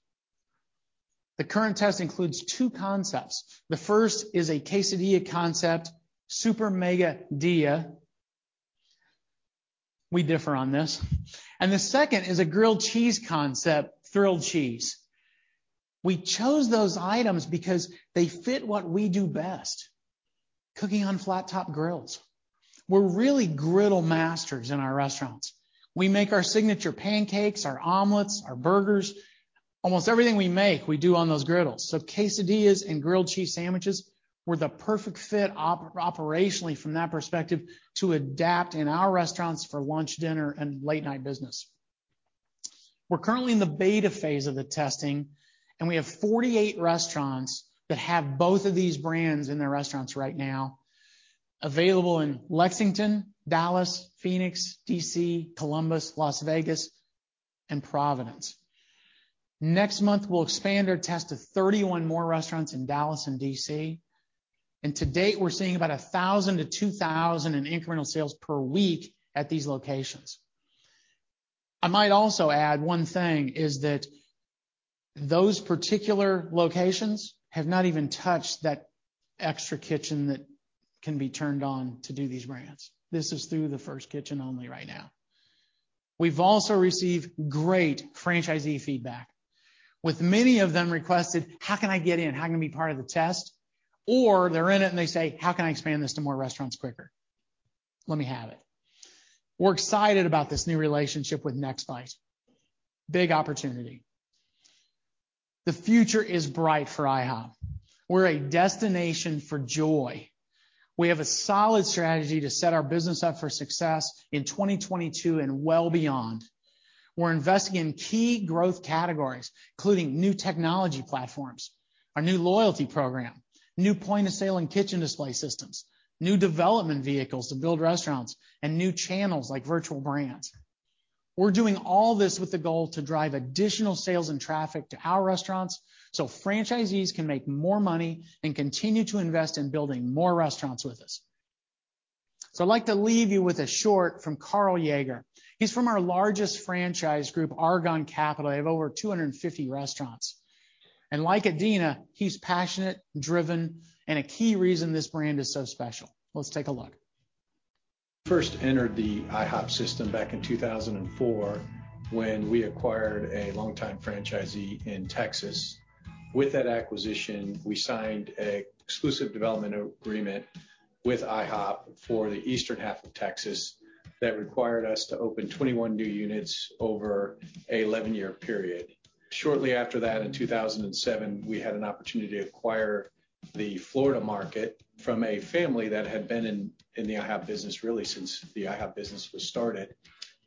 The current test includes two concepts. The first is a quesadilla concept, Super Mega Dilla. We offer this. The second is a grilled cheese concept, Thrilled Cheese. We chose those items because they fit what we do best, cooking on flat top grills. We're really griddle masters in our restaurants. We make our Signature Pancakes, our Omelets, our Burgers. Almost everything we make, we do on those griddles. Quesadillas and grilled cheese sandwiches were the perfect fit operationally from that perspective to adapt in our restaurants for lunch, dinner, and late-night business. We're currently in the beta phase of the testing, and we have 48 restaurants that have both of these brands in their restaurants right now, available in Lexington, Dallas, Phoenix, D.C., Columbus, Las Vegas, and Providence. Next month, we'll expand our test to 31 more restaurants in Dallas and D.C. To date, we're seeing about $1,000-$2,000 in incremental sales per week at these locations. I might also add one thing is that those particular locations have not even touched that extra kitchen that can be turned on to do these brands. This is through the first kitchen only right now. We've also received great franchisee feedback, with many of them requested, "How can I get in? How can I be part of the test?" Or they're in it, and they say, "How can I expand this to more restaurants quicker? Let me have it." We're excited about this new relationship with Nextbite. Big opportunity. The future is bright for IHOP. We're a destination for joy. We have a solid strategy to set our business up for success in 2022 and well beyond. We're investing in key growth categories, including new technology platforms, a new loyalty program, new point-of-sale and kitchen display systems, new development vehicles to build restaurants, and new channels like virtual brands. We're doing all this with the goal to drive additional sales and traffic to our restaurants, so franchisees can make more money and continue to invest in building more restaurants with us. I'd like to leave you with a short from Karl Jaeger. He's from our largest franchise group, Argonne Capital. They have over 250 restaurants. And like Adena, he's passionate, driven, and a key reason this brand is so special. Let's take a look. First entered the IHOP system back in 2004 when we acquired a longtime franchisee in Texas. With that acquisition, we signed an exclusive development agreement with IHOP for the eastern half of Texas that required us to open 21 new units over an 11-year period. Shortly after that, in 2007, we had an opportunity to acquire the Florida market from a family that had been in the IHOP business, really since the IHOP business was started.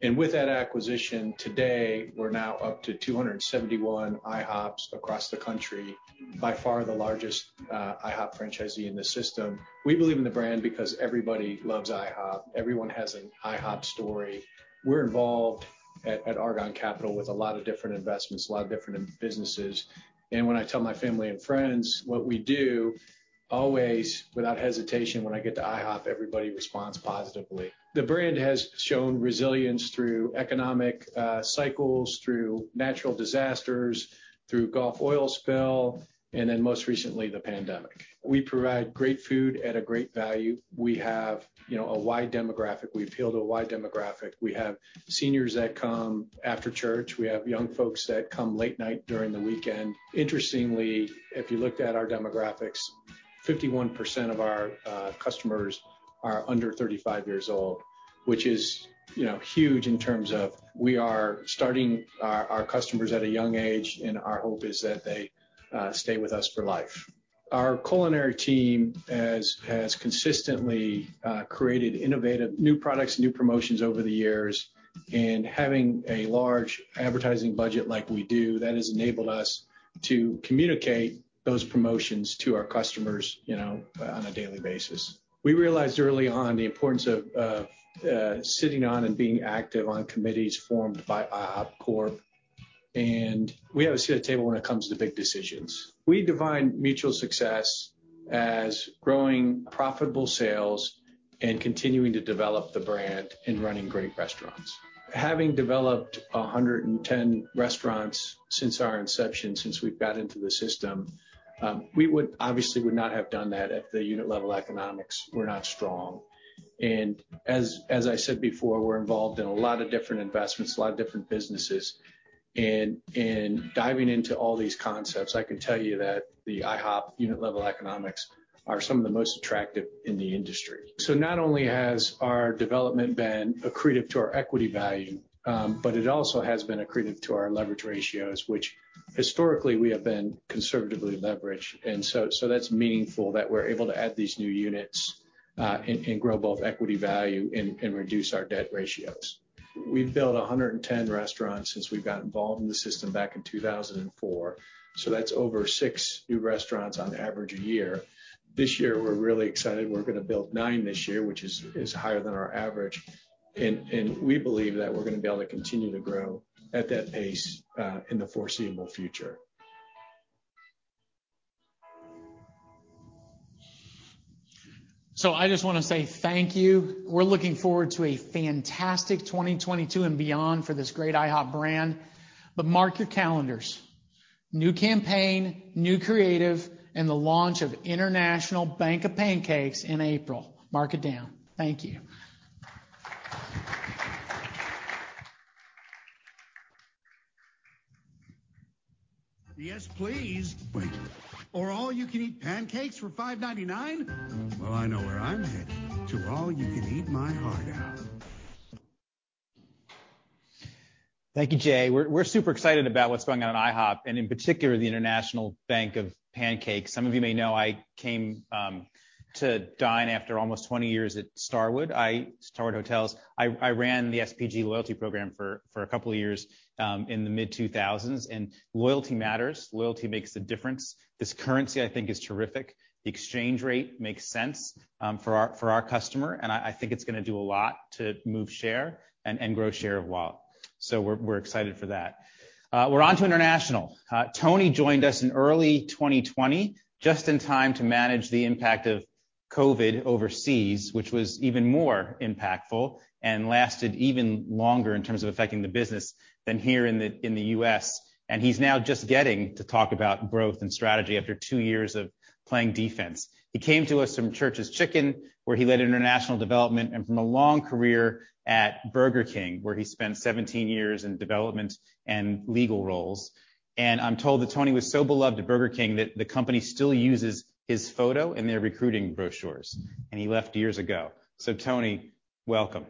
With that acquisition, today we're now up to 271 IHOPs across the country. By far, the largest IHOP franchisee in the system. We believe in the brand because everybody loves IHOP. Everyone has an IHOP story. We're involved at Argonne Capital with a lot of different investments, a lot of different businesses. When I tell my family and friends what we do, always without hesitation, when I get to IHOP, everybody responds positively. The brand has shown resilience through economic cycles, through natural disasters, through Gulf oil spill, and then most recently, the pandemic. We provide great food at a great value. We have, you know, a wide demographic. We appeal to a wide demographic. We have seniors that come after church. We have young folks that come late night during the weekend. Interestingly, if you looked at our demographics, 51% of our customers are under 35 years old, which is, you know, huge in terms of we are starting our customers at a young age, and our hope is that they stay with us for life. Our culinary team has consistently created innovative new products, new promotions over the years, and having a large advertising budget like we do, that has enabled us to communicate those promotions to our customers, you know, on a daily basis. We realized early on the importance of sitting on and being active on committees formed by IHOP Corp. We have a seat at the table when it comes to big decisions. We define mutual success as growing profitable sales and continuing to develop the brand and running great restaurants. Having developed 110 restaurants since our inception, since we've got into the system, we would obviously not have done that if the unit-level economics were not strong. As I said before, we're involved in a lot of different investments, a lot of different businesses. Diving into all these concepts, I can tell you that the IHOP unit level economics are some of the most attractive in the industry. Not only has our development been accretive to our equity value, but it also has been accretive to our leverage ratios, which historically we have been conservatively leveraged. That's meaningful that we're able to add these new units and grow both equity value and reduce our debt ratios. We've built 110 restaurants since we've got involved in the system back in 2004. That's over six new restaurants on average a year. This year we're really excited. We're gonna build nine this year, which is higher than our average. We believe that we're gonna be able to continue to grow at that pace in the foreseeable future. I just wanna say thank you. We're looking forward to a fantastic 2022 and beyond for this great IHOP brand. Mark your calendars. New campaign, new creative, and the launch of International Bank of Pancakes in April. Mark it down. Thank you. Yes, please. Wait. Or all you can eat Pancakes for $5.99? Well, I know where I'm headed. To All You Can Eat My Heart Out. Thank you, Jay. We're super excited about what's going on at IHOP, and in particular, the International Bank of Pancakes. Some of you may know I came to Dine after almost 20 years at Starwood Hotels. I ran the SPG loyalty program for a couple of years in the mid-2000s, and loyalty matters. Loyalty makes a difference. This currency, I think, is terrific. The exchange rate makes sense for our customer, and I think it's gonna do a lot to move share and grow share of wallet. We're excited for that. We're onto international. Tony joined us in early 2020, just in time to manage the impact of COVID overseas, which was even more impactful and lasted even longer in terms of affecting the business than here in the U.S. He's now just getting to talk about growth and strategy after two years of playing defense. He came to us from Church's Chicken, where he led international development, and from a long career at Burger King, where he spent 17 years in development and legal roles. I'm told that Tony was so beloved at Burger King that the company still uses his photo in their recruiting brochures, and he left years ago. Tony, welcome.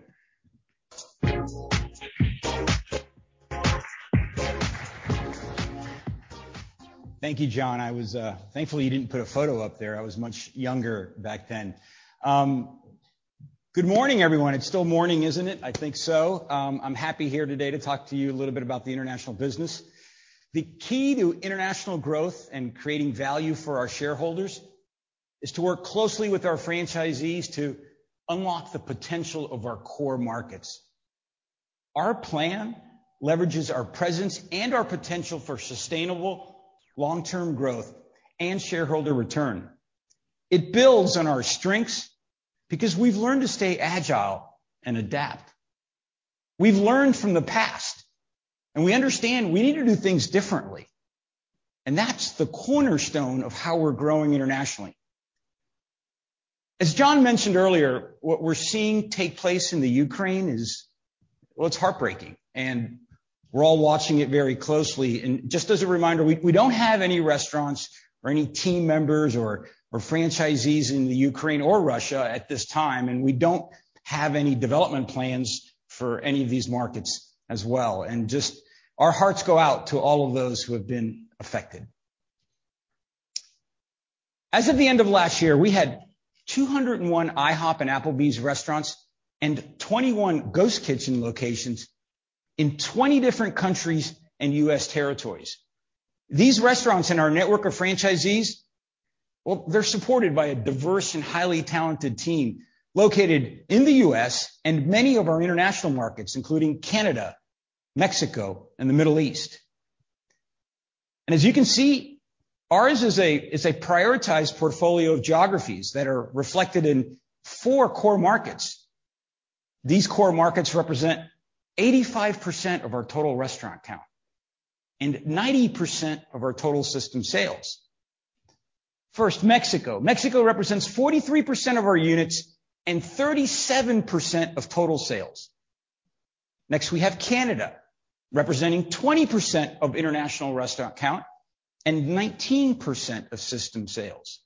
Thank you, John. I was. Thankfully, you didn't put a photo up there. I was much younger back then. Good morning, everyone. It's still morning, isn't it? I think so. I'm happy here today to talk to you a little bit about the international business. The key to international growth and creating value for our shareholders is to work closely with our franchisees to unlock the potential of our core markets. Our plan leverages our presence and our potential for sustainable long-term growth and shareholder return. It builds on our strengths because we've learned to stay agile and adapt. We've learned from the past, and we understand we need to do things differently, and that's the cornerstone of how we're growing internationally. As John mentioned earlier, what we're seeing take place in the Ukraine is. Well, it's heartbreaking, and we're all watching it very closely. Just as a reminder, we don't have any restaurants or any team members or franchisees in the Ukraine or Russia at this time, and we don't have any development plans for any of these markets as well. Just our hearts go out to all of those who have been affected. As of the end of last year, we had 201 IHOP and Applebee's restaurants and 21 ghost kitchen locations in 20 different countries and U.S. territories. These restaurants and our network of franchisees, well, they're supported by a diverse and highly talented team located in the U.S. and many of our international markets, including Canada, Mexico, and the Middle East. As you can see, ours is a prioritized portfolio of geographies that are reflected in four core markets. These core markets represent 85% of our total restaurant count and 90% of our total system sales. First, Mexico. Mexico represents 43% of our units and 37% of total sales. Next, we have Canada, representing 20% of international restaurant count and 19% of system sales.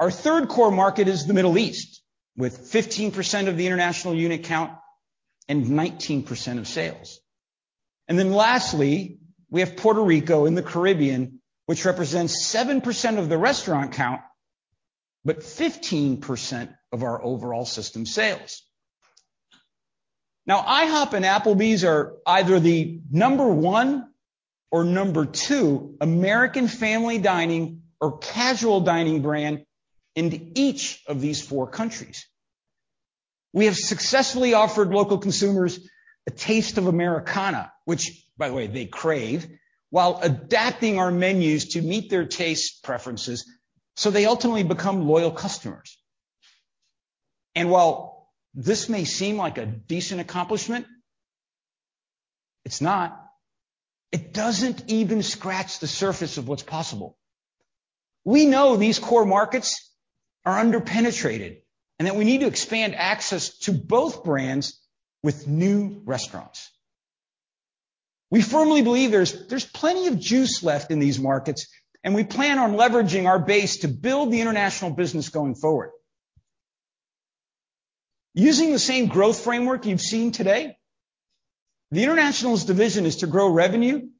Our third core market is the Middle East, with 15% of the international unit count and 19% of sales. Then lastly, we have Puerto Rico and the Caribbean, which represents 7% of the restaurant count, but 15% of our overall system sales. Now, IHOP and Applebee's are either the number one or number two American family dining or casual dining brand in each of these four countries. We have successfully offered local consumers a taste of Americana, which, by the way, they crave, while adapting our menus to meet their taste preferences, so they ultimately become loyal customers. While this may seem like a decent accomplishment, it's not. It doesn't even scratch the surface of what's possible. We know these core markets are under-penetrated, and that we need to expand access to both brands with new restaurants. We firmly believe there's plenty of juice left in these markets, and we plan on leveraging our base to build the international business going forward. Using the same growth framework you've seen today, the internationals division is to grow revenue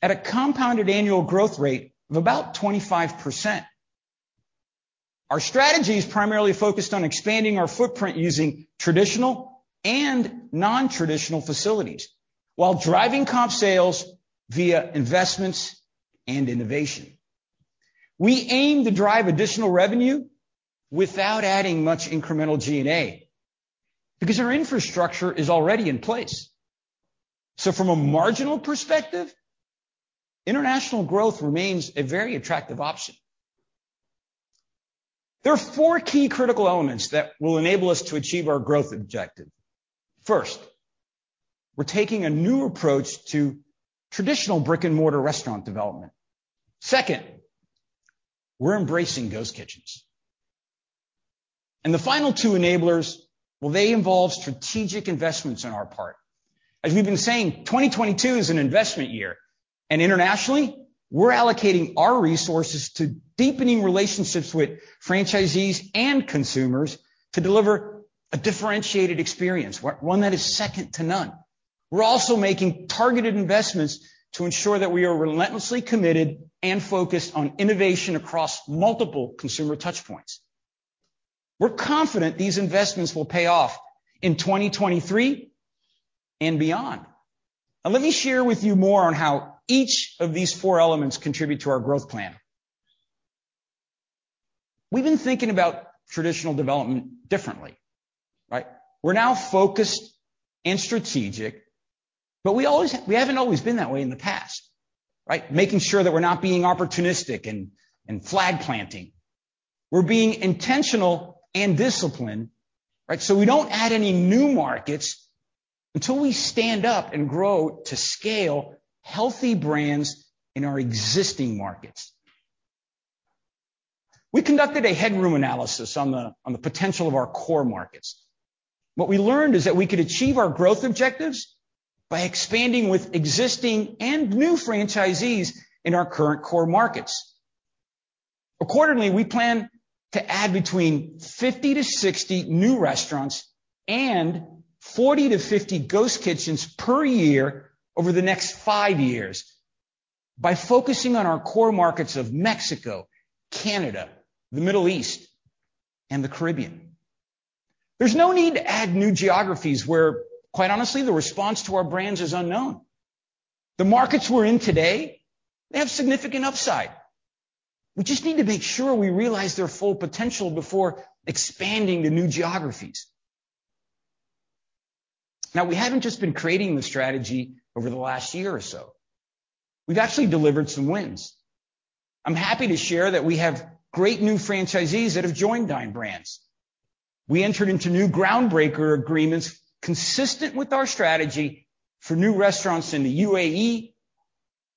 at a compounded annual growth rate of about 25%. Our strategy is primarily focused on expanding our footprint using traditional and nontraditional facilities while driving comp sales via investments and innovation. We aim to drive additional revenue without adding much incremental G&A because our infrastructure is already in place. From a marginal perspective, international growth remains a very attractive option. There are four key critical elements that will enable us to achieve our growth objective. First, we're taking a new approach to traditional brick-and-mortar restaurant development. Second, we're embracing ghost kitchens. The final two enablers, well, they involve strategic investments on our part. As we've been saying, 2022 is an investment year. Internationally, we're allocating our resources to deepening relationships with franchisees and consumers to deliver a differentiated experience, one that is second to none. We're also making targeted investments to ensure that we are relentlessly committed and focused on innovation across multiple consumer touch points. We're confident these investments will pay off in 2023 and beyond. Now let me share with you more on how each of these four elements contribute to our growth plan. We've been thinking about traditional development differently. Right? We're now focused and strategic, but we haven't always been that way in the past. Right? We're making sure that we're not being opportunistic and flag planting. We're being intentional and disciplined, right? We don't add any new markets until we stand up and grow to scale healthy brands in our existing markets. We conducted a headroom analysis on the potential of our core markets. What we learned is that we could achieve our growth objectives by expanding with existing and new franchisees in our current core markets. Accordingly, we plan to add between 50-60 new restaurants and 40-50 ghost kitchens per year over the next five years by focusing on our core markets of Mexico, Canada, the Middle East, and the Caribbean. There's no need to add new geographies where, quite honestly, the response to our brands is unknown. The markets we're in today, they have significant upside. We just need to make sure we realize their full potential before expanding to new geographies. Now, we haven't just been creating the strategy over the last year or so. We've actually delivered some wins. I'm happy to share that we have great new franchisees that have joined Dine Brands. We entered into new groundbreaker agreements consistent with our strategy for new restaurants in the UAE,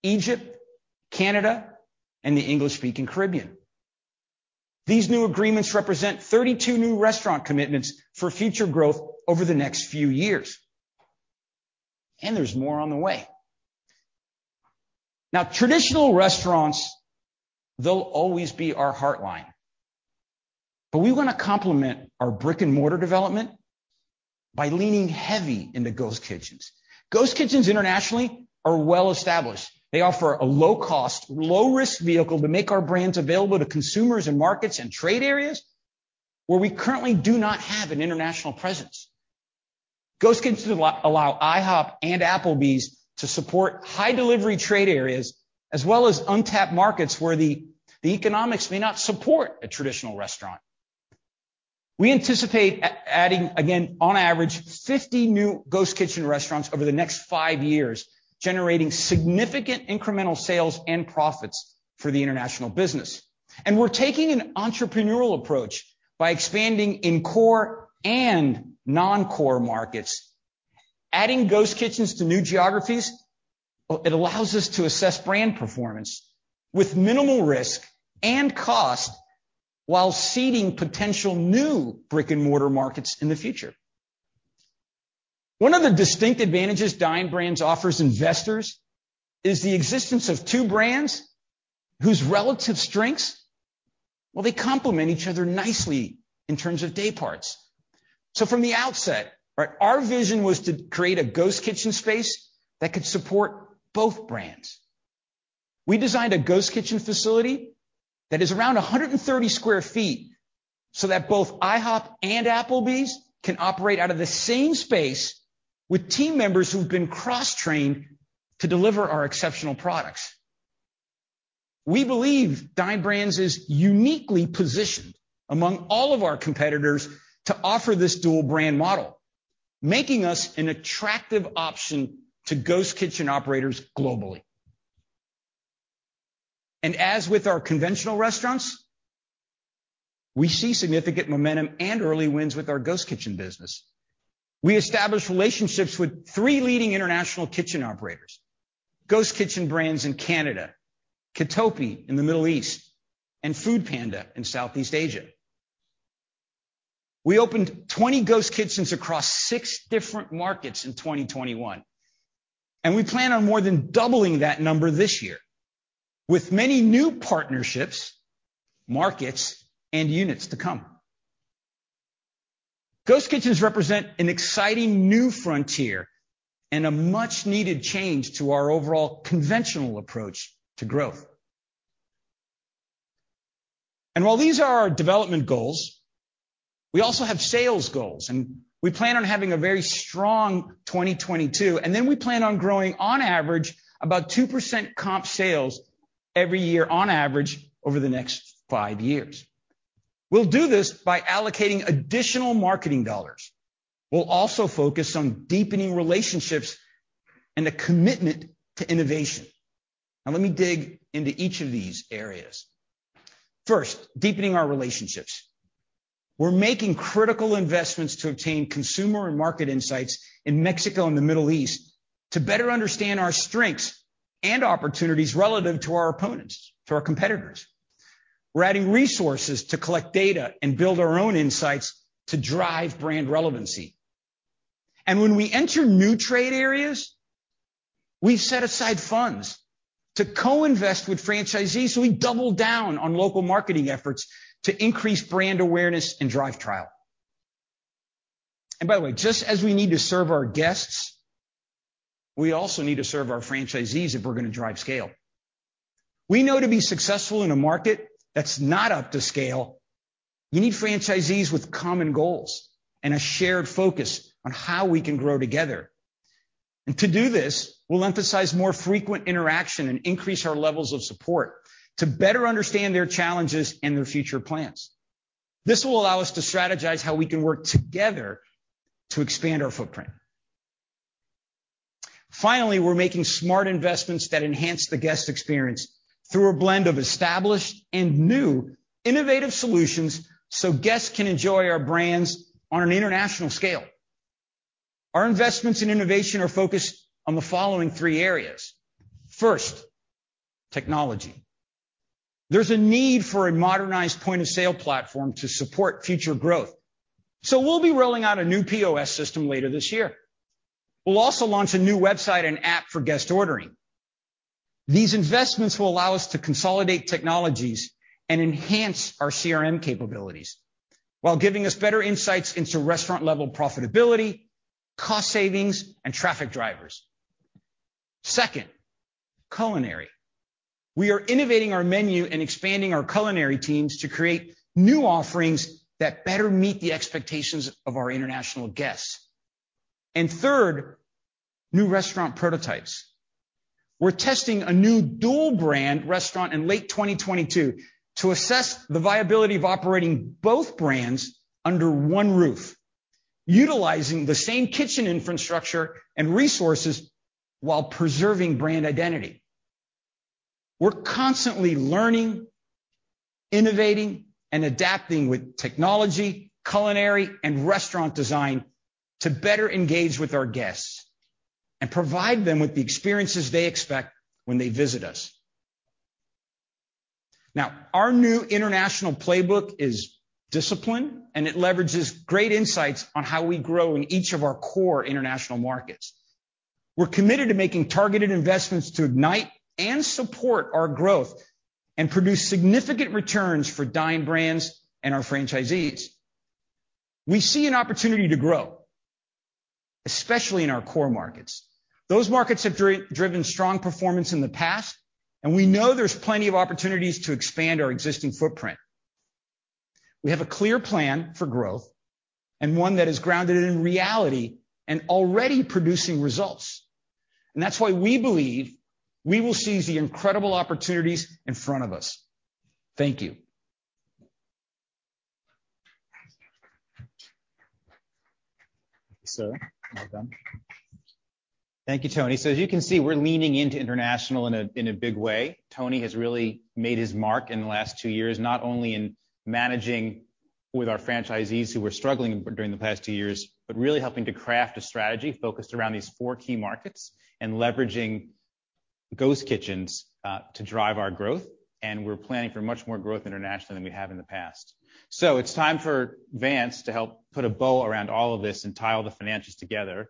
Egypt, Canada, and the English-speaking Caribbean. These new agreements represent 32 new restaurant commitments for future growth over the next few years. There's more on the way. Traditional restaurants, they'll always be our lifeline, but we wanna complement our brick-and-mortar development by leaning heavily into ghost kitchens. Ghost kitchens internationally are well established. They offer a low cost, low risk vehicle to make our brands available to consumers in markets and trade areas where we currently do not have an international presence. Ghost kitchens allow IHOP and Applebee's to support high delivery trade areas as well as untapped markets where the economics may not support a traditional restaurant. We anticipate adding, again, on average, 50 new ghost kitchen restaurants over the next five years, generating significant incremental sales and profits for the international business. We're taking an entrepreneurial approach by expanding in core and non-core markets. Adding ghost kitchens to new geographies, it allows us to assess brand performance with minimal risk and cost while seeding potential new brick-and-mortar markets in the future. One of the distinct advantages Dine Brands offers investors is the existence of two brands whose relative strengths, well, they complement each other nicely in terms of day parts. From the outset, right, our vision was to create a ghost kitchen space that could support both brands. We designed a ghost kitchen facility that is around 130 sq ft, so that both IHOP and Applebee's can operate out of the same space with team members who've been cross-trained to deliver our exceptional products. We believe Dine Brands is uniquely positioned among all of our competitors to offer this dual brand model, making us an attractive option to ghost kitchen operators globally. As with our conventional restaurants. We see significant momentum and early wins with our ghost kitchen business. We established relationships with three leading international kitchen operators, Ghost Kitchen Brands in Canada, Kitopi in the Middle East, and foodpanda in Southeast Asia. We opened 20 ghost kitchens across 6 different markets in 2021, and we plan on more than doubling that number this year with many new partnerships, markets, and units to come. Ghost kitchens represent an exciting new frontier and a much needed change to our overall conventional approach to growth. While these are our development goals, we also have sales goals, and we plan on having a very strong 2022, and then we plan on growing on average about 2% comp sales every year on average over the next five years. We'll do this by allocating additional marketing dollars. We'll also focus on deepening relationships and a commitment to innovation. Now let me dig into each of these areas. First, deepening our relationships. We're making critical investments to obtain consumer and market insights in Mexico and the Middle East to better understand our strengths and opportunities relative to our opponents, to our competitors. We're adding resources to collect data and build our own insights to drive brand relevancy. When we enter new trade areas, we've set aside funds to co-invest with franchisees, so we double down on local marketing efforts to increase brand awareness and drive trial. By the way, just as we need to serve our guests, we also need to serve our franchisees if we're going to drive scale. We know to be successful in a market that's not up to scale, you need franchisees with common goals and a shared focus on how we can grow together. To do this, we'll emphasize more frequent interaction and increase our levels of support to better understand their challenges and their future plans. This will allow us to strategize how we can work together to expand our footprint. Finally, we're making smart investments that enhance the guest experience through a blend of established and new innovative solutions so guests can enjoy our brands on an international scale. Our investments in innovation are focused on the following three areas. First, technology. There's a need for a modernized point of sale platform to support future growth. We'll be rolling out a new POS system later this year. We'll also launch a new website and app for guest ordering. These investments will allow us to consolidate technologies and enhance our CRM capabilities while giving us better insights into restaurant-level profitability, cost savings, and traffic drivers. Second, culinary. We are innovating our menu and expanding our culinary teams to create new offerings that better meet the expectations of our international guests. Third, new restaurant prototypes. We're testing a new dual brand restaurant in late 2022 to assess the viability of operating both brands under one roof, utilizing the same kitchen infrastructure and resources while preserving brand identity. We're constantly learning, innovating, and adapting with technology, culinary, and restaurant design to better engage with our guests and provide them with the experiences they expect when they visit us. Now, our new international playbook is discipline, and it leverages great insights on how we grow in each of our core international markets. We're committed to making targeted investments to ignite and support our growth and produce significant returns for Dine Brands and our franchisees. We see an opportunity to grow, especially in our core markets. Those markets have driven strong performance in the past, and we know there's plenty of opportunities to expand our existing footprint. We have a clear plan for growth and one that is grounded in reality and already producing results. That's why we believe we will seize the incredible opportunities in front of us. Thank you. Well done. Thank you, Tony. As you can see, we're leaning into international in a big way. Tony has really made his mark in the last two years, not only in managing with our franchisees who were struggling during the past two years, but really helping to craft a strategy focused around these four key markets and leveraging ghost kitchens to drive our growth. We're planning for much more growth internationally than we have in the past. It's time for Vance to help put a bow around all of this and tie all the financials together.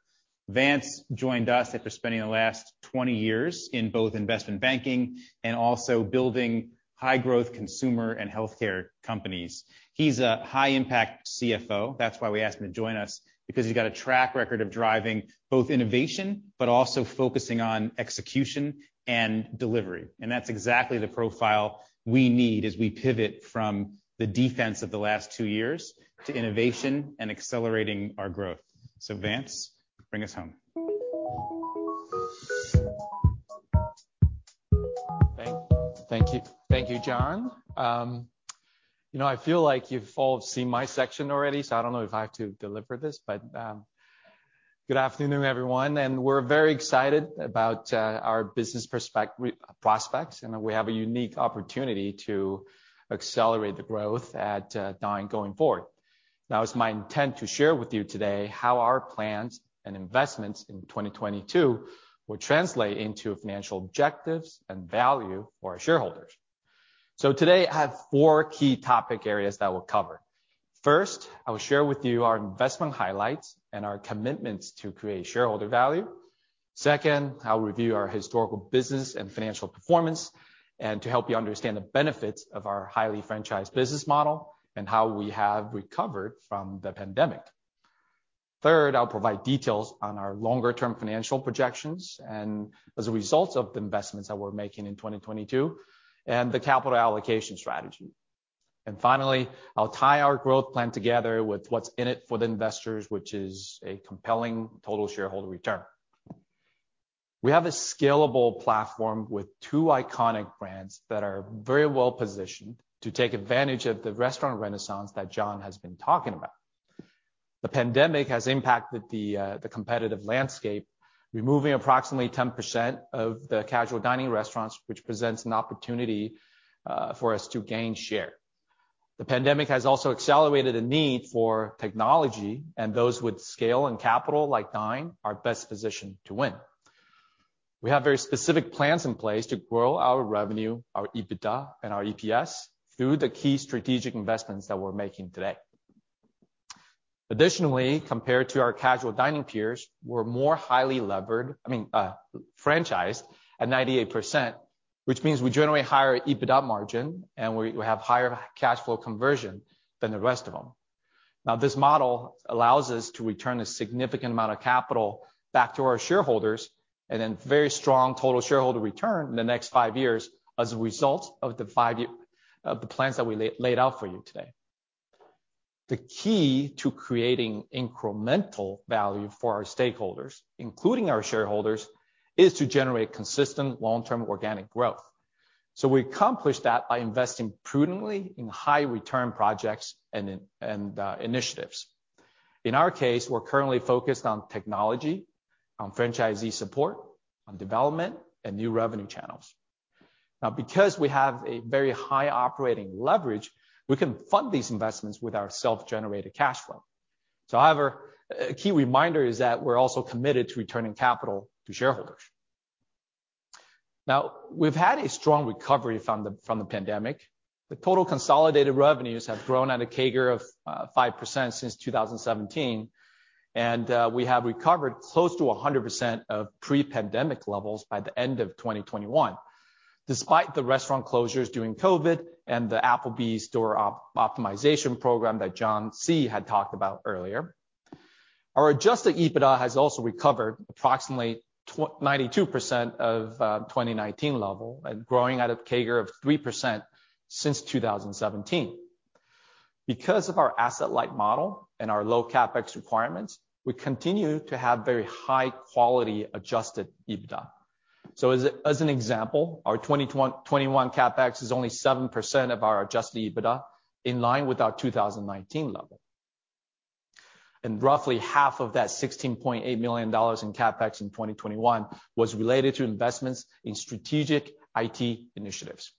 Vance joined us after spending the last 20 years in both investment banking and also building high-growth consumer and healthcare companies. He's a high-impact CFO. That's why we asked him to join us, because he's got a track record of driving both innovation but also focusing on execution and delivery. That's exactly the profile we need as we pivot from the defense of the last two years to innovation and accelerating our growth. Vance, bring us home. Thank you. Thank you, John. You know, I feel like you've all seen my section already, so I don't know if I have to deliver this, but good afternoon, everyone. We're very excited about our business prospects, and we have a unique opportunity to accelerate the growth at Dine going forward. Now it's my intent to share with you today how our plans and investments in 2022 will translate into financial objectives and value for our shareholders. Today I have four key topic areas that we'll cover. First, I will share with you our investment highlights and our commitments to create shareholder value. Second, I'll review our historical business and financial performance and to help you understand the benefits of our highly franchised business model and how we have recovered from the pandemic. Third, I'll provide details on our longer term financial projections and as a result of the investments that we're making in 2022, and the capital allocation strategy. Finally, I'll tie our growth plan together with what's in it for the investors, which is a compelling total shareholder return. We have a scalable platform with two iconic brands that are very well-positioned to take advantage of the restaurant renaissance that John has been talking about. The pandemic has impacted the competitive landscape, removing approximately 10% of the casual dining restaurants, which presents an opportunity for us to gain share. The pandemic has also accelerated a need for technology and those with scale and capital like Dine are best positioned to win. We have very specific plans in place to grow our revenue, our EBITDA, and our EPS through the key strategic investments that we're making today. Additionally, compared to our casual dining peers, we're more highly levered—I mean, franchised at 98%, which means we generate higher EBITDA margin and we have higher cash flow conversion than the rest of them. Now, this model allows us to return a significant amount of capital back to our shareholders and then very strong total shareholder return in the next five years as a result of the five-year plans that we laid out for you today. The key to creating incremental value for our stakeholders, including our shareholders, is to generate consistent long-term organic growth. We accomplish that by investing prudently in high return projects and initiatives. In our case, we're currently focused on technology, on franchisee support, on development and new revenue channels. Now, because we have a very high operating leverage, we can fund these investments with our self-generated cash flow. However, a key reminder is that we're also committed to returning capital to shareholders. Now, we've had a strong recovery from the pandemic. The total consolidated revenues have grown at a CAGR of 5% since 2017, and we have recovered close to 100% of pre-pandemic levels by the end of 2021 despite the restaurant closures during COVID and the Applebee's store optimization program that John had talked about earlier. Our adjusted EBITDA has also recovered approximately 92% of 2019 level and growing at a CAGR of 3% since 2017. Because of our asset-light model and our low CapEx requirements, we continue to have very high quality adjusted EBITDA. As an example, our 2021 CapEx is only 7% of our Adjusted EBITDA in line with our 2019 level. Roughly half of that $16.8 million in CapEx in 2021 was related to investments in strategic IT initiatives.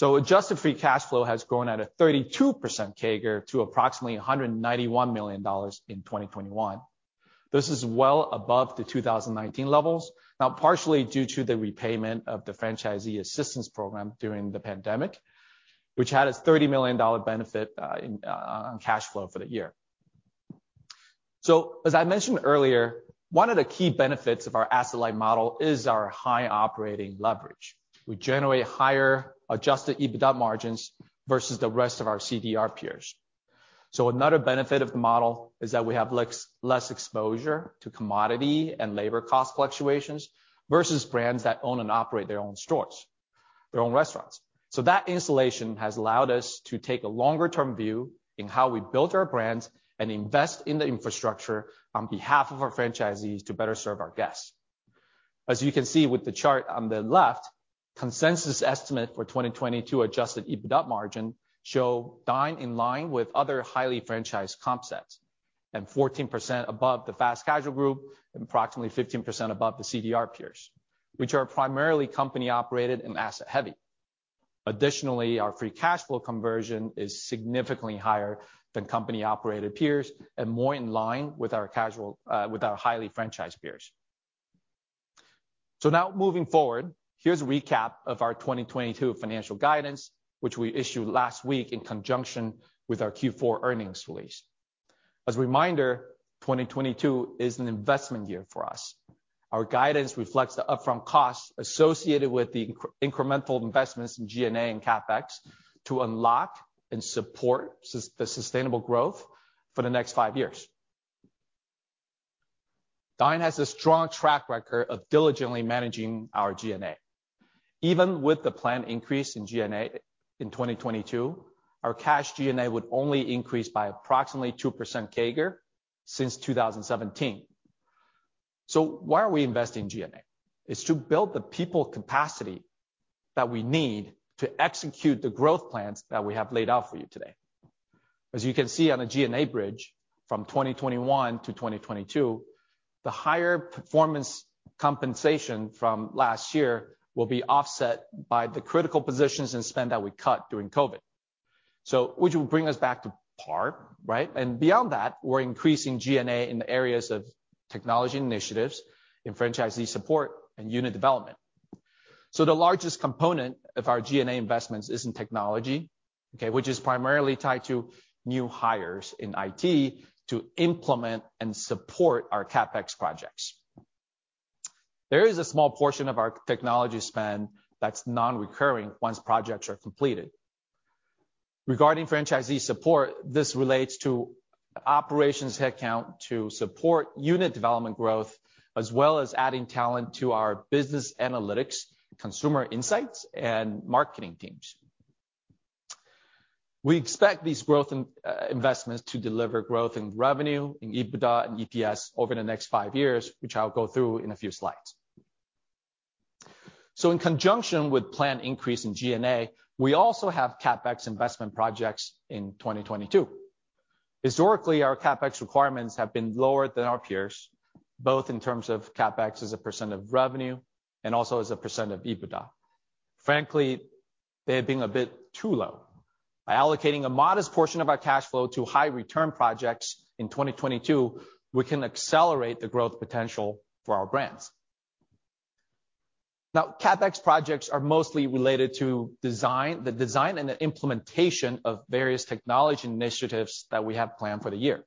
Adjusted free cash flow has grown at a 32% CAGR to approximately $191 million in 2021. This is well above the 2019 levels. Now, partially due to the repayment of the franchisee assistance program during the pandemic, which had a $30 million benefit on cash flow for the year. As I mentioned earlier, one of the key benefits of our asset-light model is our high operating leverage. We generate higher adjusted EBITDA margins versus the rest of our CDR peers. Another benefit of the model is that we have less exposure to commodity and labor cost fluctuations versus brands that own and operate their own stores, their own restaurants. That insulation has allowed us to take a longer term view in how we built our brands and invest in the infrastructure on behalf of our franchisees to better serve our guests. As you can see with the chart on the left, consensus estimate for 2022 Adjusted EBITDA margin shows Dine in line with other highly franchised concepts, and 14% above the fast casual group, and approximately 15% above the CDR peers, which are primarily company operated and asset heavy. Additionally, our free cash flow conversion is significantly higher than company operated peers and more in line with our casual, with our highly franchised peers. Now moving forward, here's a recap of our 2022 financial guidance, which we issued last week in conjunction with our Q4 earnings release. As a reminder, 2022 is an investment year for us. Our guidance reflects the upfront costs associated with the incremental investments in G&A and CapEx to unlock and support the sustainable growth for the next five years. Dine has a strong track record of diligently managing our G&A. Even with the planned increase in G&A in 2022, our cash G&A would only increase by approximately 2% CAGR since 2017. Why are we investing in G&A? It's to build the people capacity that we need to execute the growth plans that we have laid out for you today. As you can see on the G&A bridge from 2021 to 2022, the higher performance compensation from last year will be offset by the critical positions and spend that we cut during COVID. Which will bring us back to par, right? Beyond that, we're increasing G&A in the areas of technology initiatives, in franchisee support and unit development. The largest component of our G&A investments is in technology, okay, which is primarily tied to new hires in IT to implement and support our CapEx projects. There is a small portion of our technology spend that's non-recurring once projects are completed. Regarding franchisee support, this relates to operations headcount to support unit development growth, as well as adding talent to our business analytics, consumer insights, and marketing teams. We expect these growth investments to deliver growth in revenue, in EBITDA and EPS over the next five years, which I'll go through in a few slides. In conjunction with planned increase in G&A, we also have CapEx investment projects in 2022. Historically, our CapEx requirements have been lower than our peers, both in terms of CapEx as a percent of revenue and also as a percent of EBITDA. Frankly, they have been a bit too low. By allocating a modest portion of our cash flow to high return projects in 2022, we can accelerate the growth potential for our brands. CapEx projects are mostly related to design and the implementation of various technology initiatives that we have planned for the year.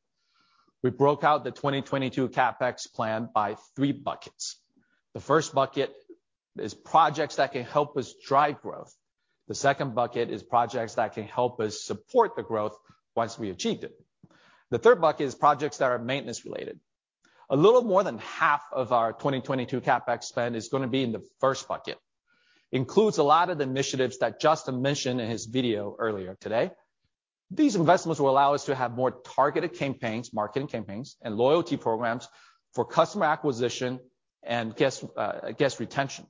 We broke out the 2022 CapEx plan by three buckets. The first bucket is projects that can help us drive growth. The second bucket is projects that can help us support the growth once we achieved it. The third bucket is projects that are maintenance related. A little more than half of our 2022 CapEx spend is gonna be in the first bucket. Includes a lot of the initiatives that Justin mentioned in his video earlier today. These investments will allow us to have more targeted campaigns, marketing campaigns, and loyalty programs for customer acquisition and guest retention.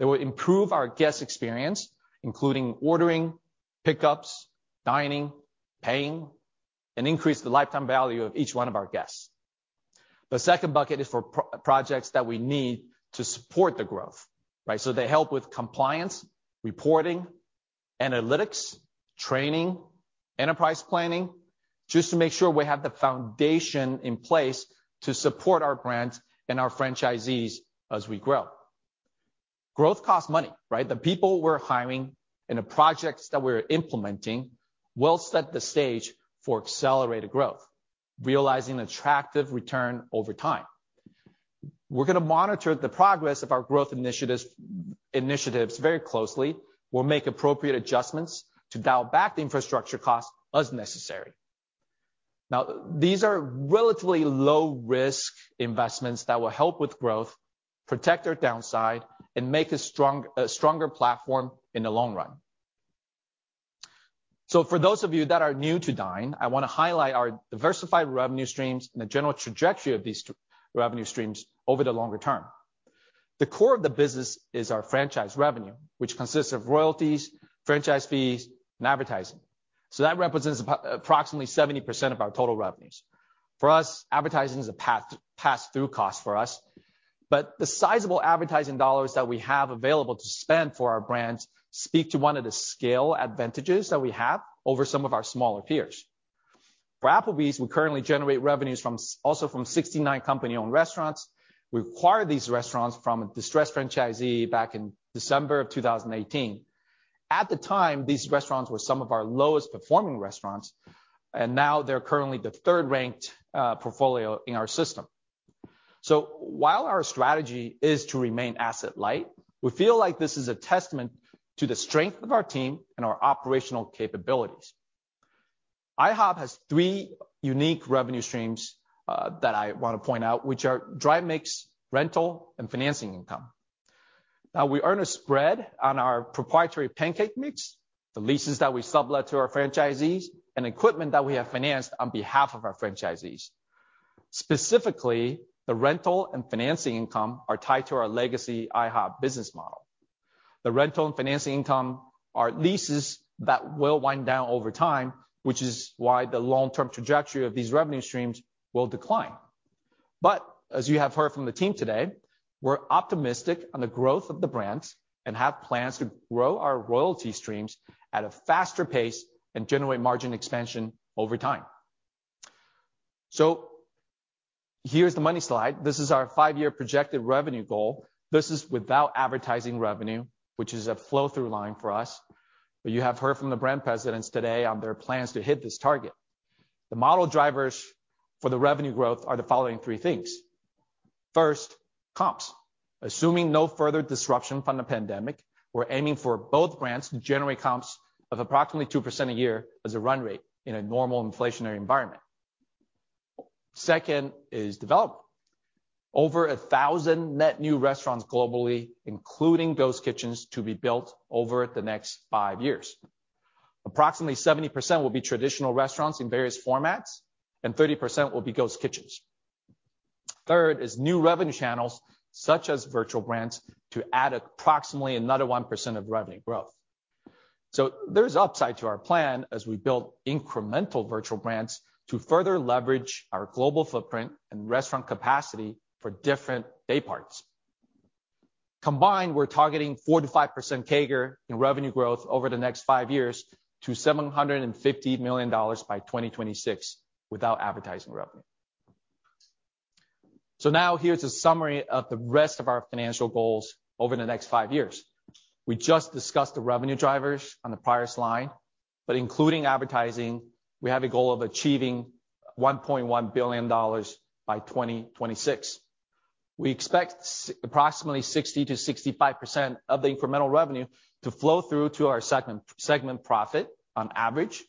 They will improve our guest experience, including ordering, pickups, dining, paying, and increase the lifetime value of each one of our guests. The second bucket is for projects that we need to support the growth, right? They help with compliance, reporting, analytics, training, enterprise planning, just to make sure we have the foundation in place to support our brands and our franchisees as we grow. Growth costs money, right? The people we're hiring and the projects that we're implementing will set the stage for accelerated growth, realizing attractive return over time. We're gonna monitor the progress of our growth initiatives very closely. We'll make appropriate adjustments to dial back the infrastructure costs as necessary. Now, these are relatively low risk investments that will help with growth, protect our downside, and make a stronger platform in the long run. For those of you that are new to Dine, I wanna highlight our diversified revenue streams and the general trajectory of these revenue streams over the longer term. The core of the business is our franchise revenue, which consists of royalties, franchise fees, and advertising. That represents approximately 70% of our total revenues. For us, advertising is a pass-through cost for us. The sizable advertising dollars that we have available to spend for our brands speak to one of the scale advantages that we have over some of our smaller peers. For Applebee's, we currently generate revenues from also from 69 company-owned restaurants. We acquired these restaurants from a distressed franchisee back in December of 2018. At the time, these restaurants were some of our lowest performing restaurants, and now they're currently the third ranked portfolio in our system. While our strategy is to remain asset light, we feel like this is a testament to the strength of our team and our operational capabilities. IHOP has three unique revenue streams that I wanna point out, which are dry mix, rental, and financing income. Now, we earn a spread on our proprietary pancake mix, the leases that we sublet to our franchisees, and equipment that we have financed on behalf of our franchisees. Specifically, the rental and financing income are tied to our legacy IHOP business model. The rental and financing income are leases that will wind down over time, which is why the long term trajectory of these revenue streams will decline. As you have heard from the team today, we're optimistic on the growth of the brands and have plans to grow our royalty streams at a faster pace and generate margin expansion over time. Here's the money slide. This is our five-year projected revenue goal. This is without advertising revenue, which is a flow through line for us. You have heard from the brand presidents today on their plans to hit this target. The model drivers for the revenue growth are the following three things. First, comps. Assuming no further disruption from the pandemic, we're aiming for both brands to generate comps of approximately 2% a year as a run rate in a normal inflationary environment. Second is development. Over 1,000 net new restaurants globally, including ghost kitchens to be built over the next five years. Approximately 70% will be traditional restaurants in various formats, and 30% will be ghost kitchens. Third is new revenue channels such as virtual brands to add approximately another 1% of revenue growth. There's upside to our plan as we build incremental virtual brands to further leverage our global footprint and restaurant capacity for different day parts. Combined, we're targeting 4%-5% CAGR in revenue growth over the next five years to $750 million by 2026 without advertising revenue. Now here's a summary of the rest of our financial goals over the next five years. We just discussed the revenue drivers on the prior slide, but including advertising, we have a goal of achieving $1.1 billion by 2026. We expect approximately 60%-65% of the incremental revenue to flow through to our segment profit on average.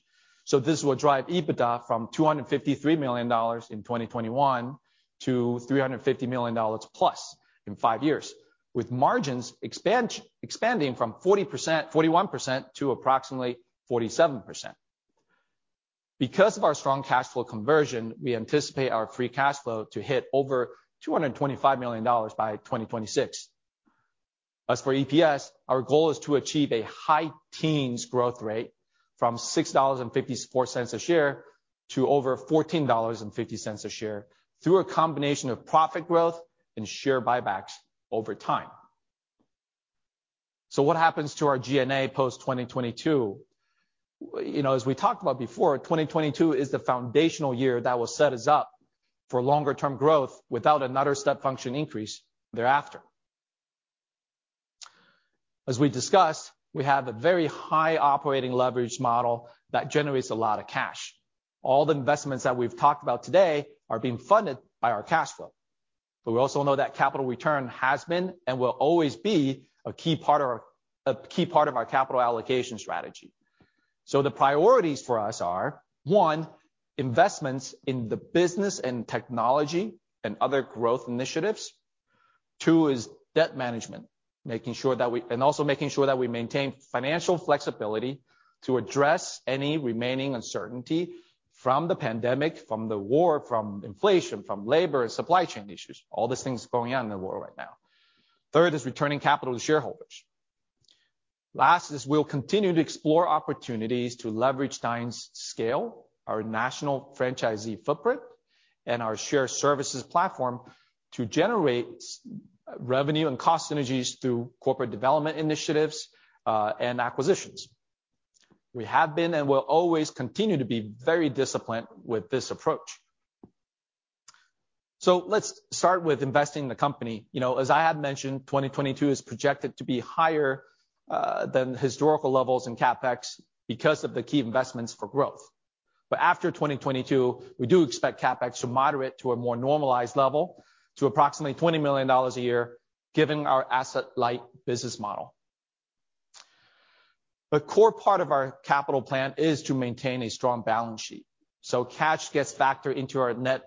This will drive EBITDA from $253 million in 2021 to $350 million plus in five years, with margins expanding from 40%-41% to approximately 47%. Because of our strong cash flow conversion, we anticipate our free cash flow to hit over $225 million by 2026. As for EPS, our goal is to achieve a high teens growth rate from $6.54 a share to over $14.50 a share through a combination of profit growth and share buybacks over time. What happens to our G&A post 2022? You know, as we talked about before, 2022 is the foundational year that will set us up for longer term growth without another step function increase thereafter. As we discussed, we have a very high operating leverage model that generates a lot of cash. All the investments that we've talked about today are being funded by our cash flow. We also know that capital return has been and will always be a key part of our capital allocation strategy. The priorities for us are, one, investments in the business and technology and other growth initiatives. Two is debt management, and also making sure that we maintain financial flexibility to address any remaining uncertainty from the pandemic, from the war, from inflation, from labor and supply chain issues, all these things going on in the world right now. Third is returning capital to shareholders. Last is we'll continue to explore opportunities to leverage Dine's scale, our national franchisee footprint, and our shared services platform to generate revenue and cost synergies through corporate development initiatives, and acquisitions. We have been and will always continue to be very disciplined with this approach. Let's start with investing in the company. You know, as I had mentioned, 2022 is projected to be higher than historical levels in CapEx because of the key investments for growth. After 2022, we do expect CapEx to moderate to a more normalized level to approximately $20 million a year, given our asset-light business model. The core part of our capital plan is to maintain a strong balance sheet, so cash gets factored into our net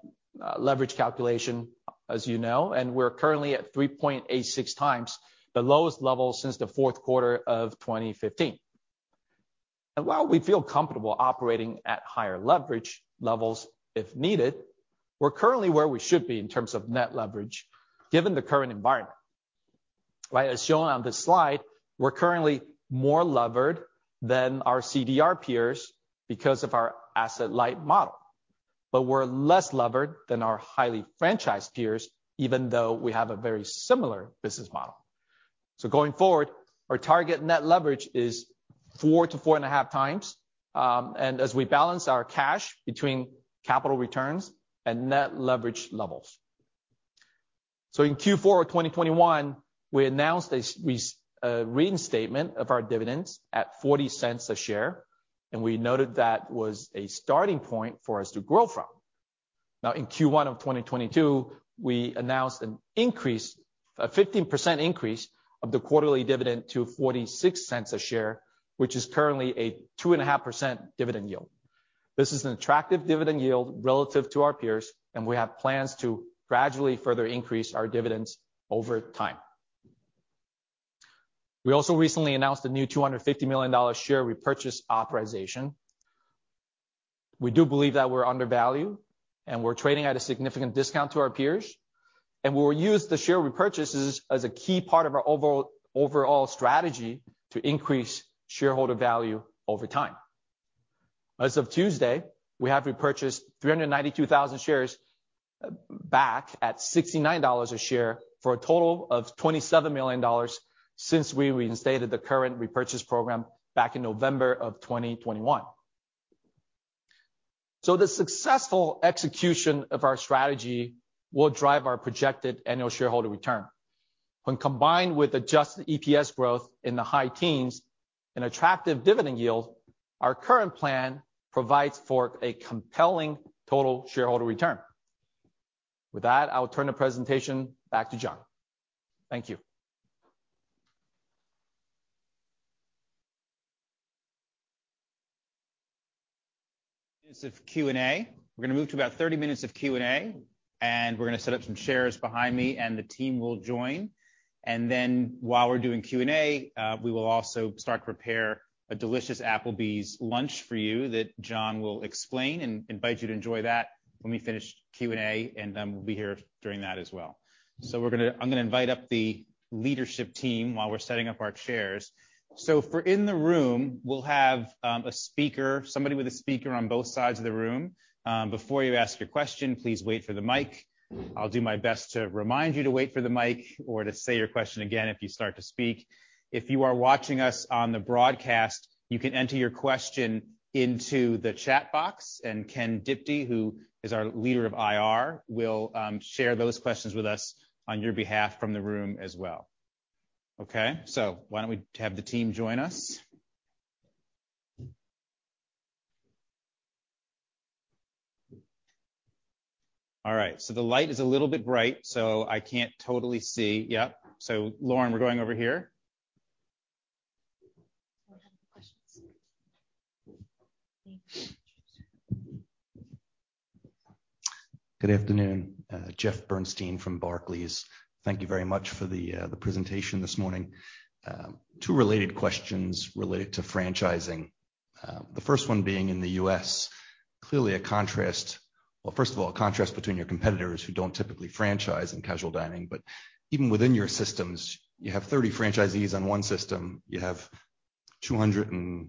leverage calculation, as you know, and we're currently at 3.86x the lowest level since the fourth quarter of 2015. While we feel comfortable operating at higher leverage levels if needed, we're currently where we should be in terms of net leverage given the current environment, right? As shown on this slide, we're currently more levered than our CDR peers because of our asset-light model, but we're less levered than our highly franchised peers, even though we have a very similar business model. Going forward, our target net leverage is 4x-4.5x, and as we balance our cash between capital returns and net leverage levels. In Q4 of 2021, we announced a reinstatement of our dividends at $0.40 a share, and we noted that was a starting point for us to grow from. Now in Q1 of 2022, we announced an increase, a 15% increase of the quarterly dividend to $0.46 a share, which is currently a 2.5% dividend yield. This is an attractive dividend yield relative to our peers, and we have plans to gradually further increase our dividends over time. We also recently announced a new $250 million share repurchase authorization. We do believe that we're undervalued, and we're trading at a significant discount to our peers, and we will use the share repurchases as a key part of our overall strategy to increase shareholder value over time. As of Tuesday, we have repurchased 392,000 shares back at $69 a share for a total of $27 million since we reinstated the current repurchase program back in November 2021. The successful execution of our strategy will drive our projected annual shareholder return. When combined with adjusted EPS growth in the high teens and attractive dividend yield, our current plan provides for a compelling total shareholder return. With that, I'll turn the presentation back to John. Thank you. We're gonna move to about 30 minutes of Q&A, and we're gonna set up some chairs behind me, and the team will join. While we're doing Q&A, we will also start to prepare a delicious Applebee's lunch for you that John will explain and invite you to enjoy that when we finish Q&A, and then we'll be here during that as well. I'm gonna invite up the leadership team while we're setting up our chairs. For those in the room, we'll have a mic, somebody with a mic on both sides of the room. Before you ask your question, please wait for the mic. I'll do my best to remind you to wait for the mic or to say your question again if you start to speak. If you are watching us on the broadcast, you can enter your question into the chat box, and Ken Diptee, who is our leader of IR, will share those questions with us on your behalf from the room as well. Okay? Why don't we have the team join us? All right. The light is a little bit bright, so I can't totally see. Yep. Lauren, we're going over here. Go ahead with the questions. Good afternoon. Jeff Bernstein from Barclays. Thank you very much for the presentation this morning. Two related questions related to franchising. The first one being in the U.S. Well, first of all, a contrast between your competitors who don't typically franchise in casual dining, but even within your systems, you have 30 franchisees on one system, you have 270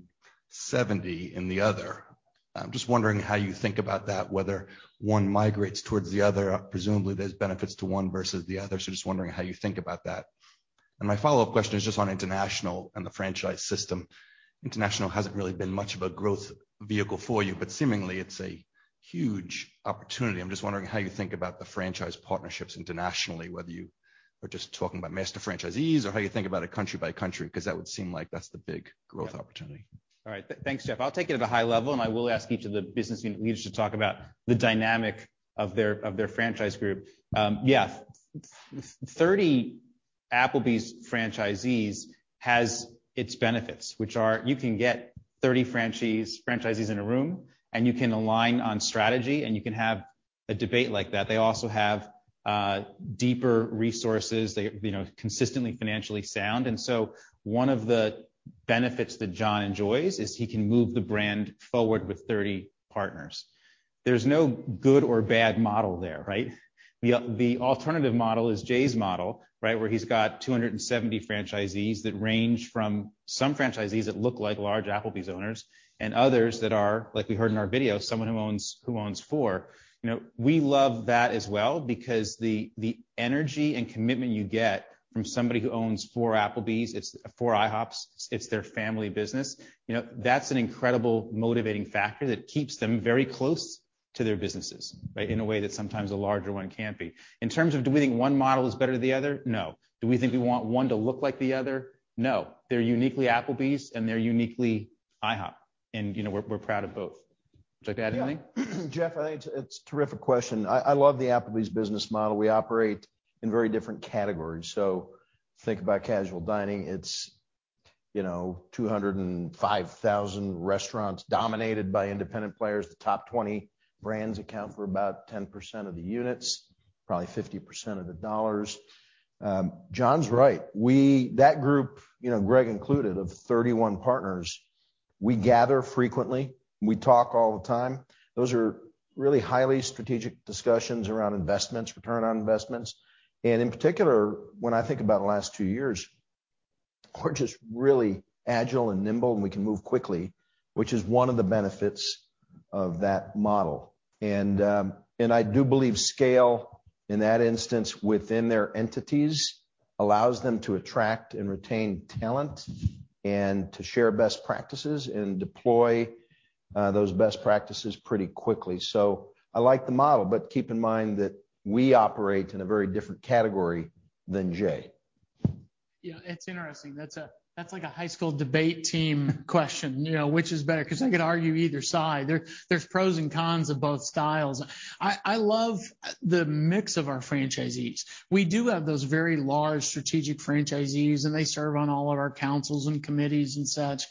in the other. I'm just wondering how you think about that, whether one migrates towards the other. Presumably, there's benefits to one versus the other, so just wondering how you think about that. My follow-up question is just on international and the franchise system. International hasn't really been much of a growth vehicle for you, but seemingly it's a huge opportunity. I'm just wondering how you think about the franchise partnerships internationally, whether you are just talking about master franchisees or how you think about it country by country, 'cause that would seem like that's the big growth opportunity? All right. Thanks, Jeff. I'll take it at a high level, and I will ask each of the business unit leaders to talk about the dynamic of their franchise group. Yeah, 30 Applebee's franchisees has its benefits, which are you can get 30 franchisees in a room, and you can align on strategy, and you can have a debate like that. They also have deeper resources. They, you know, are consistently financially sound. One of the benefits that John enjoys is he can move the brand forward with 30 partners. There's no good or bad model there, right? The alternative model is Jay's model, right? Where he's got 270 franchisees that range from some franchisees that look like large Applebee's owners and others that are, like we heard in our video, someone who owns 4. You know, we love that as well because the energy and commitment you get from somebody who owns four Applebee's, it's four IHOPs, it's their family business. You know, that's an incredible motivating factor that keeps them very close to their businesses, right? In terms of do we think one model is better than the other? No. Do we think we want one to look like the other? No. They're uniquely Applebee's, and they're uniquely IHOP, and you know, we're proud of both. Would you like to add anything? Yeah. Jeff, I think it's a terrific question. I love the Applebee's business model. We operate in very different categories. Think about casual dining. It's 205,000 restaurants dominated by independent players. The top 20 brands account for about 10% of the units, probably 50% of the dollars. John's right. That group, Greg included, of 31 partners, we gather frequently. We talk all the time. Those are really highly strategic discussions around investments, return on investments. In particular, when I think about the last two years, we're just really agile and nimble, and we can move quickly, which is one of the benefits of that model. I do believe scale in that instance within their entities allows them to attract and retain talent and to share best practices and deploy those best practices pretty quickly. I like the model, but keep in mind that we operate in a very different category than Jay. Yeah. It's interesting. That's like a high school debate team question, you know? Which is better? 'Cause I could argue either side. There's pros and cons of both styles. I love the mix of our franchisees. We do have those very large strategic franchisees, and they serve on all of our councils and committees and such.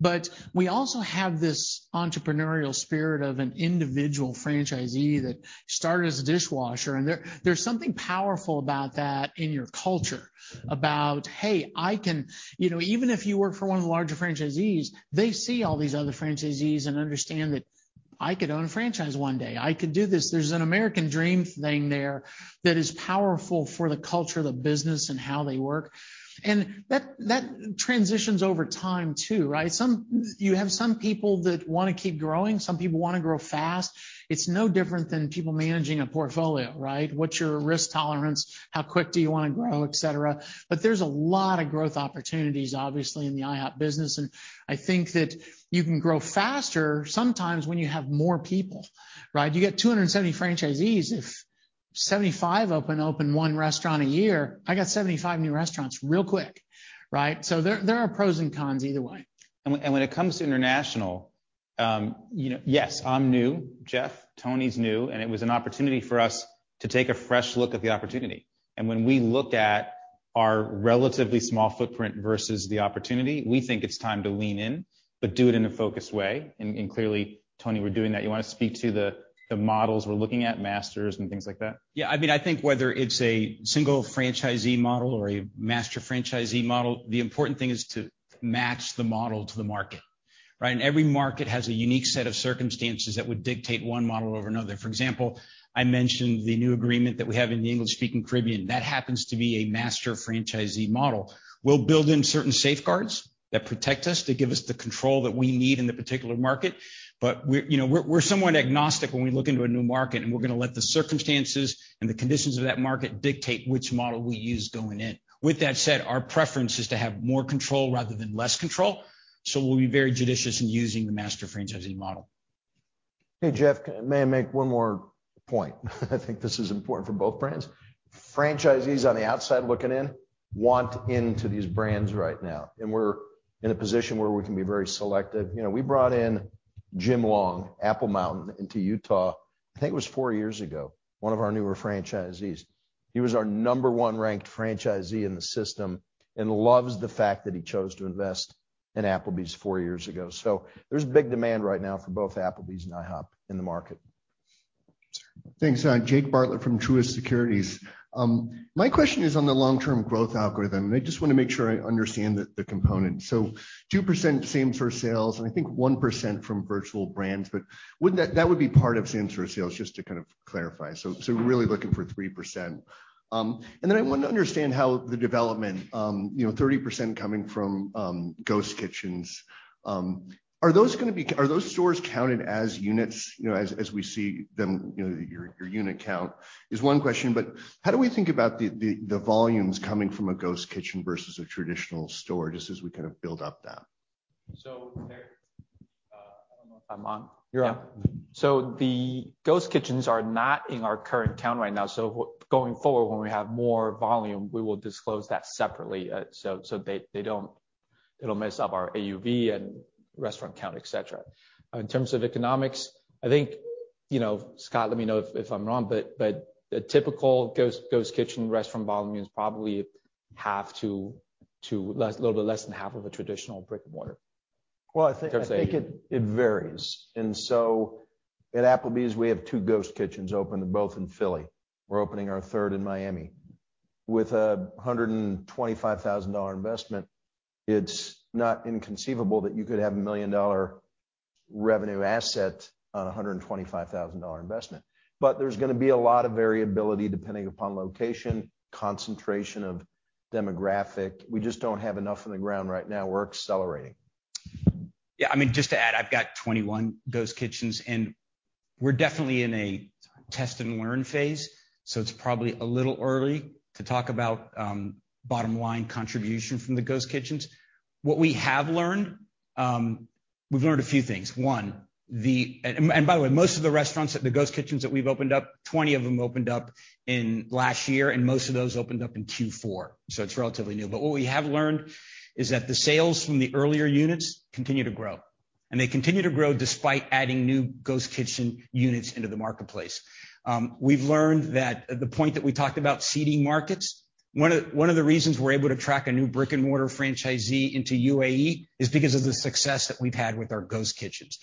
But we also have this entrepreneurial spirit of an individual franchisee that started as a dishwasher, and there's something powerful about that in your culture. About hey, I can you know even if you work for one of the larger franchisees, they see all these other franchisees and understand that I could own a franchise one day. I could do this. There's an American Dream thing there that is powerful for the culture of the business and how they work. That transitions over time too, right? You have some people that wanna keep growing, some people wanna grow fast. It's no different than people managing a portfolio, right? What's your risk tolerance? How quick do you wanna grow, et cetera. There's a lot of growth opportunities, obviously, in the IHOP business, and I think that you can grow faster sometimes when you have more people, right? You get 270 franchisees. If 75 of them open one restaurant a year, I got 75 new restaurants real quick, right? There are pros and cons either way. When it comes to international, you know, yes, I'm new, Jeff, Tony's new, and it was an opportunity for us to take a fresh look at the opportunity. When we looked at our relatively small footprint versus the opportunity, we think it's time to lean in, but do it in a focused way. Clearly, Tony, we're doing that. You want to speak to the models we're looking at, masters and things like that? Yeah. I mean, I think whether it's a single franchisee model or a master franchisee model, the important thing is to match the model to the market, right? Every market has a unique set of circumstances that would dictate one model over another. For example, I mentioned the new agreement that we have in the English-speaking Caribbean. That happens to be a master franchisee model. We'll build in certain safeguards that protect us, that give us the control that we need in the particular market, but you know, we're somewhat agnostic when we look into a new market, and we're gonna let the circumstances and the conditions of that market dictate which model we use going in. With that said, our preference is to have more control rather than less control, so we'll be very judicious in using the master franchising model. Hey, Jeff, May I make one more point? I think this is important for both brands. Franchisees on the outside looking in want into these brands right now, and we're in a position where we can be very selective. You know, we brought in Jim Long, Apple Mountain, into Utah, I think it was four years ago, one of our newer franchisees. He was our number one ranked franchisee in the system and loves the fact that he chose to invest in Applebee's four years ago. There's big demand right now for both Applebee's and IHOP in the market. Thanks. Jake Bartlett from Truist Securities. My question is on the long-term growth algorithm, and I just wanna make sure I understand the components. Two percent same-store sales, and I think 1% from virtual brands, but that would be part of same-store sales, just to kind of clarify. We're really looking for 3%. I wanted to understand how the development, you know, 30% coming from ghost kitchens, are those stores counted as units, you know, as we see them, you know, your unit count is one question, but how do we think about the volumes coming from a ghost kitchen versus a traditional store, just as we kind of build up that? I don't know if I'm on. You're on. Yeah. The ghost kitchens are not in our current count right now. Going forward, when we have more volume, we will disclose that separately. They don't. It'll mess up our AUV and restaurant count, et cetera. In terms of economics, I think, you know, Scott, let me know if I'm wrong, but a typical ghost kitchen restaurant volume is probably half to less, a little bit less than half of a traditional brick-and-mortar. Well, I think. In terms of. I think it varies. At Applebee's, we have two ghost kitchens open, both in Philly. We're opening our third in Miami. With a $125,000 investment, it's not inconceivable that you could have a $1 million revenue asset on a $125,000 investment. But there's gonna be a lot of variability depending upon location, concentration of demographic. We just don't have enough on the ground right now. We're accelerating. Yeah, I mean, just to add, I've got 21 ghost kitchens, and we're definitely in a test and learn phase, so it's probably a little early to talk about bottom line contribution from the ghost kitchens. What we have learned, we've learned a few things. One. By the way, most of the restaurants at the ghost kitchens that we've opened up, 20 of them opened up in last year, and most of those opened up in Q4, so it's relatively new. What we have learned is that the sales from the earlier units continue to grow, and they continue to grow despite adding new ghost kitchen units into the marketplace. We've learned that at the point that we talked about seeding markets, one of the reasons we're able to attract a new brick-and-mortar franchisee into UAE is because of the success that we've had with our ghost kitchens.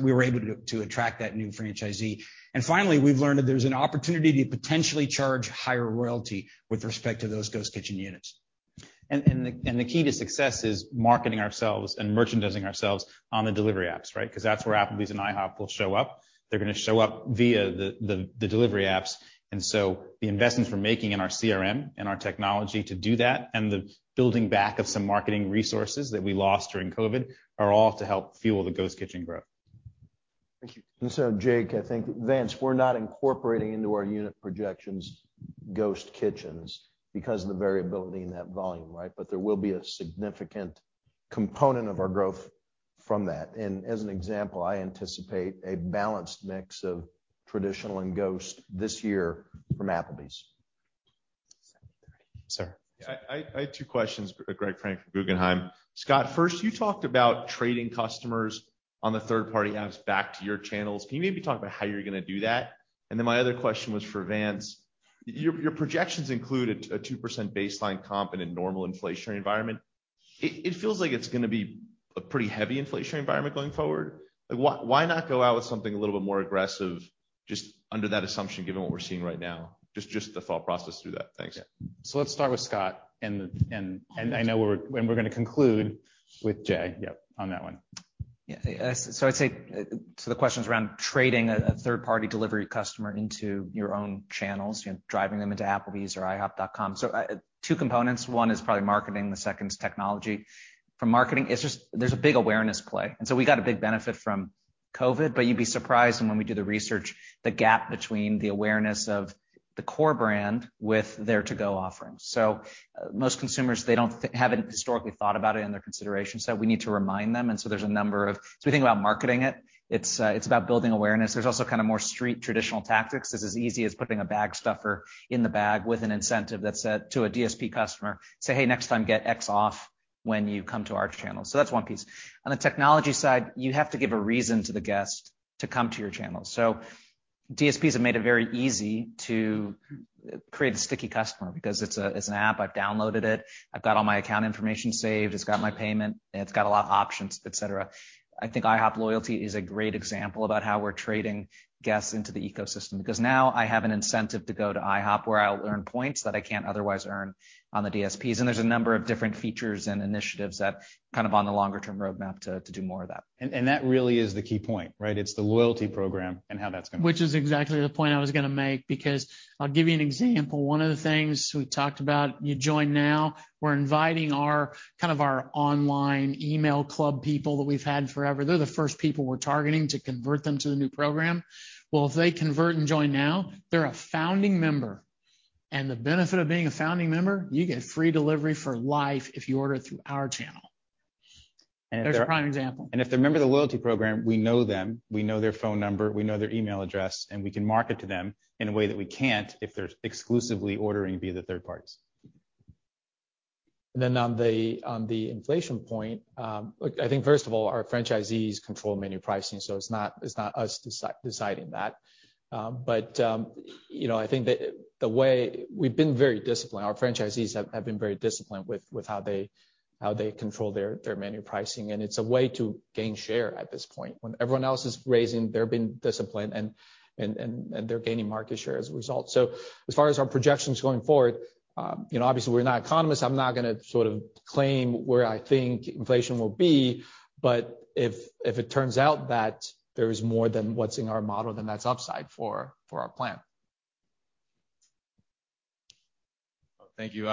We were able to attract that new franchisee. Finally, we've learned that there's an opportunity to potentially charge higher royalty with respect to those ghost kitchen units. The key to success is marketing ourselves and merchandising ourselves on the delivery apps, right? Because that's where Applebee's and IHOP will show up. They're gonna show up via the delivery apps. The investments we're making in our CRM and our technology to do that and the building back of some marketing resources that we lost during COVID are all to help fuel the ghost kitchen growth. Thank you. Jake, I think, Vance, we're not incorporating into our unit projections ghost kitchens because of the variability in that volume, right? There will be a significant component of our growth from that. As an example, I anticipate a balanced mix of traditional and ghost this year from Applebee's. Sir. Yeah. I have two questions. Gregory Francfort from Guggenheim. Scott, first, you talked about trading customers on the third-party apps back to your channels. Can you maybe talk about how you're gonna do that? Then my other question was for Vance. Your projections include a 2% baseline comp in a normal inflationary environment. It feels like it's gonna be a pretty heavy inflationary environment going forward. Like, why not go out with something a little bit more aggressive just under that assumption, given what we're seeing right now? Just the thought process through that. Thanks. Yeah. Let's start with Scott and I know we're gonna conclude with Jay. Yep. On that one. I'd say the questions around trading a third-party delivery customer into your own channels, you know, driving them into Applebee's or ihop.com. Two components. One is probably marketing, the second is technology. For marketing, it's just there's a big awareness play. We got a big benefit from COVID, but you'd be surprised when we do the research, the gap between the awareness of the core brand with their To-Go offerings. Most consumers, they haven't historically thought about it in their consideration, so we need to remind them. There's a number of. We think about marketing it. It's about building awareness. There's also kind of more street traditional tactics. It's as easy as putting a bag stuffer in the bag with an incentive that said to a DSP customer, say, "Hey, next time, get X off when you come to our channel." That's one piece. On the technology side, you have to give a reason to the guest to come to your channel. DSPs have made it very easy to create a sticky customer because it's a, it's an app, I've downloaded it. I've got all my account information saved, it's got my payment, and it's got a lot of options, et cetera. I think IHOP Loyalty is a great example about how we're trading guests into the ecosystem. Because now I have an incentive to go to IHOP where I'll earn points that I can't otherwise earn on the DSPs. There's a number of different features and initiatives that kind of on the longer-term roadmap to do more of that. That really is the key point, right? It's the loyalty program and how that's gonna- Which is exactly the point I was gonna make, because I'll give you an example. One of the things we talked about, You Join Now, we're inviting our kind of our online email club people that we've had forever. They're the first people we're targeting to convert them to the new program. Well, if they convert and join now, they're a founding member. The benefit of being a founding member, you get free delivery for life if you order through our channel. There's a prime example. If they're a member of the loyalty program, we know them, we know their phone number, we know their email address, and we can market to them in a way that we can't if they're exclusively ordering via the third parties. On the inflation point, look, I think first of all, our franchisees control menu pricing, so it's not us deciding that. You know, I think that the way we've been very disciplined, our franchisees have been very disciplined with how they control their menu pricing. It's a way to gain share at this point. When everyone else is raising, they're being disciplined and they're gaining market share as a result. As far as our projections going forward, you know, obviously, we're not economists. I'm not gonna sort of claim where I think inflation will be. If it turns out that there is more than what's in our model, then that's upside for our plan. Thank you.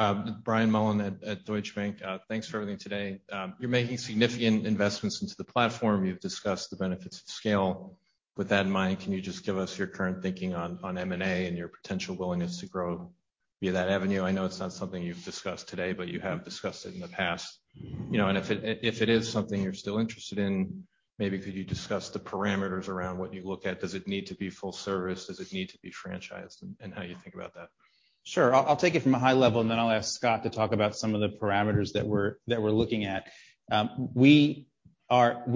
Brian Mullan at Deutsche Bank. Thanks for everything today. You're making significant investments into the platform. You've discussed the benefits of scale. With that in mind, can you just give us your current thinking on M&A and your potential willingness to grow via that avenue? I know it's not something you've discussed today, but you have discussed it in the past. You know, and if it is something you're still interested in, maybe could you discuss the parameters around what you look at? Does it need to be full service? Does it need to be franchised, and how you think about that? Sure. I'll take it from a high level, and then I'll ask Scott to talk about some of the parameters that we're looking at. We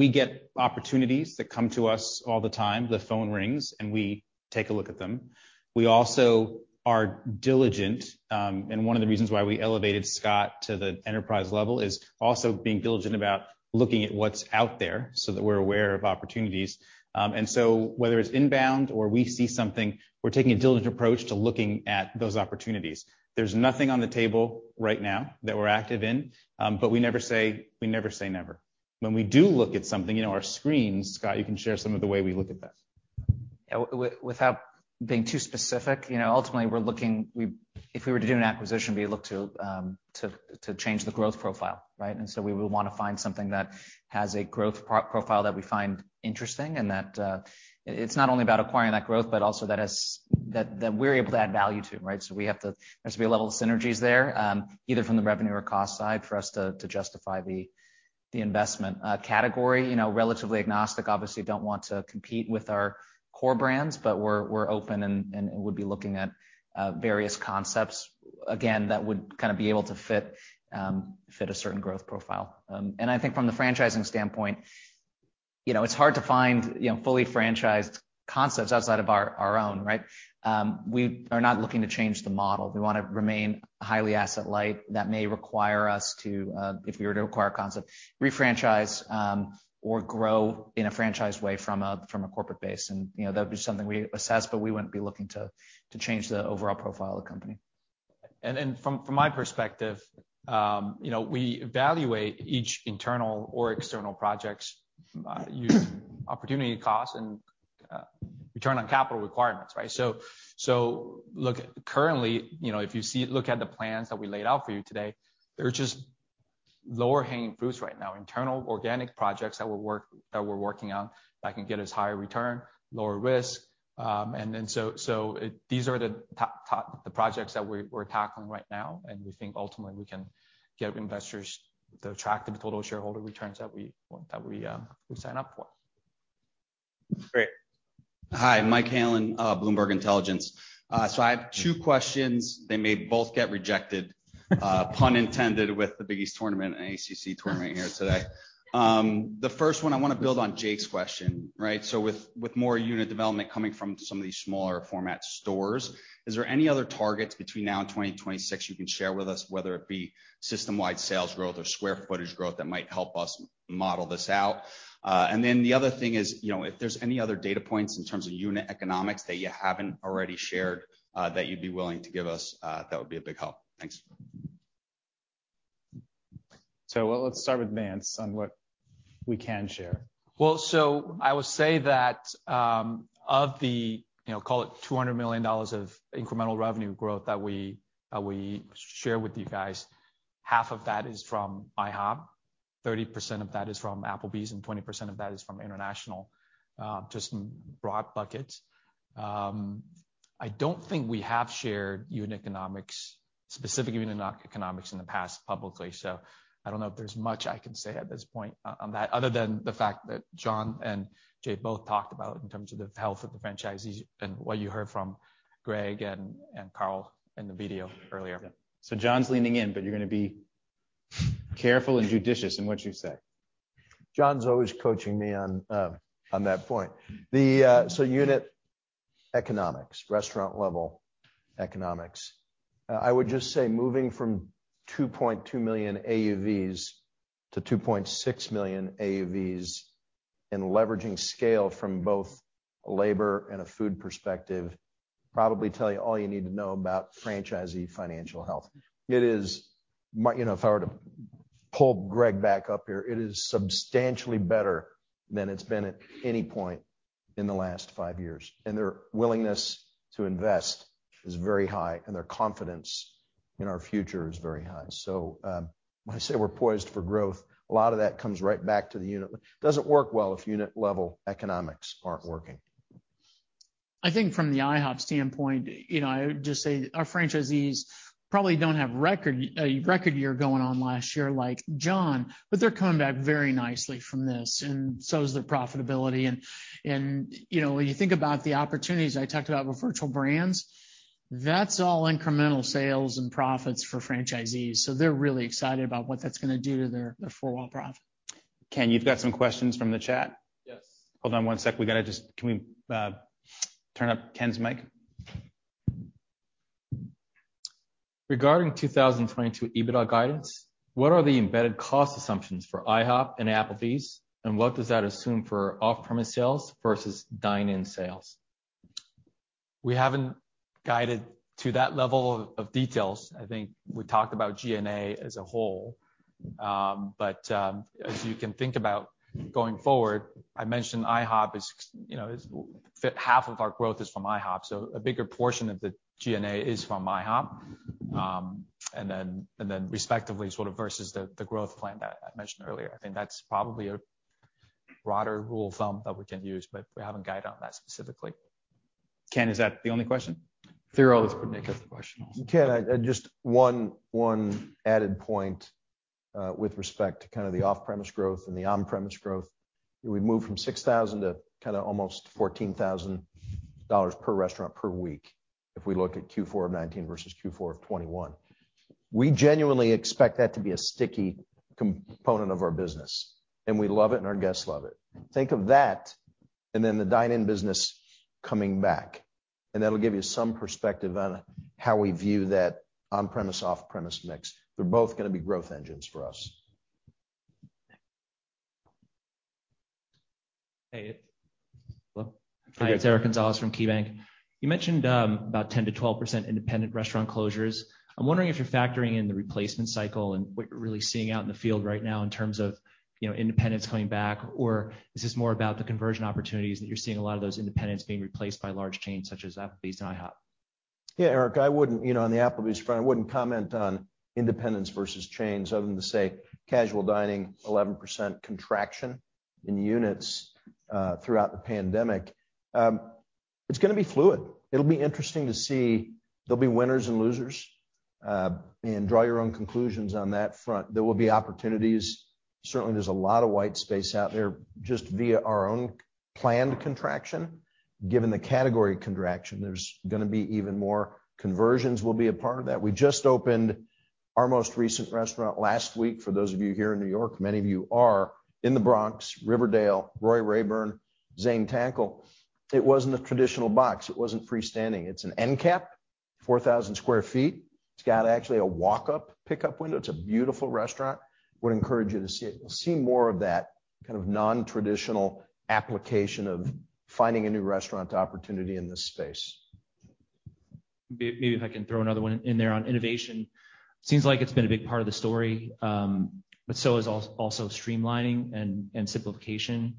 get opportunities that come to us all the time. The phone rings, and we take a look at them. We also are diligent, and one of the reasons why we elevated Scott to the enterprise level is also being diligent about looking at what's out there so that we're aware of opportunities. Whether it's inbound or we see something, we're taking a diligent approach to looking at those opportunities. There's nothing on the table right now that we're active in, but we never say never. When we do look at something, you know, our screens, Scott, you can share some of the way we look at that. Without being too specific, you know, ultimately if we were to do an acquisition, we look to change the growth profile, right? We would wanna find something that has a growth profile that we find interesting and that it's not only about acquiring that growth, but also that we're able to add value to, right? There has to be a level of synergies there, either from the revenue or cost side for us to justify the investment. Category, you know, relatively agnostic. Obviously don't want to compete with our core brands, but we're open and would be looking at various concepts, again, that would kind of be able to fit a certain growth profile. I think from the franchising standpoint, you know, it's hard to find, you know, fully franchised concepts outside of our own, right? We are not looking to change the model. We wanna remain highly asset light. That may require us to, if we were to acquire a concept, refranchise, or grow in a franchised way from a corporate base. You know, that would be something we assess, but we wouldn't be looking to change the overall profile of the company. From my perspective, you know, we evaluate each internal or external projects using opportunity costs and return on capital requirements, right? Look, currently, you know, look at the plans that we laid out for you today, they're just lower hanging fruits right now. Internal organic projects that we're working on that can get us higher return, lower risk. These are the top projects that we're tackling right now, and we think ultimately we can get investors the attractive total shareholder returns that we want, that we sign up for. Great. Hi, Michael Halen, Bloomberg Intelligence. I have two questions. They may both get rejected, pun intended with the BIG EAST tournament and ACC tournament here today. The first one I want to build on Jake's question, right? With more unit development coming from some of these smaller format stores, is there any other targets between now and 2026 you can share with us, whether it be system-wide sales growth or square footage growth that might help us model this out? The other thing is, you know, if there's any other data points in terms of unit economics that you haven't already shared, that you'd be willing to give us, that would be a big help. Thanks. Let's start with Vance on what we can share. Well, I would say that of the call it $200 million of incremental revenue growth that we shared with you guys, half of that is from IHOP, 30% of that is from Applebee's, and 20% of that is from international, just broad buckets. I don't think we have shared unit economics, specific unit economics in the past publicly, so I don't know if there's much I can say at this point on that other than the fact that John and Jake both talked about in terms of the health of the franchisees and what you heard from Greg and Carl in the video earlier. John's leaning in, but you're gonna be- Careful and judicious in what you say. John's always coaching me on that point. Unit economics, restaurant level economics. I would just say moving from $2.2 million AUVs to $2.6 million AUVs and leveraging scale from both a labor and a food perspective probably tell you all you need to know about franchisee financial health. It is. You know, if I were to pull Greg back up here, it is substantially better than it's been at any point in the last five years, and their willingness to invest is very high, and their confidence in our future is very high. When I say we're poised for growth, a lot of that comes right back to the unit. It doesn't work well if unit level economics aren't working. I think from the IHOP standpoint, you know, I would just say our franchisees probably don't have a record year going on last year like John, but they're coming back very nicely from this, and so is their profitability. You know, when you think about the opportunities I talked about with virtual brands, that's all incremental sales and profits for franchisees. They're really excited about what that's gonna do to their four-wall profit. Ken, you've got some questions from the chat? Yes. Hold on one sec. Can we turn up Ken's mic? Regarding 2022 EBITDA guidance, what are the embedded cost assumptions for IHOP and Applebee's, and what does that assume for off-premise sales versus dine-in sales? We haven't guided to that level of details. I think we talked about G&A as a whole. As you can think about going forward, I mentioned IHOP is, you know, half of our growth is from IHOP, so a bigger portion of the G&A is from IHOP. Respectively, sort of versus the growth plan that I mentioned earlier. I think that's probably a broader rule of thumb that we can use, but we haven't guided on that specifically. Ken, is that the only question? Fear always could make up the question also. Ken, just one added point, with respect to kind of the off-premise growth and the on-premise growth. We moved from $6,000 to kind of almost $14,000 per restaurant per week if we look at Q4 of 2019 versus Q4 of 2021. We genuinely expect that to be a sticky component of our business, and we love it, and our guests love it. Think of that, then the dine-in business coming back, and that'll give you some perspective on how we view that on-premise, off-premise mix. They're both gonna be growth engines for us. Hey. Hello? Okay. Hi, it's Eric Gonzalez from KeyBanc. You mentioned about 10%-12% independent restaurant closures. I'm wondering if you're factoring in the replacement cycle and what you're really seeing out in the field right now in terms of, you know, independents coming back, or is this more about the conversion opportunities that you're seeing a lot of those independents being replaced by large chains such as Applebee's and IHOP? Yeah, Eric, I wouldn't, you know, on the Applebee's front, I wouldn't comment on independents versus chains other than to say casual dining, 11% contraction in units throughout the pandemic. It's gonna be fluid. It'll be interesting to see. There'll be winners and losers, and draw your own conclusions on that front. There will be opportunities. Certainly, there's a lot of white space out there just via our own planned contraction. Given the category contraction, there's gonna be even more. Conversions will be a part of that. We just opened our most recent restaurant last week, for those of you here in New York, many of you are, in the Bronx, Riverdale, Roy Raeburn, Zane Tankel. It wasn't a traditional box. It wasn't freestanding. It's an end cap, 4,000 sq ft. It's got actually a walk-up pickup window. It's a beautiful restaurant. would encourage you to see it. You'll see more of that kind of non-traditional application of finding a new restaurant opportunity in this space. Maybe if I can throw another one in there on innovation. Seems like it's been a big part of the story, but so is also streamlining and simplification.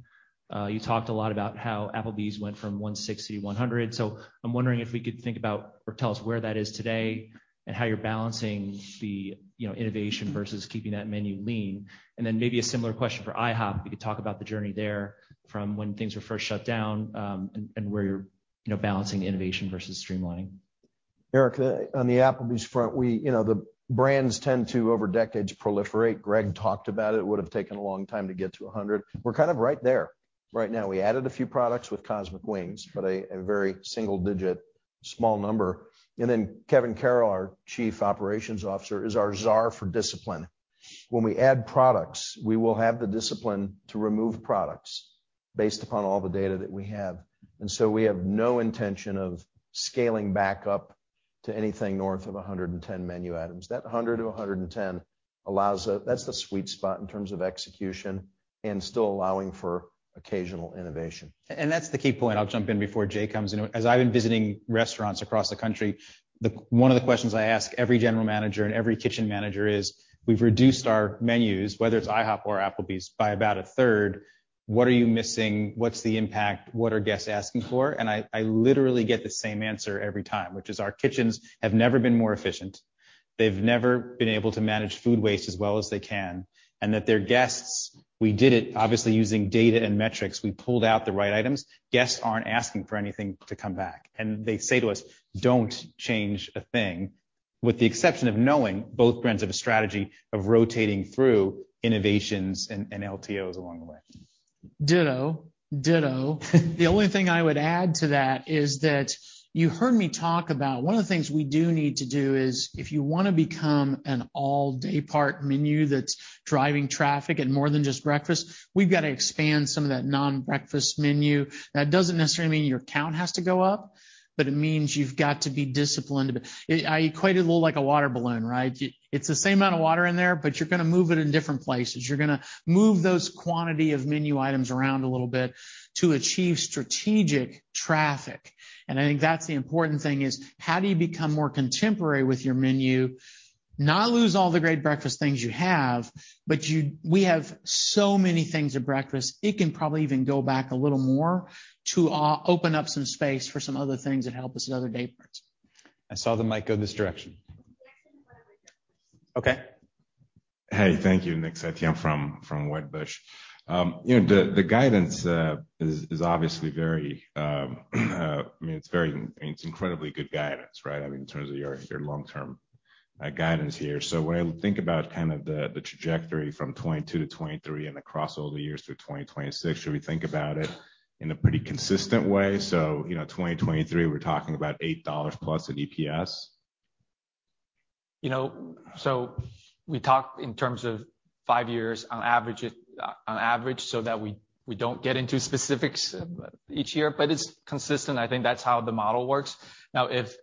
You talked a lot about how Applebee's went from 160 to 100. I'm wondering if we could think about or tell us where that is today and how you're balancing the innovation versus keeping that menu lean. Then maybe a similar question for IHOP, if you could talk about the journey there from when things were first shut down, and where you're balancing innovation versus streamlining. Eric, on the Applebee's front, we, you know, the brands tend to, over decades, proliferate. Greg talked about it. It would've taken a long time to get to 100. We're kind of right there right now. We added a few products with Cosmic Wings, but a very single digit small number. Then Kevin Carroll, our Chief Operations Officer, is our czar for discipline. When we add products, we will have the discipline to remove products based upon all the data that we have. So we have no intention of scaling back up to anything north of 110 menu items. That 100 to 110 allows that's the sweet spot in terms of execution and still allowing for occasional innovation. That's the key point. I'll jump in before Jay comes in. As I've been visiting restaurants across the country, one of the questions I ask every general manager and every kitchen manager is, "We've reduced our menus, whether it's IHOP or Applebee's, by about a 1/3. What are you missing? What's the impact? What are guests asking for?" I literally get the same answer every time, which is our kitchens have never been more efficient. They've never been able to manage food waste as well as they can, and that their guests, we did it obviously using data and metrics. We pulled out the right items. Guests aren't asking for anything to come back. They say to us, "Don't change a thing." With the exception of knowing both brands have a strategy of rotating through innovations and LTOs along the way. Ditto. The only thing I would add to that is that you heard me talk about one of the things we do need to do is if you wanna become an all-day breakfast menu that's driving traffic and more than just breakfast, we've got to expand some of that non-breakfast menu. That doesn't necessarily mean your count has to go up, but it means you've got to be disciplined. I equate it a little like a water balloon, right? It's the same amount of water in there, but you're gonna move it in different places. You're gonna move those quantity of menu items around a little bit to achieve strategic traffic. I think that's the important thing, is how do you become more contemporary with your menu, not lose all the great breakfast things you have, but we have so many things at breakfast, it can probably even go back a little more to open up some space for some other things that help us at other day parts. I saw the mic go this direction. Okay. Hey. Thank you. Nick Setyan from Wedbush. You know, the guidance is obviously very, I mean, it's incredibly good guidance, right? I mean, in terms of your long-term guidance here. When I think about kind of the trajectory from 2022 to 2023 and across all the years through 2026, should we think about it in a pretty consistent way? You know, 2023, we're talking about $8+ in EPS. You know, we talk in terms of five years on average, so that we don't get into specifics each year, it's consistent. I think that's how the model works. Now, if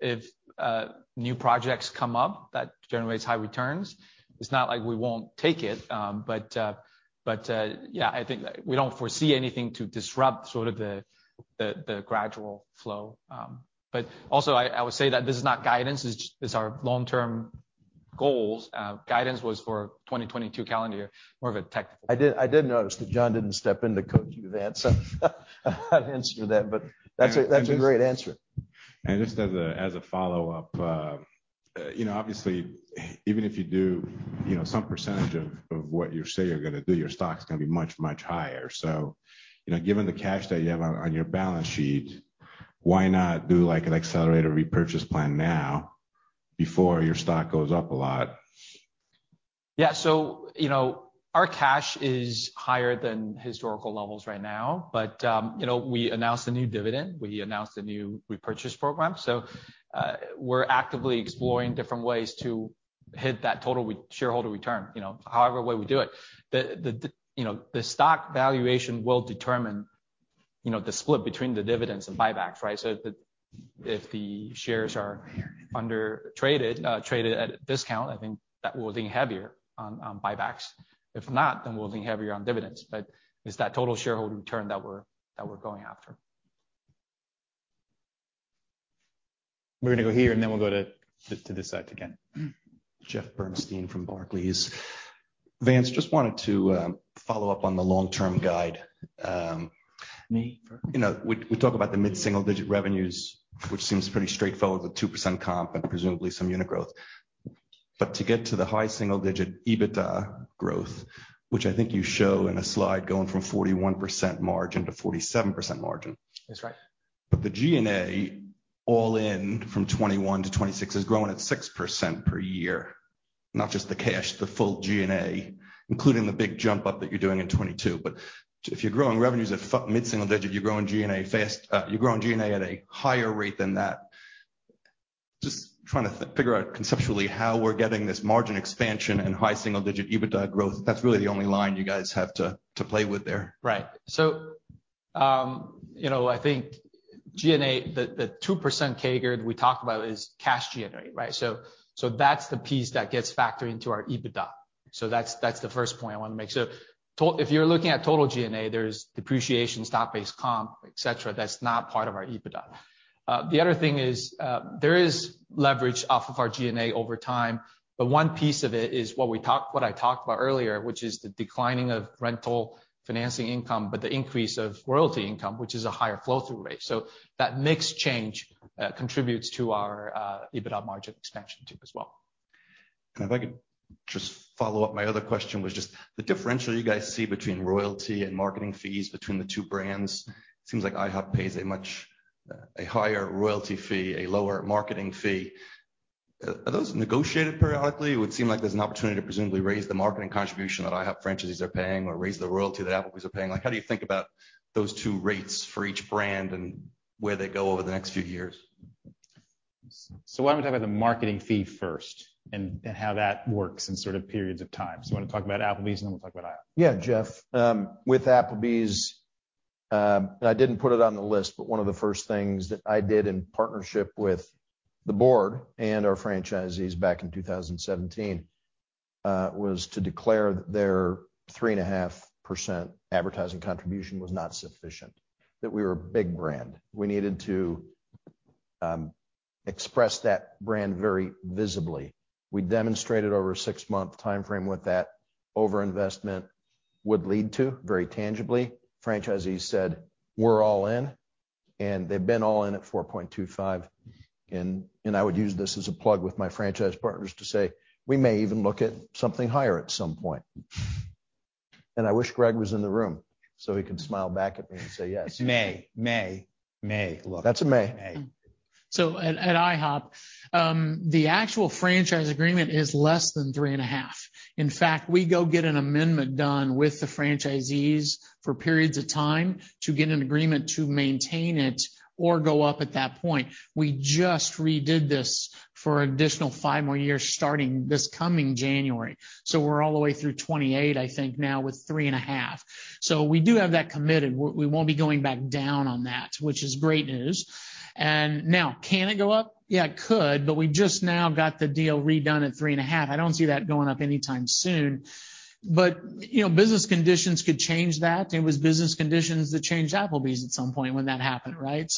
new projects come up that generates high returns, it's not like we won't take it. Yeah, I think we don't foresee anything to disrupt sort of the gradual flow. Also, I would say that this is not guidance. It's our long-term goals. Guidance was for 2022 calendar year, more of a technical. I did notice that John didn't step in to coach you, Vance. No answer to that, but that's a great answer. Just as a follow-up, you know, obviously, even if you do, you know, some percentage of what you say you're gonna do, your stock's gonna be much, much higher. Given the cash that you have on your balance sheet, why not do, like, an accelerated repurchase plan now before your stock goes up a lot? Yeah. You know, our cash is higher than historical levels right now. You know, we announced a new dividend. We announced a new repurchase program. We're actively exploring different ways to hit that total shareholder return, you know, however way we do it. The you know, the stock valuation will determine, you know, the split between the dividends and buybacks, right? If the shares are undervalued, traded at a discount, I think that we'll lean heavier on buybacks. If not, we'll lean heavier on dividends. It's that total shareholder return that we're going after. We're gonna go here, and then we'll go to this side again. Jeff Bernstein from Barclays. Vance, just wanted to follow up on the long-term guide. Me? You know, we talk about the mid-single-digit revenues, which seems pretty straightforward with 2% comp and presumably some unit growth. To get to the high single-digit EBITDA growth, which I think you show in a slide going from 41% margin to 47% margin. That's right. The G&A all in from 2021 to 2026 is growing at 6% per year. Not just the cash, the full G&A, including the big jump up that you're doing in 2022. If you're growing revenues at mid-single-digit, you're growing G&A at a higher rate than that. Just trying to figure out conceptually how we're getting this margin expansion and high single-digit EBITDA growth. That's really the only line you guys have to play with there. Right. You know, I think G&A, the 2% CAGR we talked about is cash generative, right? That's the piece that gets factored into our EBITDA. That's the first point I wanna make. If you're looking at total G&A, there's depreciation, stock-based comp, et cetera. That's not part of our EBITDA. The other thing is, there is leverage off of our G&A over time, but one piece of it is what I talked about earlier, which is the declining of rental financing income, but the increase of royalty income, which is a higher flow through rate. That mix change contributes to our EBITDA margin expansion too as well. If I could just follow up. My other question was just the differential you guys see between royalty and marketing fees between the two brands. Seems like IHOP pays a much, a higher royalty fee, a lower marketing fee. Are those negotiated periodically? It would seem like there's an opportunity to presumably raise the marketing contribution that IHOP franchises are paying or raise the royalty that Applebee's are paying. Like, how do you think about those two rates for each brand and where they go over the next few years? Why don't we talk about the marketing fee first and how that works in sort of periods of time. You wanna talk about Applebee's, and then we'll talk about IHOP. Yeah. Jeff, with Applebee's, I didn't put it on the list, but one of the first things that I did in partnership with the board and our franchisees back in 2017 was to declare that their 3.5% advertising contribution was not sufficient. That we were a big brand. We needed to express that brand very visibly. We demonstrated over a six-month timeframe what that overinvestment would lead to very tangibly. Franchisees said, "We're all in." They've been all in at 4.25%. I would use this as a plug with my franchise partners to say, "We may even look at something higher at some point." I wish Greg was in the room so he could smile back at me and say yes. May look. That's a maybe. May. At IHOP, the actual franchise agreement is less than 3.5%. In fact, we go get an amendment done with the franchisees for periods of time to get an agreement to maintain it or go up at that point. We just redid this for additional five more years starting this coming January. We're all the way through 2028, I think now with 3.5%. We do have that committed. We won't be going back down on that, which is great news. Now can it go up? Yeah, it could, but we just now got the deal redone at 3.5%. I don't see that going up anytime soon. You know, business conditions could change that. It was business conditions that changed Applebee's at some point when that happened, right?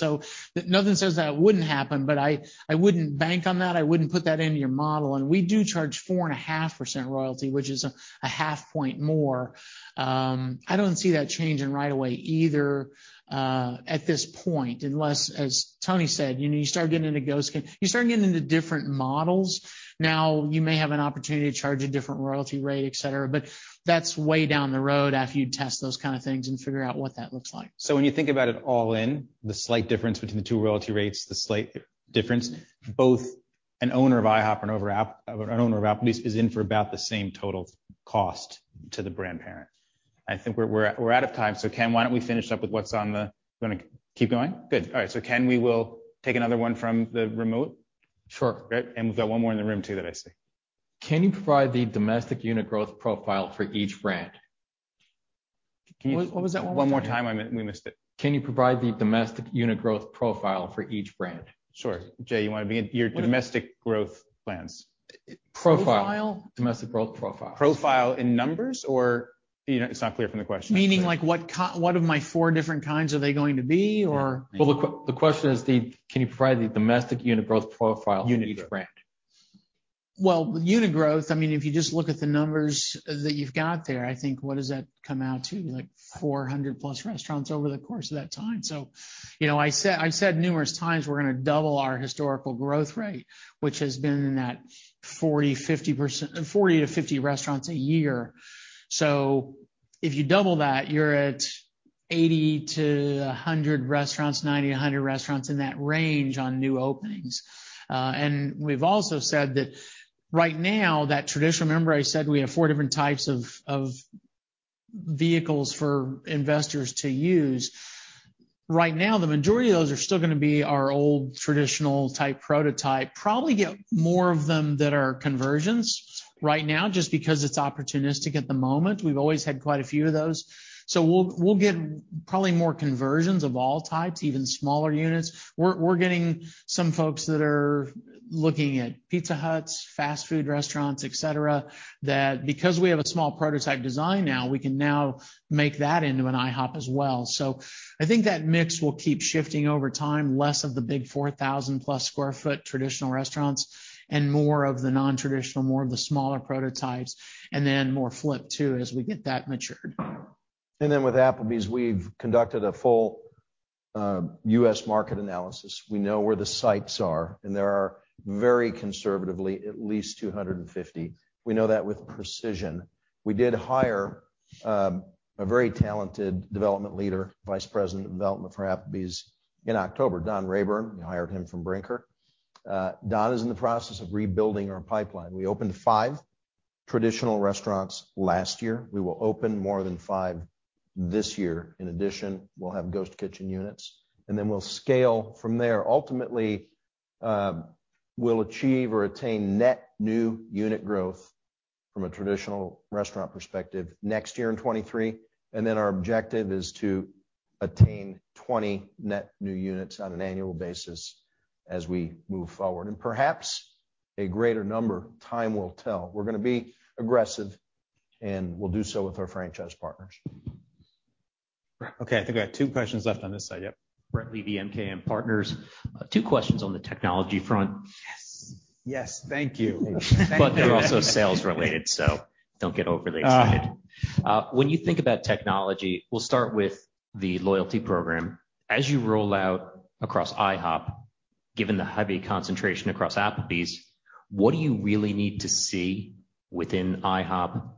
Nothing says that wouldn't happen, but I wouldn't bank on that. I wouldn't put that into your model. We do charge 4.5% royalty, which is a half point more. I don't see that changing right away either, at this point, unless, as Tony said, you know, you start getting into different models, now you may have an opportunity to charge a different royalty rate, et cetera. That's way down the road after you test those kind of things and figure out what that looks like. When you think about it all in, the slight difference between the two royalty rates, both an owner of IHOP and an owner of Applebee's is in for about the same total cost to the brand parent. I think we're out of time, so Ken why don't we finish up with what's on the. You wanna keep going? Good. All right. Ken, we will take another one from the remote. Sure. Great. We've got one more in the room too that I see. Can you provide the domestic unit growth profile for each brand? What was that one more time? One more time. We missed it. Can you provide the domestic unit growth profile for each brand? Sure. Jay, your domestic growth plans. Profile? Domestic growth profile. Profile in numbers or? You know, it's not clear from the question. Meaning like what of my four different kinds are they going to be or? Well, the question is, can you provide the domestic unit growth profile for each brand? Well, unit growth, I mean, if you just look at the numbers that you've got there, I think what does that come out to? Like 400+ restaurants over the course of that time. You know, I said numerous times we're gonna double our historical growth rate, which has been 40-50 restaurants a year. If you double that, you're at 80-100 restaurants, 90, 100 restaurants in that range on new openings. We've also said that right now, that traditional, remember I said we have four different types of vehicles for investors to use. Right now, the majority of those are still gonna be our old traditional type prototype. Probably get more of them that are conversions right now just because it's opportunistic at the moment. We've always had quite a few of those. We'll get probably more conversions of all types, even smaller units. We're getting some folks that are looking at Pizza Huts, fast food restaurants, et cetera, that because we have a small prototype design now, we can now make that into an IHOP as well. I think that mix will keep shifting over time, less of the big 4,000+ sq ft traditional restaurants and more of the non-traditional, more of the smaller prototypes, and then more flip too as we get that matured. With Applebee's, we've conducted a full U.S. market analysis. We know where the sites are, and there are very conservatively at least 250. We know that with precision. We did hire a very talented development leader, Vice President of Development for Applebee's in October, Don Rayburn. We hired him from Brinker. Don is in the process of rebuilding our pipeline. We opened five traditional restaurants last year. We will open more than five this year. In addition, we'll have ghost kitchen units, and then we'll scale from there. Ultimately, we'll achieve or attain net new unit growth from a traditional restaurant perspective next year in 2023. Our objective is to attain 20 net new units on an annual basis as we move forward. Perhaps a greater number, time will tell. We're gonna be aggressive, and we'll do so with our franchise partners. Okay. I think I got two questions left on this side. Yep. Brett Levy, MKM Partners. Two questions on the technology front. Yes. Yes. Thank you. They're also sales related, so don't get overly excited. Uh. When you think about technology, we'll start with the loyalty program. As you roll out across IHOP, given the heavy concentration across Applebee's, what do you really need to see within IHOP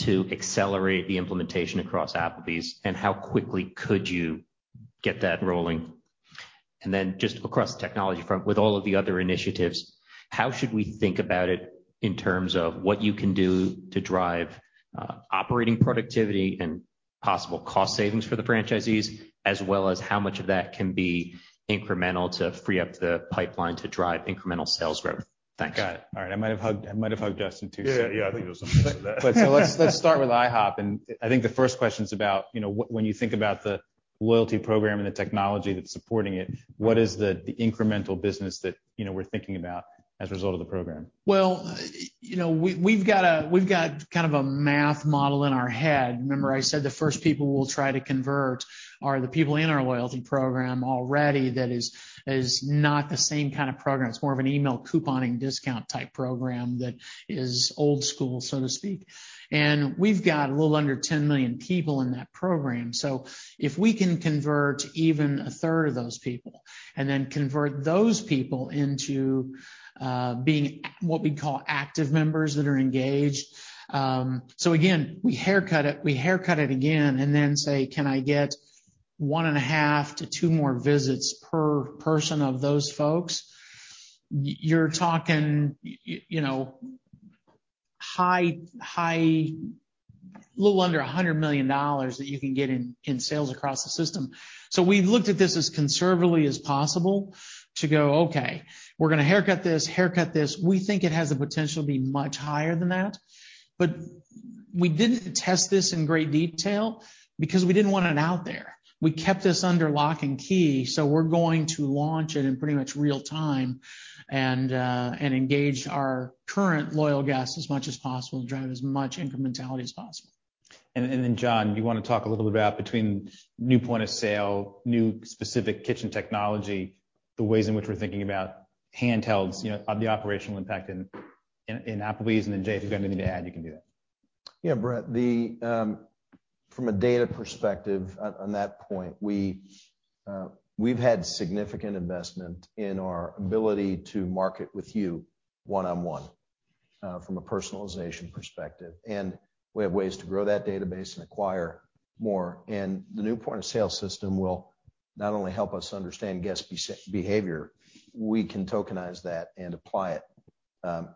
to accelerate the implementation across Applebee's, and how quickly could you get that rolling? Just across the technology front with all of the other initiatives, how should we think about it in terms of what you can do to drive operating productivity and possible cost savings for the franchisees, as well as how much of that can be incremental to free up the pipeline to drive incremental sales growth? Thanks. Got it. All right. I might have hugged Justin too soon. Yeah. Yeah. I think there was some of that. Let's start with IHOP. I think the first question is about, you know, when you think about the loyalty program and the technology that's supporting it, what is the incremental business that, you know, we're thinking about as a result of the program? Well, you know, we've got kind of a math model in our head. Remember I said the first people we'll try to convert are the people in our loyalty program already. That is not the same kind of program. It's more of an email couponing discount type program that is old school, so to speak. We've got a little under 10 million people in that program. If we can convert even a third of those people and then convert those people into being what we call active members that are engaged. Again, we haircut it, we haircut it again and then say, can I get 1.5-2 more visits per person of those folks? You're talking high, little under $100 million that you can get in sales across the system. We looked at this as conservatively as possible to go, "Okay, we're gonna haircut this." We think it has the potential to be much higher than that, but we didn't test this in great detail because we didn't want it out there. We kept this under lock and key, so we're going to launch it in pretty much real-time and engage our current loyal guests as much as possible to drive as much incrementality as possible. John, do you wanna talk a little bit about between new point of sale, new specific kitchen technology, the ways in which we're thinking about handhelds, you know, of the operational impact in Applebee's? Jay, if you got anything to add, you can do that. Yeah, Brett, from a data perspective on that point, we've had significant investment in our ability to market with you one-on-one from a personalization perspective. We have ways to grow that database and acquire more. The new point of sale system will not only help us understand guest behavior, we can tokenize that and apply it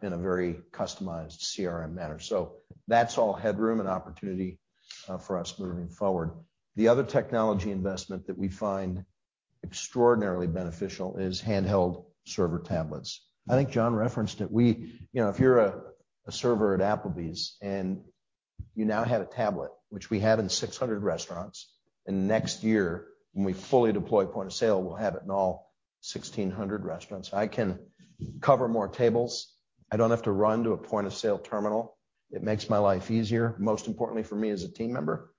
in a very customized CRM manner. That's all headroom and opportunity for us moving forward. The other technology investment that we find extraordinarily beneficial is handheld server tablets. I think John referenced it. You know, if you're a server at Applebee's and you now have a tablet, which we have in 600 restaurants, and next year when we fully deploy point of sale, we'll have it in all 1,600 restaurants. I can cover more tables. I don't have to run to a point of sale terminal. It makes my life easier. Most importantly for me as a team member,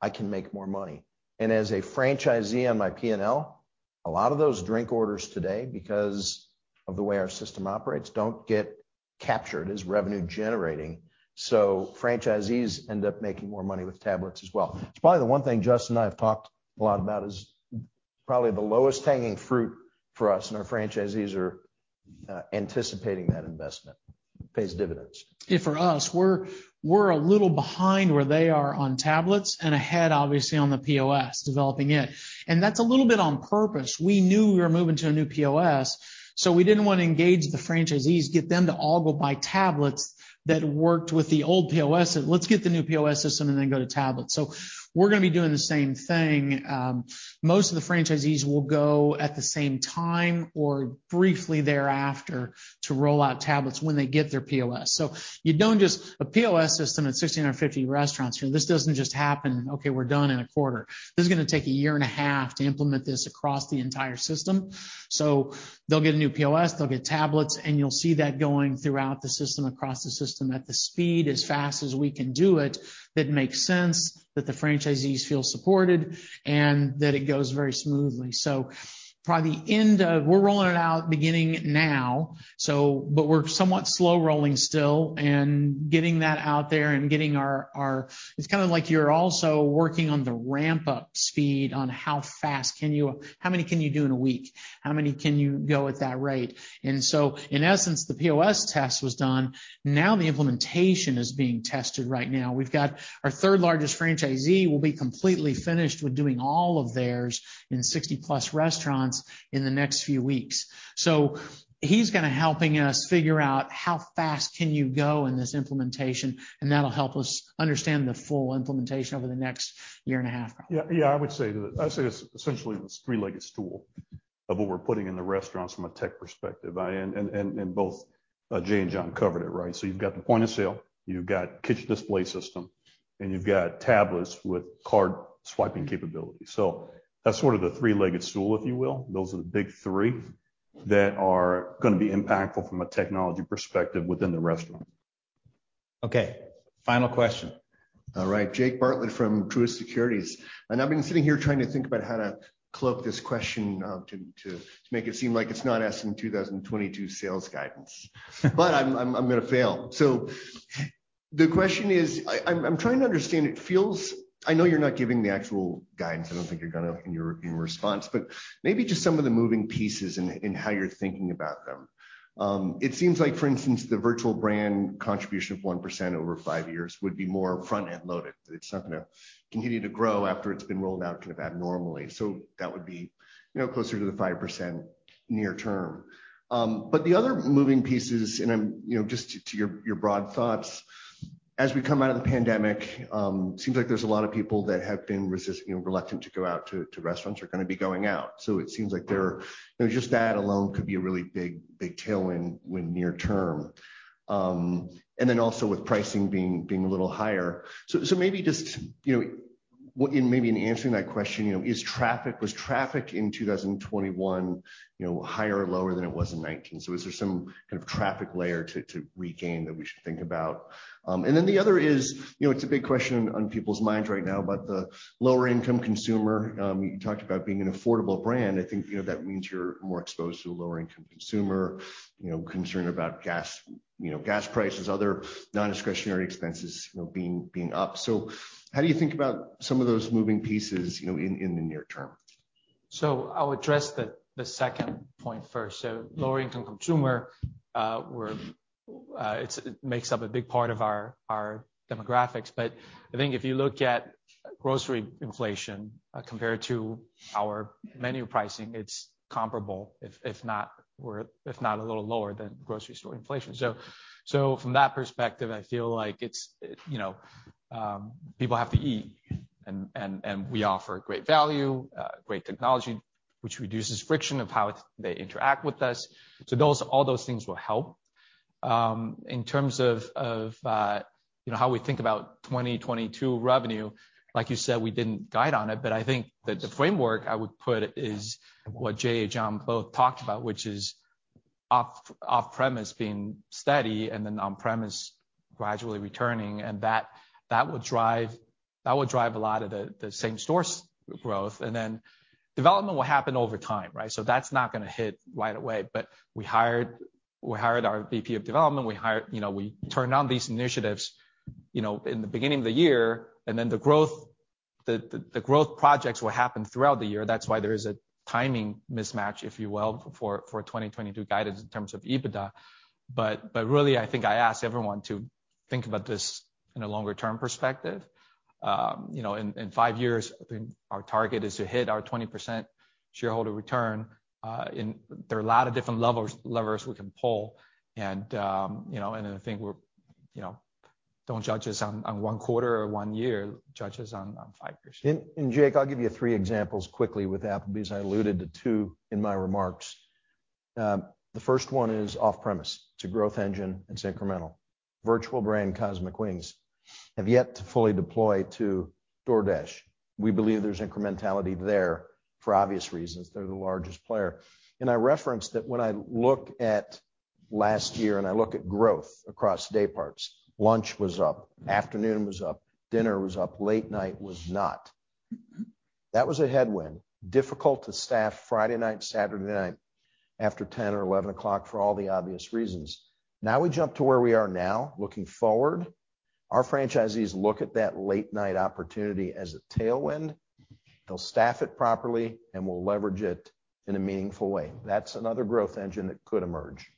I can make more money. As a franchisee on my P&L, a lot of those drink orders today, because of the way our system operates, don't get captured as revenue generating. Franchisees end up making more money with tablets as well. It's probably the one thing Justin and I have talked a lot about is probably the lowest hanging fruit for us, and our franchisees are anticipating that investment. It pays dividends. Yeah. For us, we're a little behind where they are on tablets and ahead obviously on the POS, developing it. That's a little bit on purpose. We knew we were moving to a new POS, so we didn't wanna engage the franchisees, get them to all go buy tablets that worked with the old POS. Let's get the new POS system and then go to tablets. We're gonna be doing the same thing. Most of the franchisees will go at the same time or briefly thereafter to roll out tablets when they get their POS. You don't just a POS system at 16 or 50 restaurants, you know, this doesn't just happen, okay, we're done in a quarter. This is gonna take a year and a half to implement this across the entire system. They'll get a new POS, they'll get tablets, and you'll see that going throughout the system, across the system at the speed as fast as we can do it that makes sense, that the franchisees feel supported, and that it goes very smoothly. We're rolling it out beginning now, but we're somewhat slow-rolling still and getting that out there and getting our. It's kinda like you're also working on the ramp-up speed on how fast can you. How many can you do in a week? How many can you go at that rate? In essence, the POS test was done. Now the implementation is being tested right now. We've got our third largest franchisee will be completely finished with doing all of theirs in 60+ restaurants in the next few weeks. He's gonna help us figure out how fast can you go in this implementation, and that'll help us understand the full implementation over the next year and a half probably. Yeah. Yeah. I'd say it's essentially this three-legged stool of what we're putting in the restaurants from a tech perspective. I and both Jay and John covered it, right? You've got the point of sale, you've got kitchen display system, and you've got tablets with card swiping capability. That's sort of the three-legged stool, if you will. Those are the big three that are gonna be impactful from a technology perspective within the restaurant. Okay, final question. All right, Jake Bartlett from Truist Securities. I've been sitting here trying to think about how to cloak this question, to make it seem like it's not asking 2022 sales guidance. But I'm gonna fail. So the question is. I'm trying to understand. It feels. I know you're not giving the actual guidance. I don't think you're gonna in your response, but maybe just some of the moving pieces and how you're thinking about them. It seems like, for instance, the virtual brand contribution of 1% over five years would be more front-end loaded. It's not gonna continue to grow after it's been rolled out kind of abnormally. So that would be, you know, closer to the 5% near term. The other moving pieces, and I'm, you know, just to your broad thoughts, as we come out of the pandemic, seems like there's a lot of people that have been reluctant to go out to restaurants, are gonna be going out. It seems like there, you know, just that alone could be a really big tailwind in the near term. And then also with pricing being a little higher. Maybe just, you know, and maybe in answering that question, you know, was traffic in 2021 higher or lower than it was in 2019? Is there some kind of traffic layer to regain that we should think about? the other is, you know, it's a big question on people's minds right now, but the lower income consumer, you talked about being an affordable brand. I think, you know, that means you're more exposed to a lower income consumer, you know, concerned about gas, you know, gas prices, other non-discretionary expenses, you know, being up. How do you think about some of those moving pieces, you know, in the near term? I'll address the second point first. Lower income consumer, it makes up a big part of our demographics. But I think if you look at- Grocery inflation compared to our menu pricing, it's comparable, if not a little lower than grocery store inflation. From that perspective, I feel like it's, you know, people have to eat and we offer great value, great technology, which reduces friction of how they interact with us. All those things will help. In terms of how we think about 2022 revenue, like you said, we didn't guide on it, but I think that the framework I would put is what Jay and John both talked about, which is off-premise being steady and then on-premise gradually returning. That will drive a lot of the same-store sales growth. Development will happen over time, right? That's not gonna hit right away. We hired our VP of development. You know, we turned on these initiatives, you know, in the beginning of the year, and then the growth projects will happen throughout the year. That's why there is a timing mismatch, if you will, for 2022 guidance in terms of EBITDA. Really, I think I ask everyone to think about this in a longer term perspective. You know, in five years, I think our target is to hit our 20% shareholder return. And there are a lot of different levers we can pull. I think we're, you know, don't judge us on one quarter or one year, judge us on five years. Jake, I'll give you three examples quickly with Applebee's. I alluded to two in my remarks. The first one is off-premise. It's a growth engine, it's incremental. Virtual brand Cosmic Wings have yet to fully deploy to DoorDash. We believe there's incrementality there for obvious reasons. They're the largest player. I referenced that when I look at last year, and I look at growth across day parts, lunch was up, afternoon was up, dinner was up, late night was not. That was a headwind. Difficult to staff Friday night, Saturday night after 10 or 11 o'clock for all the obvious reasons. Now we jump to where we are now, looking forward. Our franchisees look at that late night opportunity as a tailwind. They'll staff it properly, and we'll leverage it in a meaningful way. That's another growth engine that could emerge.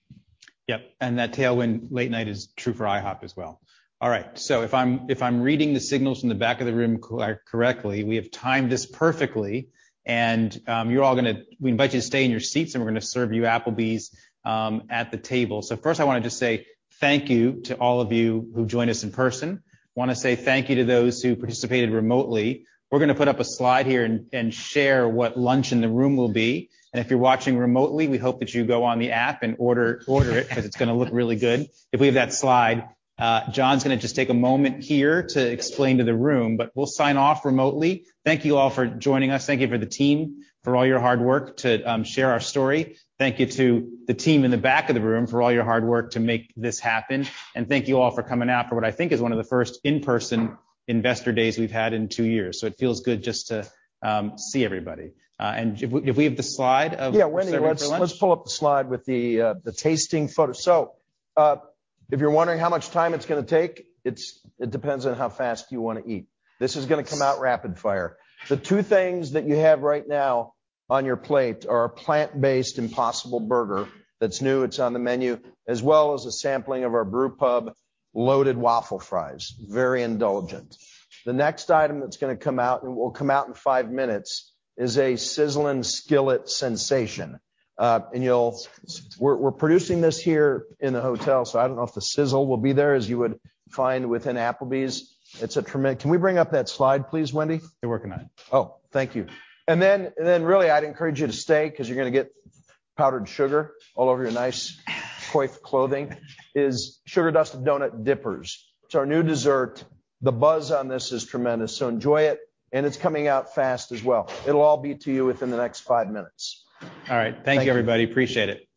Yep. That tailwind late night is true for IHOP as well. All right. If I'm reading the signals from the back of the room correctly, we have timed this perfectly. We invite you to stay in your seats, and we're gonna serve you Applebee's at the table. First I wanna just say thank you to all of you who joined us in person. I wanna say thank you to those who participated remotely. We're gonna put up a slide here and share what lunch in the room will be. If you're watching remotely, we hope that you go on the app and order it because it's gonna look really good. If we have that slide. John's gonna just take a moment here to explain to the room, but we'll sign off remotely. Thank you all for joining us. Thank you to the team for all your hard work to share our story. Thank you to the team in the back of the room for all your hard work to make this happen. Thank you all for coming out for what I think is one of the first in-person investor days we've had in two years. It feels good just to see everybody. If we have the slide of- Yeah. Wendy, let's pull up the slide with the tasting photo. If you're wondering how much time it's gonna take, it depends on how fast you wanna eat. This is gonna come out rapid fire. The two things that you have right now on your plate are a plant-based Impossible Burger that's new, it's on the menu, as well as a sampling of our Brewpub Loaded Waffle Fries. Very indulgent. The next item that's gonna come out, and will come out in five minutes, is a Sizzlin' Skillet Sensation. We're producing this here in the hotel, so I don't know if the sizzle will be there as you would find within Applebee's. It's a tremendous. Can we bring up that slide, please, Wendy? They're working on it. Oh. Thank you. Really I'd encourage you to stay 'cause you're gonna get powdered sugar all over your nice white clothing. It is Sugar-Dusted Donut Dippers. It's our new dessert. The buzz on this is tremendous, so enjoy it, and it's coming out fast as well. It'll all be to you within the next five minutes. All right. Thank you, everybody. Appreciate it.